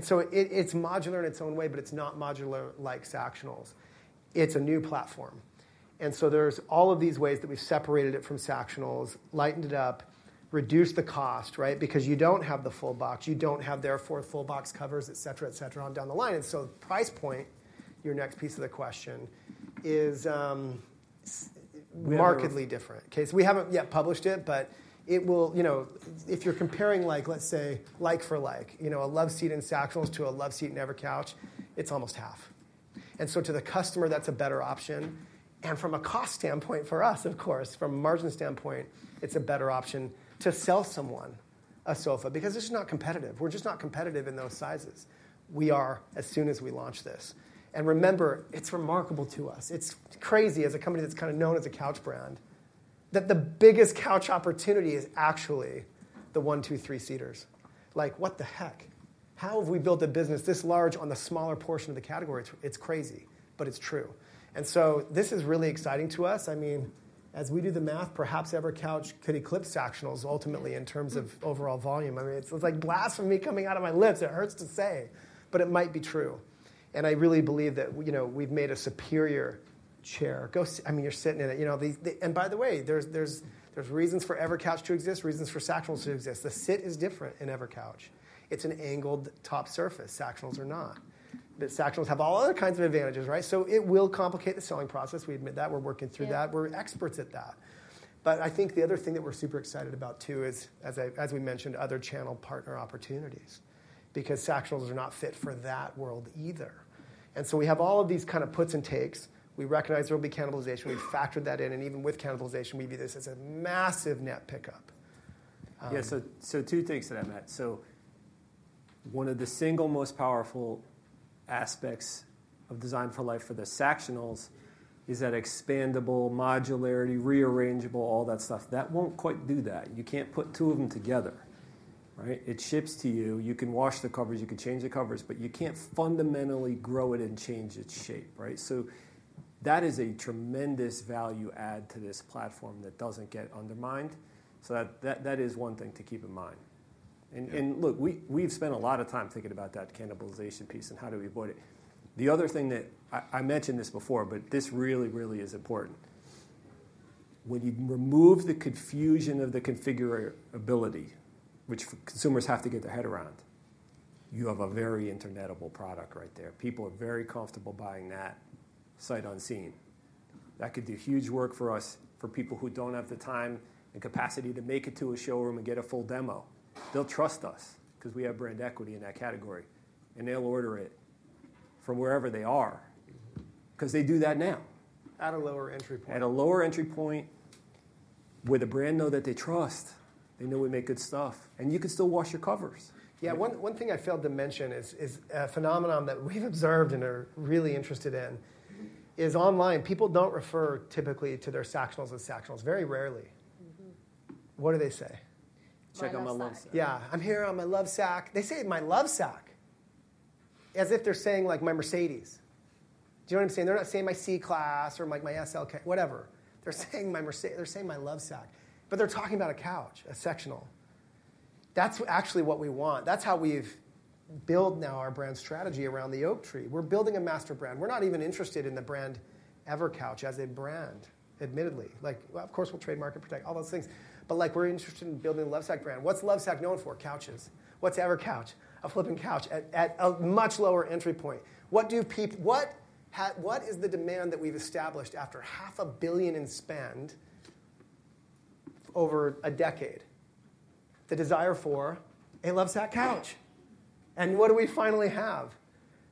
so it's modular in its own way, but it's not modular like Sactionals. It's a new platform, and so there's all of these ways that we've separated it from Sactionals, lightened it up, reduced the cost, right? Because you don't have the full box. You don't have, therefore, full box covers, et cetera, et cetera on down the line, and so the price point, your next piece of the question, is markedly different. Okay. So we haven't yet published it, but if you're comparing, let's say, like for like, a love seat in Sactionals to a love seat in EverCouch, it's almost half. And so to the customer, that's a better option, and from a cost standpoint for us, of course, from a margin standpoint, it's a better option to sell someone a sofa because it's just not competitive. We're just not competitive in those sizes. We are, as soon as we launch this. And remember, it's remarkable to us. It's crazy as a company that's kind of known as a couch brand that the biggest couch opportunity is actually the one, two, three-seaters. Like, what the heck? How have we built a business this large on the smaller portion of the category? It's crazy, but it's true. And so this is really exciting to us. I mean, as we do the math, perhaps EverCouch could eclipse Sactionals ultimately in terms of overall volume. I mean, it's like blasphemy coming out of my lips. It hurts to say, but it might be true. And I really believe that we've made a superior chair. I mean, you're sitting in it. And by the way, there's reasons for EverCouch to exist, reasons for Sactionals to exist. The sit is different in EverCouch. It's an angled top surface. Sactionals are not. But Sactionals have all other kinds of advantages, right? So it will complicate the selling process. We admit that. We're working through that. We're experts at that. But I think the other thing that we're super excited about too is, as we mentioned, other channel partner opportunities because Sactionals are not fit for that world either. And so we have all of these kind of puts and takes. We recognize there will be cannibalization. We've factored that in. And even with cannibalization, we view this as a massive net pickup. Yeah. So two things to that, Matt. So one of the single most powerful aspects of Designed for Life for the Sactionals is that expandable, modularity, rearrangeable, all that stuff. That won't quite do that. You can't put two of them together, right? It ships to you. You can wash the covers. You can change the covers, but you can't fundamentally grow it and change its shape, right? So that is a tremendous value add to this platform that doesn't get undermined. So that is one thing to keep in mind. And look, we've spent a lot of time thinking about that cannibalization piece and how do we avoid it. The other thing that I mentioned this before, but this really, really is important. When you remove the confusion of the configurability, which consumers have to get their head around, you have a very internetable product right there. People are very comfortable buying that sight unseen. That could do huge work for us for people who don't have the time and capacity to make it to a showroom and get a full demo. They'll trust us because we have brand equity in that category, and they'll order it from wherever they are because they do that now. At a lower entry point. At a lower entry point where the brand knows that they trust, they know we make good stuff, and you can still wash your covers. Yeah. One thing I failed to mention is a phenomenon that we've observed and are really interested in is online. People don't refer typically to their Sactionals as Sactionals. Very rarely. What do they say? Check on my Lovesac. Yeah. I'm here on my Lovesac. They say my Lovesac as if they're saying my Mercedes. Do you know what I'm saying? They're not saying my C-Class or my SL, whatever. They're saying my Lovesac, but they're talking about a couch, a Sactional. That's actually what we want. That's how we've built now our brand strategy around the Oak Tree. We're building a master brand. We're not even interested in the brand EverCouch as a brand, admittedly. Of course, we'll trademark and protect all those things, but we're interested in building a Lovesac brand. What's Lovesac known for? Couches. What's EverCouch? A flipping couch at a much lower entry point. What is the demand that we've established after $500 million in spend over a decade? The desire for a Lovesac couch. And what do we finally have?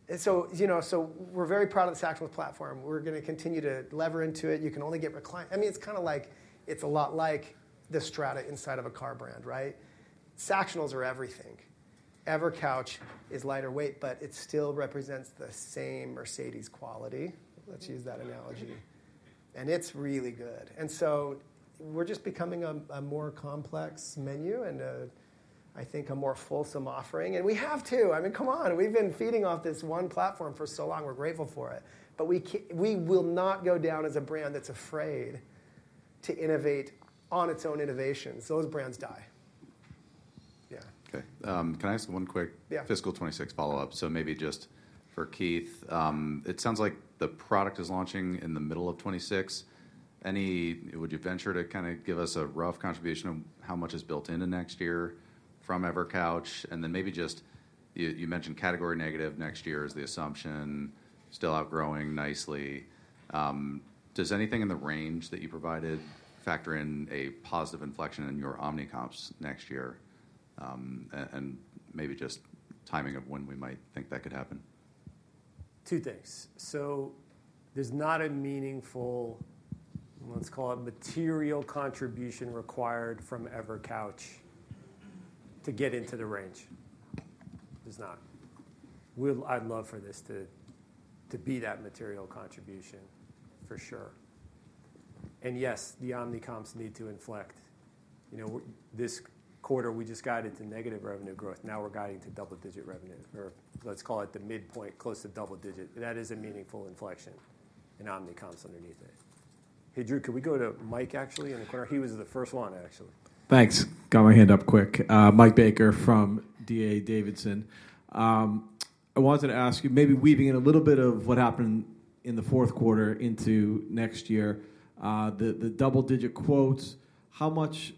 We're very proud of the sectional platform. We're going to continue to lever into it. You can only get reclined. I mean, it's kind of like it's a lot like the Strada inside of a car brand, right? Sactionals are everything. EverCouch is lighter weight, but it still represents the same Mercedes quality. Let's use that analogy. And it's really good. We're just becoming a more complex menu and, I think, a more fulsome offering. We have to. I mean, come on. We've been feeding off this one platform for so long. We're grateful for it. But we will not go down as a brand that's afraid to innovate on its own innovations. Those brands die. Yeah. Okay. Can I ask one quick fiscal 2026 follow-up? So maybe just for Keith, it sounds like the product is launching in the middle of 2026. Would you venture to kind of give us a rough contribution of how much is built into next year from EverCouch? And then maybe just you mentioned category negative next year is the assumption, still outgrowing nicely. Does anything in the range that you provided factor in a positive inflection in your omni comps next year? And maybe just timing of when we might think that could happen. Two things. So there's not a meaningful, let's call it material contribution required from EverCouch to get into the range. There's not. I'd love for this to be that material contribution, for sure. And yes, the Omnicomps need to inflect. This quarter, we just guided to negative revenue growth. Now we're guiding to double-digit revenue, or let's call it the midpoint, close to double-digit. That is a meaningful inflection in Omnicomps underneath it. Hey, Drew, can we go to Mike actually in the corner? He was the first one, actually. Thanks. Got my hand up quick. Mike Baker from D.A. Davidson. I wanted to ask you, maybe weaving in a little bit of what happened in the fourth quarter into next year, the double-digit quotes, how much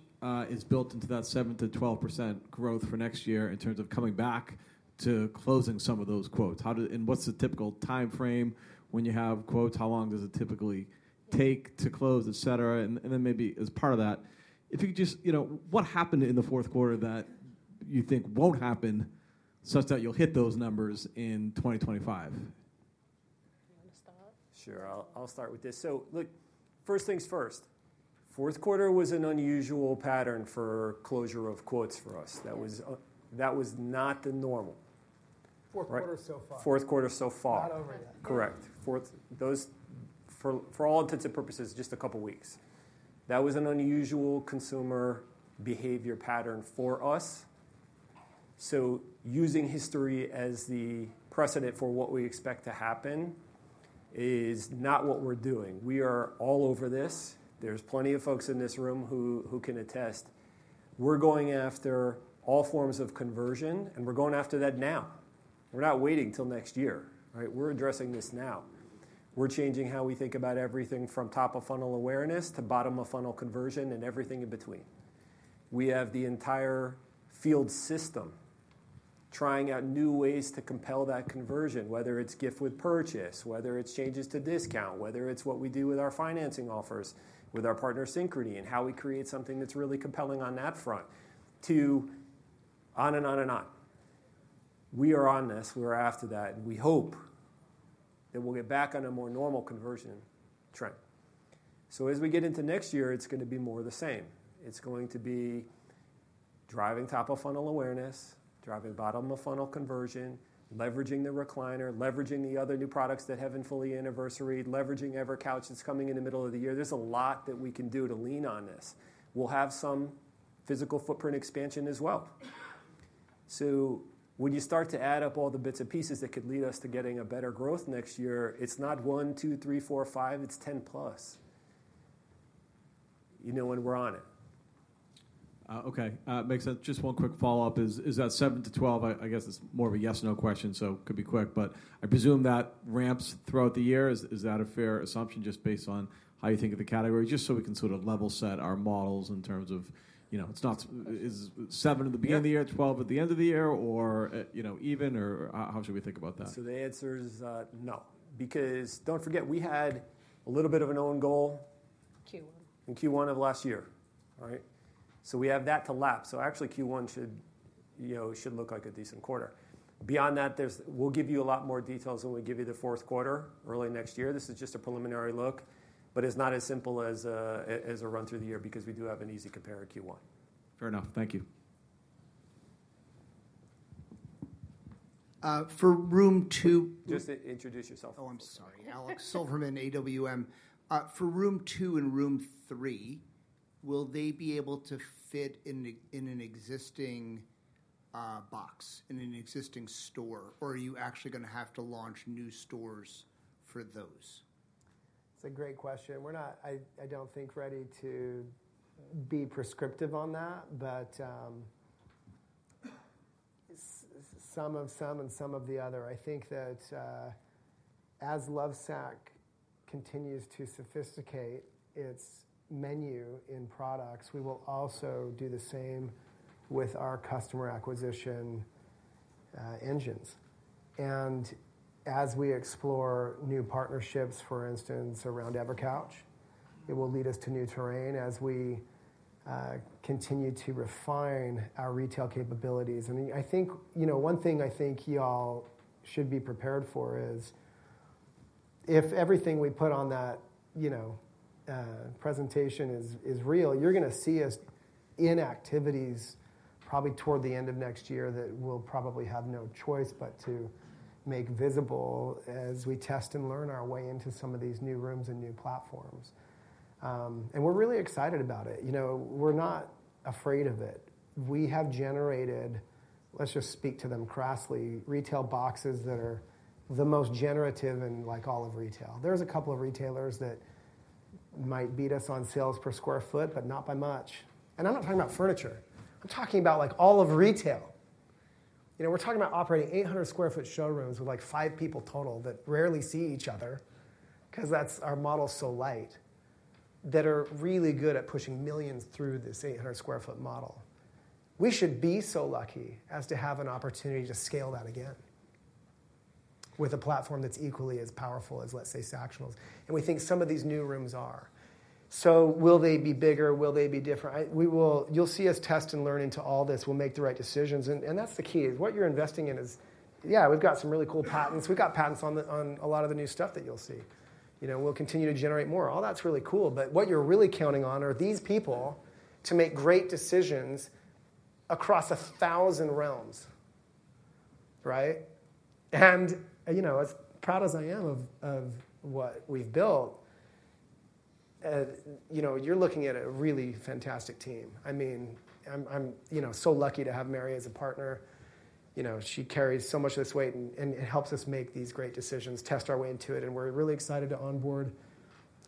is built into that 7%-12% growth for next year in terms of coming back to closing some of those quotes? And what's the typical timeframe when you have quotes? How long does it typically take to close, et cetera? And then maybe as part of that, if you could just what happened in the fourth quarter that you think won't happen such that you'll hit those numbers in 2025? You want to start? Sure. I'll start with this. So look, first things first. Fourth quarter was an unusual pattern for closure of quotes for us. That was not the normal. Fourth quarter so far. Not over yet. Correct. For all intents and purposes, just a couple of weeks. That was an unusual consumer behavior pattern for us. So using history as the precedent for what we expect to happen is not what we're doing. We are all over this. There's plenty of folks in this room who can attest. We're going after all forms of conversion, and we're going after that now. We're not waiting till next year, right? We're addressing this now. We're changing how we think about everything from top-of-funnel awareness to bottom-of-funnel conversion and everything in between. We have the entire field system trying out new ways to compel that conversion, whether it's gift with purchase, whether it's changes to discount, whether it's what we do with our financing offers, with our partner Synchrony, and how we create something that's really compelling on that front, to on and on and on. We are on this. We're after that. And we hope that we'll get back on a more normal conversion trend. So as we get into next year, it's going to be more of the same. It's going to be driving top-of-funnel awareness, driving bottom-of-funnel conversion, leveraging the recliner, leveraging the other new products that have been fully annualized, leveraging EverCouch that's coming in the middle of the year. There's a lot that we can do to lean on this. We'll have some physical footprint expansion as well. So when you start to add up all the bits and pieces that could lead us to getting a better growth next year, it's not one, two, three, four, five. It's 10 plus when we're on it. Okay. Just one quick follow-up. Is that 7-12? I guess it's more of a yes or no question, so it could be quick, but I presume that ramps throughout the year. Is that a fair assumption just based on how you think of the category? Just so we can sort of level set our models in terms of it's 7 at the beginning of the year, 12 at the end of the year, or even, or how should we think about that? So the answer is no because don't forget, we had a little bit of an own goal. Q1. Q1 of last year, right? So we have that to lap. So actually, Q1 should look like a decent quarter. Beyond that, we'll give you a lot more details when we give you the fourth quarter early next year. This is just a preliminary look, but it's not as simple as a run-through of the year because we do have an easy compare at Q1. Fair enough. Thank you. For room two. Just introduce yourself. Oh, I'm sorry. Alex Silverman, AWM. For room two and room three, will they be able to fit in an existing box, in an existing store, or are you actually going to have to launch new stores for those? It's a great question. I don't think we're ready to be prescriptive on that, but some and some of the other. I think that as Lovesac continues to sophisticate its menu in products, we will also do the same with our customer acquisition engines, and as we explore new partnerships, for instance, around EverCouch, it will lead us to new terrain as we continue to refine our retail capabilities. I mean, I think one thing I think y'all should be prepared for is if everything we put on that presentation is real, you're going to see us in activities probably toward the end of next year that we'll probably have no choice but to make visible as we test and learn our way into some of these new rooms and new platforms, and we're really excited about it. We're not afraid of it. We have generated, let's just speak to them crassly, retail boxes that are the most generative in all of retail. There's a couple of retailers that might beat us on sales per square foot, but not by much. And I'm not talking about furniture. I'm talking about all of retail. We're talking about operating 800 sq ft showrooms with five people total that rarely see each other because our model is so light that are really good at pushing millions through this 800 sq ft model. We should be so lucky as to have an opportunity to scale that again with a platform that's equally as powerful as, let's say, Sactionals. And we think some of these new rooms are. So will they be bigger? Will they be different? You'll see us test and learn into all this. We'll make the right decisions. And that's the key is what you're investing in is. Yeah, we've got some really cool patents. We've got patents on a lot of the new stuff that you'll see. We'll continue to generate more. All that's really cool. But what you're really counting on are these people to make great decisions across a thousand realms, right? And as proud as I am of what we've built, you're looking at a really fantastic team. I mean, I'm so lucky to have Mary as a partner. She carries so much of this weight, and it helps us make these great decisions, test our way into it. And we're really excited to onboard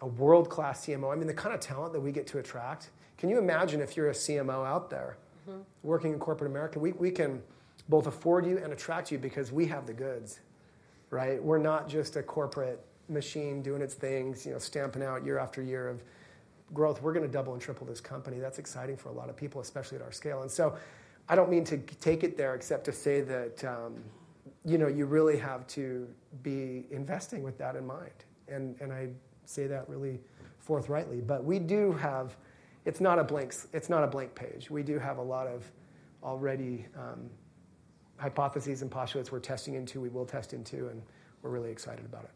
a world-class CMO. I mean, the kind of talent that we get to attract. Can you imagine if you're a CMO out there working in corporate America? We can both afford you and attract you because we have the goods, right? We're not just a corporate machine doing its things, stamping out year after year of growth. We're going to double and triple this company. That's exciting for a lot of people, especially at our scale. And so I don't mean to take it there except to say that you really have to be investing with that in mind. And I say that really forthrightly. But we do have. It's not a blank page. We do have a lot of already hypotheses and postulates we're testing into, we will test into, and we're really excited about it.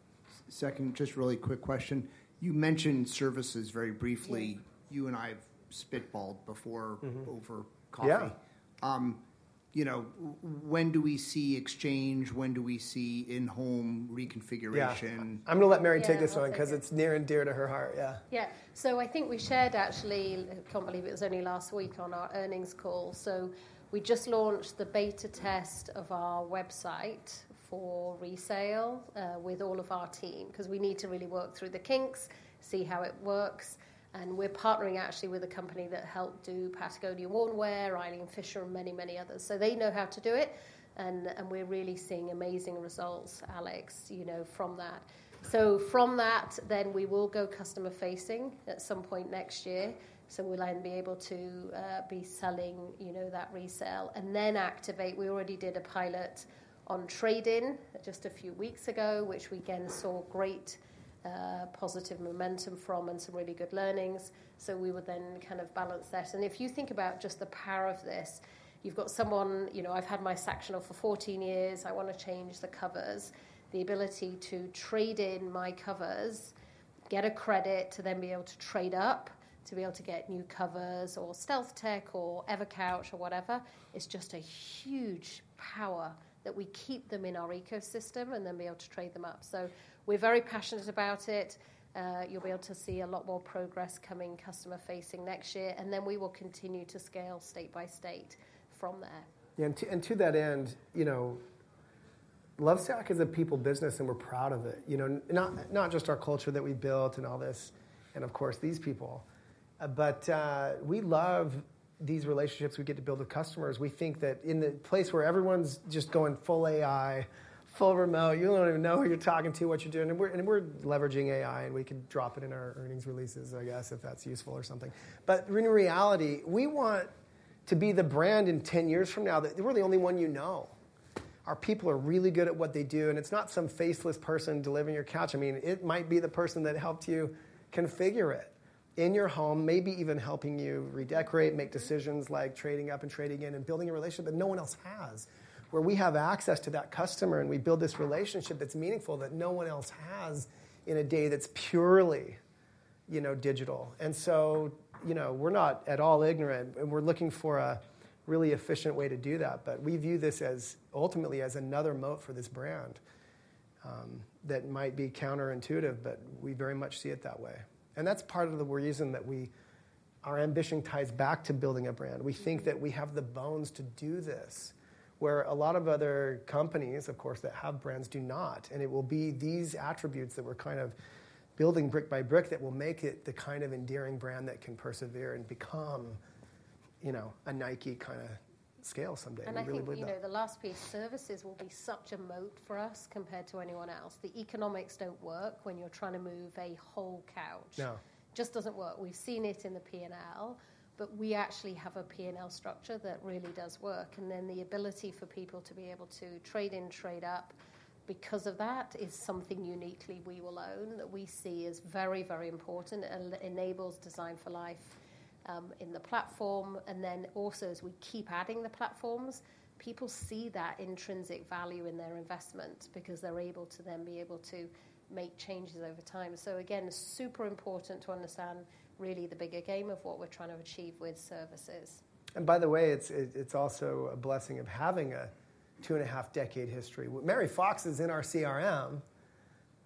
Second, just really quick question. You mentioned services very briefly. You and I have spitballed before over coffee. When do we see exchange? When do we see in-home reconfiguration? Yeah. I'm going to let Mary take this one because it's near and dear to her heart. Yeah. Yeah. So I think we shared actually. I can't believe it was only last week on our earnings call, so we just launched the beta test of our website for resale with all of our team because we need to really work through the kinks, see how it works, and we're partnering actually with a company that helped do Patagonia Worn Wear, Eileen Fisher, and many, many others, so they know how to do it, and we're really seeing amazing results, Alex, from that, so from that, then we will go customer-facing at some point next year, so we'll then be able to be selling that resale and then activate. We already did a pilot on trade-in just a few weeks ago, which we again saw great positive momentum from and some really good learnings, so we would then kind of balance that. If you think about just the power of this, you've got someone. I've had my Sactional for 14 years. I want to change the covers, the ability to trade in my covers, get a credit to then be able to trade up, to be able to get new covers or StealthTech or EverCouch or whatever. It's just a huge power that we keep them in our ecosystem and then be able to trade them up. So we're very passionate about it. You'll be able to see a lot more progress coming customer-facing next year. And then we will continue to scale state by state from there. Yeah. And to that end, Lovesac is a people business, and we're proud of it. Not just our culture that we built and all this and, of course, these people, but we love these relationships we get to build with customers. We think that in the place where everyone's just going full AI, full remote, you don't even know who you're talking to, what you're doing. And we're leveraging AI, and we can drop it in our earnings releases, I guess, if that's useful or something. But in reality, we want to be the brand in 10 years from now that we're the only one you know. Our people are really good at what they do, and it's not some faceless person delivering your couch. I mean, it might be the person that helped you configure it in your home, maybe even helping you redecorate, make decisions like trading up and trading in and building a relationship that no one else has, where we have access to that customer and we build this relationship that's meaningful that no one else has in a day that's purely digital. And so we're not at all ignorant, and we're looking for a really efficient way to do that. But we view this ultimately as another moat for this brand that might be counterintuitive, but we very much see it that way. And that's part of the reason that our ambition ties back to building a brand. We think that we have the bones to do this, where a lot of other companies, of course, that have brands do not. And it will be these attributes that we're kind of building brick by brick that will make it the kind of endearing brand that can persevere and become a Nike kind of scale someday. And I think the last piece, services, will be such a moat for us compared to anyone else. The economics don't work when you're trying to move a whole couch. It just doesn't work. We've seen it in the P&L, but we actually have a P&L structure that really does work, and then the ability for people to be able to trade in, trade up because of that is something uniquely we will own that we see as very, very important and enables Design for Life in the platform, and then also, as we keep adding the platforms, people see that intrinsic value in their investment because they're able to then be able to make changes over time, so again, super important to understand really the bigger game of what we're trying to achieve with services. And by the way, it's also a blessing of having a two-and-a-half-decade history. Mary Fox is in our CRM,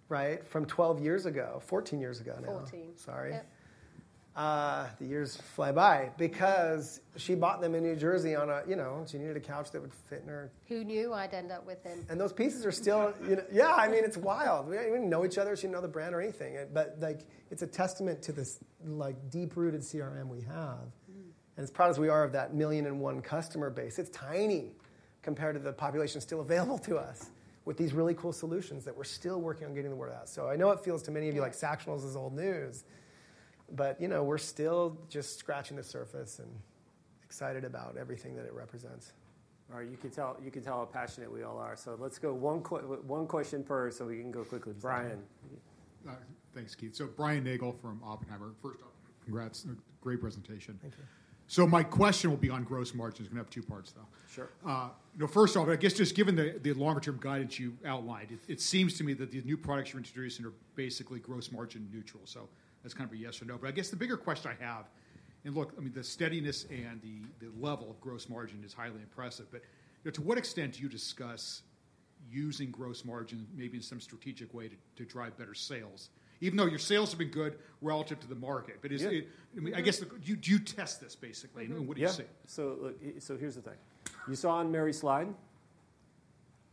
right, from 12 years ago, 14 years ago now. 14. Sorry. The years fly by because she bought them in New Jersey on a she needed a couch that would fit in her. Who knew I'd end up with him? And those pieces are still yeah, I mean, it's wild. We don't even know each other. She didn't know the brand or anything. But it's a testament to this deep-rooted CRM we have. And as proud as we are of that million-and-one customer base, it's tiny compared to the population still available to us with these really cool solutions that we're still working on getting the word out. So I know it feels to many of you like Sactionals is old news, but we're still just scratching the surface and excited about everything that it represents. All right. You can tell how passionate we all are. So let's go one question per so we can go quickly. Brian. Thanks, Keith. So, Brian Nagel from Oppenheimer. First off, congrats. Great presentation. Thank you. So my question will be on gross margin. It's going to have two parts, though. Sure. First off, I guess just given the longer-term guidance you outlined, it seems to me that the new products you're introducing are basically gross margin neutral. So that's kind of a yes or no. But I guess the bigger question I have, and look, I mean, the steadiness and the level of gross margin is highly impressive. But to what extent do you discuss using gross margin maybe in some strategic way to drive better sales, even though your sales have been good relative to the market? But I guess do you test this basically? And what do you see? Yeah. So here's the thing. You saw on Mary's slide,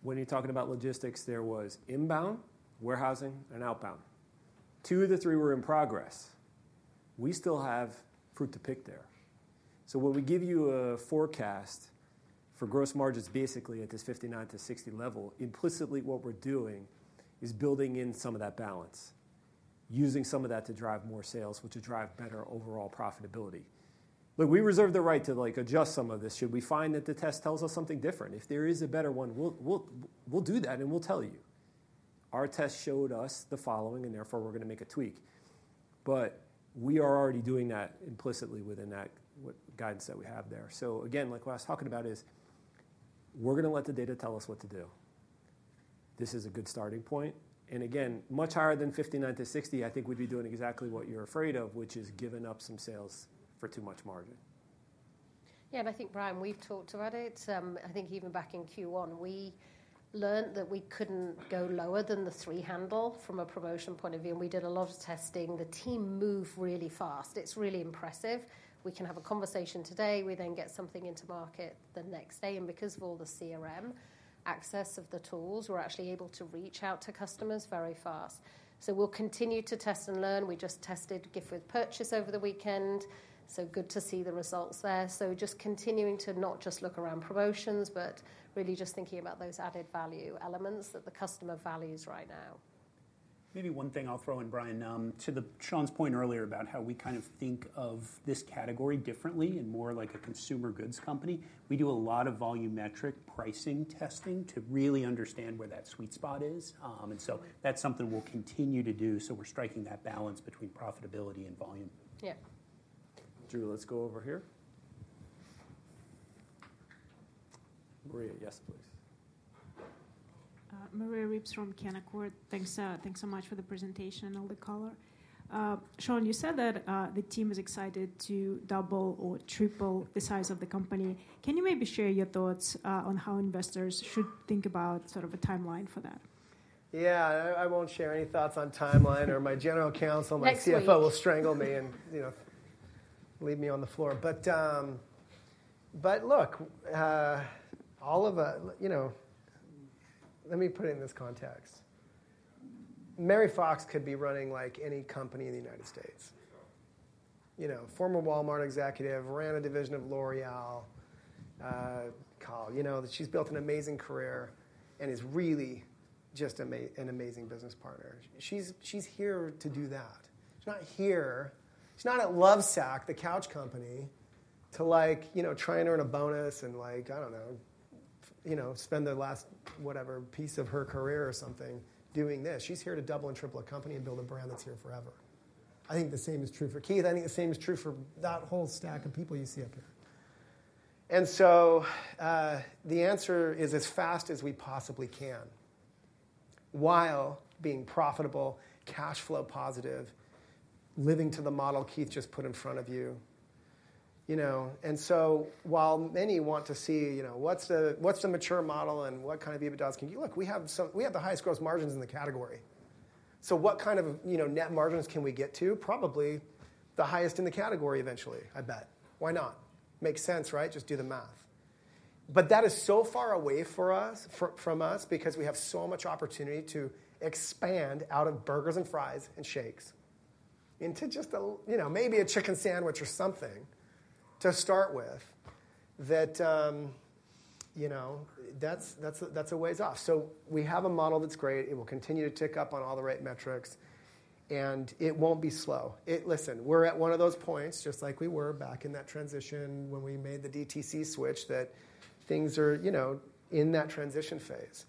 when you're talking about logistics, there was inbound, warehousing, and outbound. Two of the three were in progress. We still have fruit to pick there. So when we give you a forecast for gross margins basically at this 59%-60% level, implicitly what we're doing is building in some of that balance, using some of that to drive more sales, which will drive better overall profitability. Look, we reserve the right to adjust some of this should we find that the test tells us something different. If there is a better one, we'll do that, and we'll tell you. Our test showed us the following, and therefore we're going to make a tweak. But we are already doing that implicitly within that guidance that we have there. So again, like what I was talking about is we're going to let the data tell us what to do. This is a good starting point. And again, much higher than 59-60, I think we'd be doing exactly what you're afraid of, which is giving up some sales for too much margin. Yeah. And I think, Brian, we've talked about it. I think even back in Q1, we learned that we couldn't go lower than the three handle from a promotion point of view. And we did a lot of testing. The team moved really fast. It's really impressive. We can have a conversation today. We then get something into market the next day. And because of all the CRM access of the tools, we're actually able to reach out to customers very fast. So we'll continue to test and learn. We just tested gift with purchase over the weekend. So good to see the results there. So just continuing to not just look around promotions, but really just thinking about those added value elements that the customer values right now. Maybe one thing I'll throw in, Brian, to Shawn's point earlier about how we kind of think of this category differently and more like a consumer goods company. We do a lot of volumetric pricing testing to really understand where that sweet spot is. And so that's something we'll continue to do. So we're striking that balance between profitability and volume. Yeah. Drew, let's go over here. Maria, yes, please. Maria Ripps from Canaccord Genuity. Thanks so much for the presentation and all the color. Shawn, you said that the team is excited to double or triple the size of the company. Can you maybe share your thoughts on how investors should think about sort of a timeline for that? Yeah. I won't share any thoughts on timeline or my general counsel. My CFO will strangle me and leave me on the floor. But look, let me put it in this context. Mary Fox could be running like any company in the United States. Former Walmart executive, ran a division of L'Oréal. She's built an amazing career and is really just an amazing business partner. She's here to do that. She's not here at Lovesac, the couch company, to try and earn a bonus and, I don't know, spend the last whatever piece of her career or something doing this. She's here to double and triple a company and build a brand that's here forever. I think the same is true for Keith. I think the same is true for that whole stack of people you see up here. And so the answer is as fast as we possibly can while being profitable, cash flow positive, living to the model Keith just put in front of you. And so while many want to see what's the mature model and what kind of evidence can you look, we have the highest gross margins in the category. So what kind of net margins can we get to? Probably the highest in the category eventually, I bet. Why not? Makes sense, right? Just do the math. But that is so far away from us because we have so much opportunity to expand out of burgers and fries and shakes into just maybe a chicken sandwich or something to start with that that's a ways off. So we have a model that's great. It will continue to tick up on all the right metrics, and it won't be slow. Listen, we're at one of those points, just like we were back in that transition when we made the DTC switch, that things are in that transition phase.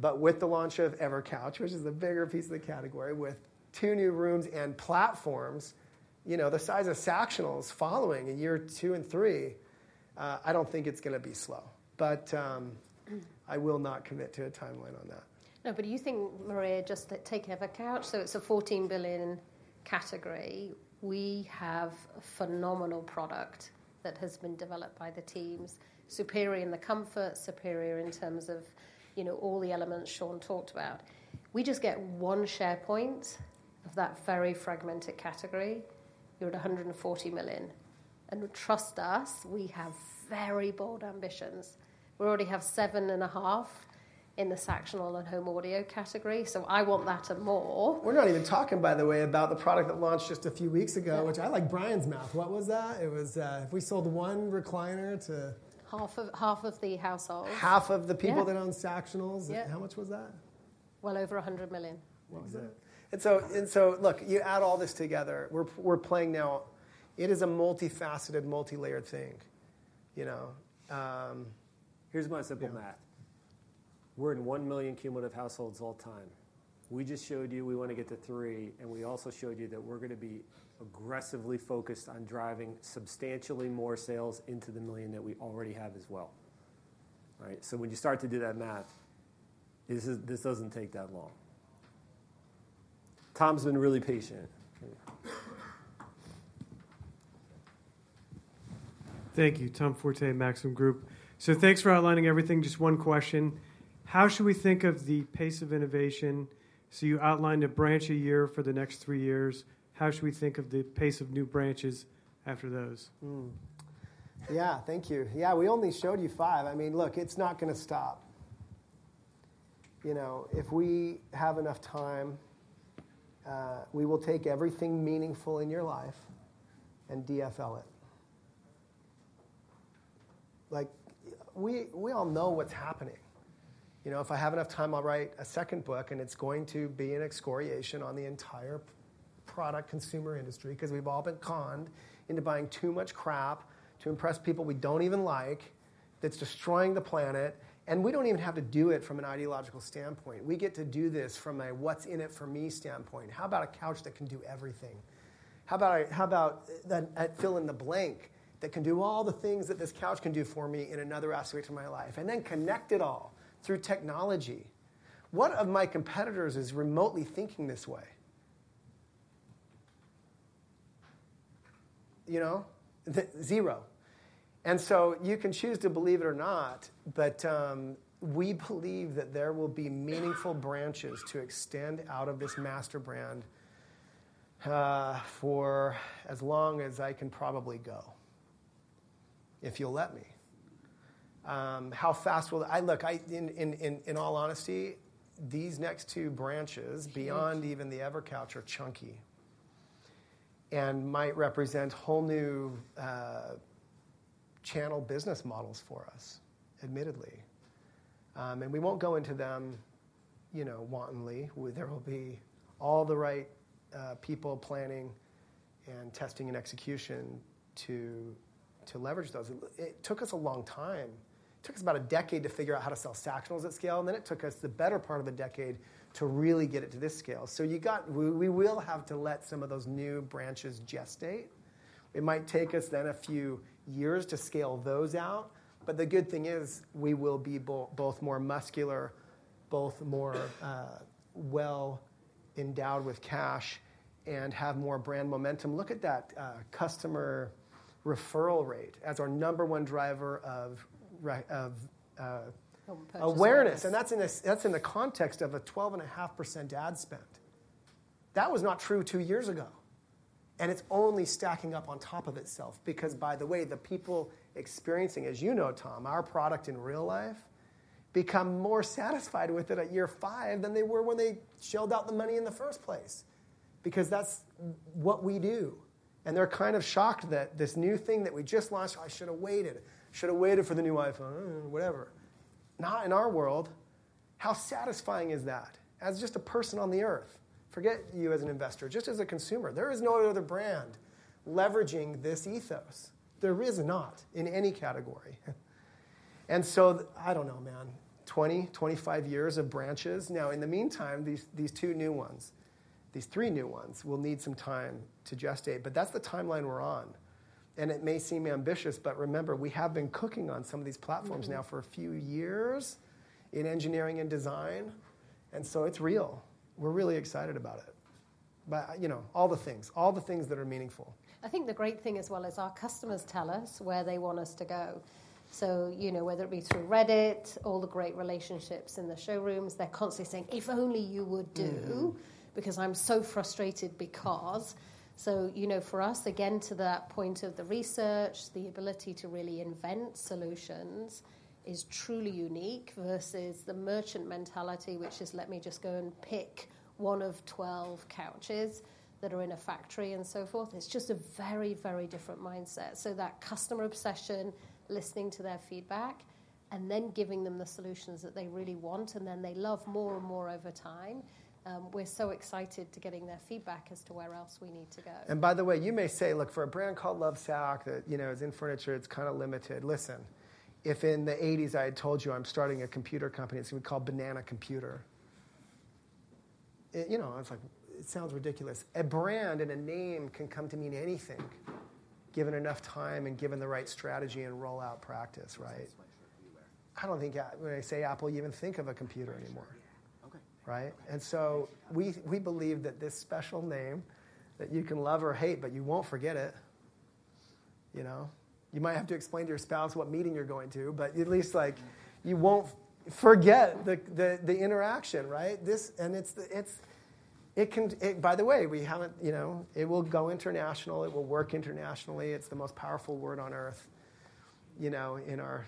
But with the launch of EverCouch, which is the bigger piece of the category with two new rooms and platforms, the size of Sactionals following in year two and three, I don't think it's going to be slow. But I will not commit to a timeline on that. No, but do you think, Maria, just taking EverCouch, so it's a $14 billion category. We have a phenomenal product that has been developed by the teams, superior in the comfort, superior in terms of all the elements Shawn talked about. We just get one share point of that very fragmented category. You're at $140 million. And trust us, we have very bold ambitions. We already have seven and a half in the sectional and home audio category. So I want that and more. We're not even talking, by the way, about the product that launched just a few weeks ago, which I like Brian's math. What was that? It was if we sold one recliner to half of the household, half of the people that own Sactionals, how much was that? Well, over $100 million. What was that? And so look, you add all this together. We're playing now. It is a multifaceted, multi-layered thing. Here's my simple math. We're in 1 million cumulative households all the time. We just showed you we want to get to 3, and we also showed you that we're going to be aggressively focused on driving substantially more sales into the 1 million that we already have as well. All right? So when you start to do that math, this doesn't take that long. Tom's been really patient. Thank you. Tom Forte, Maxim Group. So thanks for outlining everything. Just one question. How should we think of the pace of innovation? So you outlined a launch a year for the next three years. How should we think of the pace of new launches after those? Yeah. Thank you. Yeah. We only showed you five. I mean, look, it's not going to stop. If we have enough time, we will take everything meaningful in your life and DFL it. We all know what's happening. If I have enough time, I'll write a second book, and it's going to be an excoriation on the entire product consumer industry because we've all been conned into buying too much crap to impress people we don't even like. That's destroying the planet. And we don't even have to do it from an ideological standpoint. We get to do this from a what's in it for me standpoint. How about a couch that can do everything? How about fill in the blank that can do all the things that this couch can do for me in another aspect of my life and then connect it all through technology? What of my competitors is remotely thinking this way? Zero. And so you can choose to believe it or not, but we believe that there will be meaningful branches to extend out of this master brand for as long as I can probably go, if you'll let me. How fast will I look, in all honesty, these next two branches beyond even the EverCouch are chunky and might represent whole new channel business models for us, admittedly. And we won't go into them wantonly. There will be all the right people planning, testing, and execution to leverage those. It took us a long time. It took us about a decade to figure out how to sell Sactionals at scale, and then it took us the better part of a decade to really get it to this scale, so we will have to let some of those new branches gestate. It might take us then a few years to scale those out, but the good thing is we will be both more muscular, both more well endowed with cash, and have more brand momentum. Look at that customer referral rate as our number one driver of awareness, and that's in the context of a 12.5% ad spend. That was not true two years ago. And it's only stacking up on top of itself because, by the way, the people experiencing, as you know, Tom, our product in real life become more satisfied with it at year five than they were when they shelled out the money in the first place because that's what we do. And they're kind of shocked that this new thing that we just launched. I should have waited, should have waited for the new iPhone, whatever. Not in our world. How satisfying is that as just a person on the earth? Forget you as an investor. Just as a consumer, there is no other brand leveraging this ethos. There is not in any category. And so I don't know, man, 20, 25 years of branches. Now, in the meantime, these two new ones, these three new ones will need some time to gestate. But that's the timeline we're on. And it may seem ambitious, but remember, we have been cooking on some of these platforms now for a few years in engineering and design. And so it's real. We're really excited about it. But all the things, all the things that are meaningful. I think the great thing as well is our customers tell us where they want us to go. So whether it be through Reddit, all the great relationships in the showrooms, they're constantly saying, "If only you would do because I'm so frustrated because." So for us, again, to that point of the research, the ability to really invent solutions is truly unique versus the merchant mentality, which is, "Let me just go and pick one of 12 couches that are in a factory and so forth." It's just a very, very different mindset. That customer obsession, listening to their feedback, and then giving them the solutions that they really want, and then they love more and more over time. We're so excited to getting their feedback as to where else we need to go. By the way, you may say, "Look, for a brand called Lovesac, it's in furniture. It's kind of limited." Listen, if in the 1980s I had told you I'm starting a computer company, it's going to be called Banana Computer. It sounds ridiculous. A brand and a name can come to mean anything given enough time and given the right strategy and rollout practice, right? I don't think when I say Apple, you even think of a computer anymore. Right? We believe that this special name that you can love or hate, but you won't forget it. You might have to explain to your spouse what meeting you're going to, but at least you won't forget the interaction, right? And by the way, it will go international. It will work internationally. It's the most powerful word on earth in our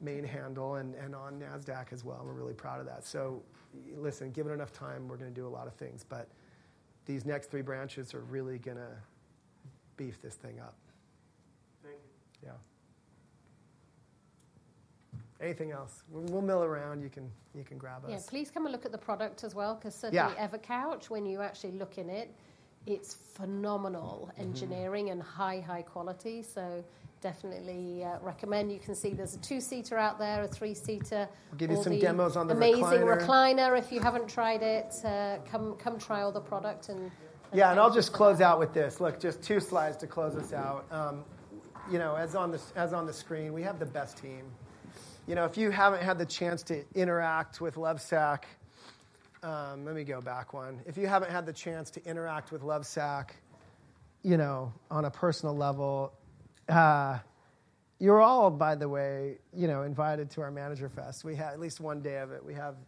main handle and on NASDAQ as well. We're really proud of that. So listen, given enough time, we're going to do a lot of things, but these next three branches are really going to beef this thing up. Thank you. Yeah. Anything else? We'll mill around. You can grab us. Yeah. Please come and look at the product as well because certainly EverCouch, when you actually look in it, it's phenomenal engineering and high, high quality. So definitely recommend. You can see there's a two-seater out there, a three-seater. I'll give you some demos on the next month. Amazing recliner. If you haven't tried it, come try all the product and yeah. And I'll just close out with this. Look, just two slides to close us out. As on the screen, we have the best team. If you haven't had the chance to interact with Lovesac, let me go back one. If you haven't had the chance to interact with Lovesac on a personal level, you're all, by the way, invited to our Manager Fest. We had at least one day of it.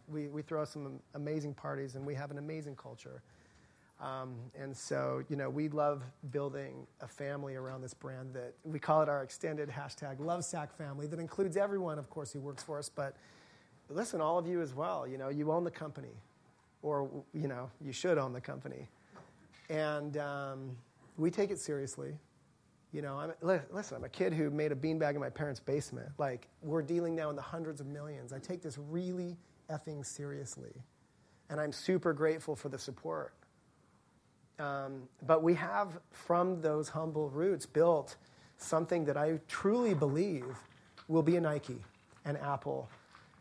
We throw some amazing parties, and we have an amazing culture. And so we love building a family around this brand that we call it our extended #LovesacFamily that includes everyone, of course, who works for us. But listen, all of you as well. You own the company, or you should own the company. And we take it seriously. Listen, I'm a kid who made a beanbag in my parents' basement. We're dealing now in the hundreds of millions. I take this really effing seriously, and I'm super grateful for the support. But we have, from those humble roots, built something that I truly believe will be a Nike, an Apple,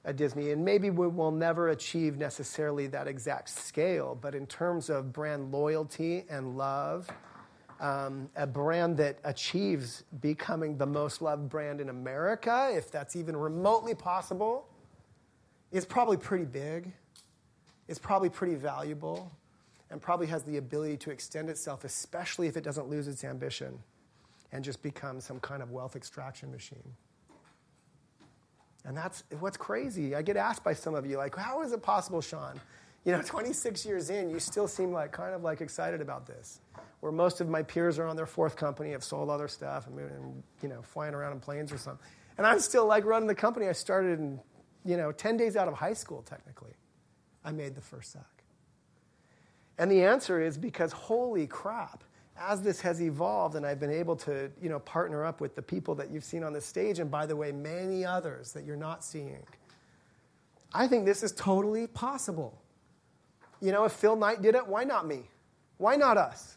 a Disney. And maybe we'll never achieve necessarily that exact scale, but in terms of brand loyalty and love, a brand that achieves becoming the most loved brand in America, if that's even remotely possible, is probably pretty big. It's probably pretty valuable and probably has the ability to extend itself, especially if it doesn't lose its ambition and just becomes some kind of wealth extraction machine. And that's what's crazy. I get asked by some of you, like, "How is it possible, Shawn?" 26 years in, you still seem kind of excited about this, where most of my peers are on their fourth company, have sold other stuff, and flying around in planes or something. And I'm still running the company. I started 10 days out of high school, technically. I made the first Sac. And the answer is because, holy crap, as this has evolved and I've been able to partner up with the people that you've seen on the stage, and by the way, many others that you're not seeing, I think this is totally possible. If Phil Knight did it, why not me? Why not us?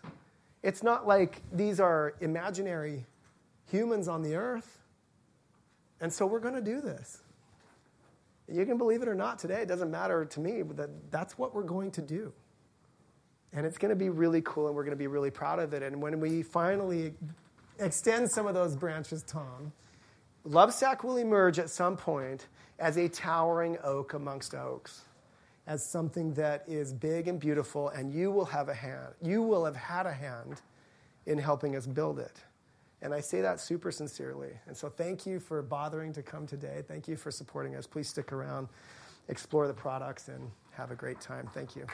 It's not like these are imaginary humans on the earth. And so we're going to do this. You can believe it or not. Today, it doesn't matter to me that that's what we're going to do. And it's going to be really cool, and we're going to be really proud of it. And when we finally extend some of those branches, Tom, Lovesac will emerge at some point as a towering oak amongst oaks, as something that is big and beautiful. And you will have had a hand in helping us build it. And I say that super sincerely. And so thank you for bothering to come today. Thank you for supporting us. Please stick around, explore the products, and have a great time. Thank you.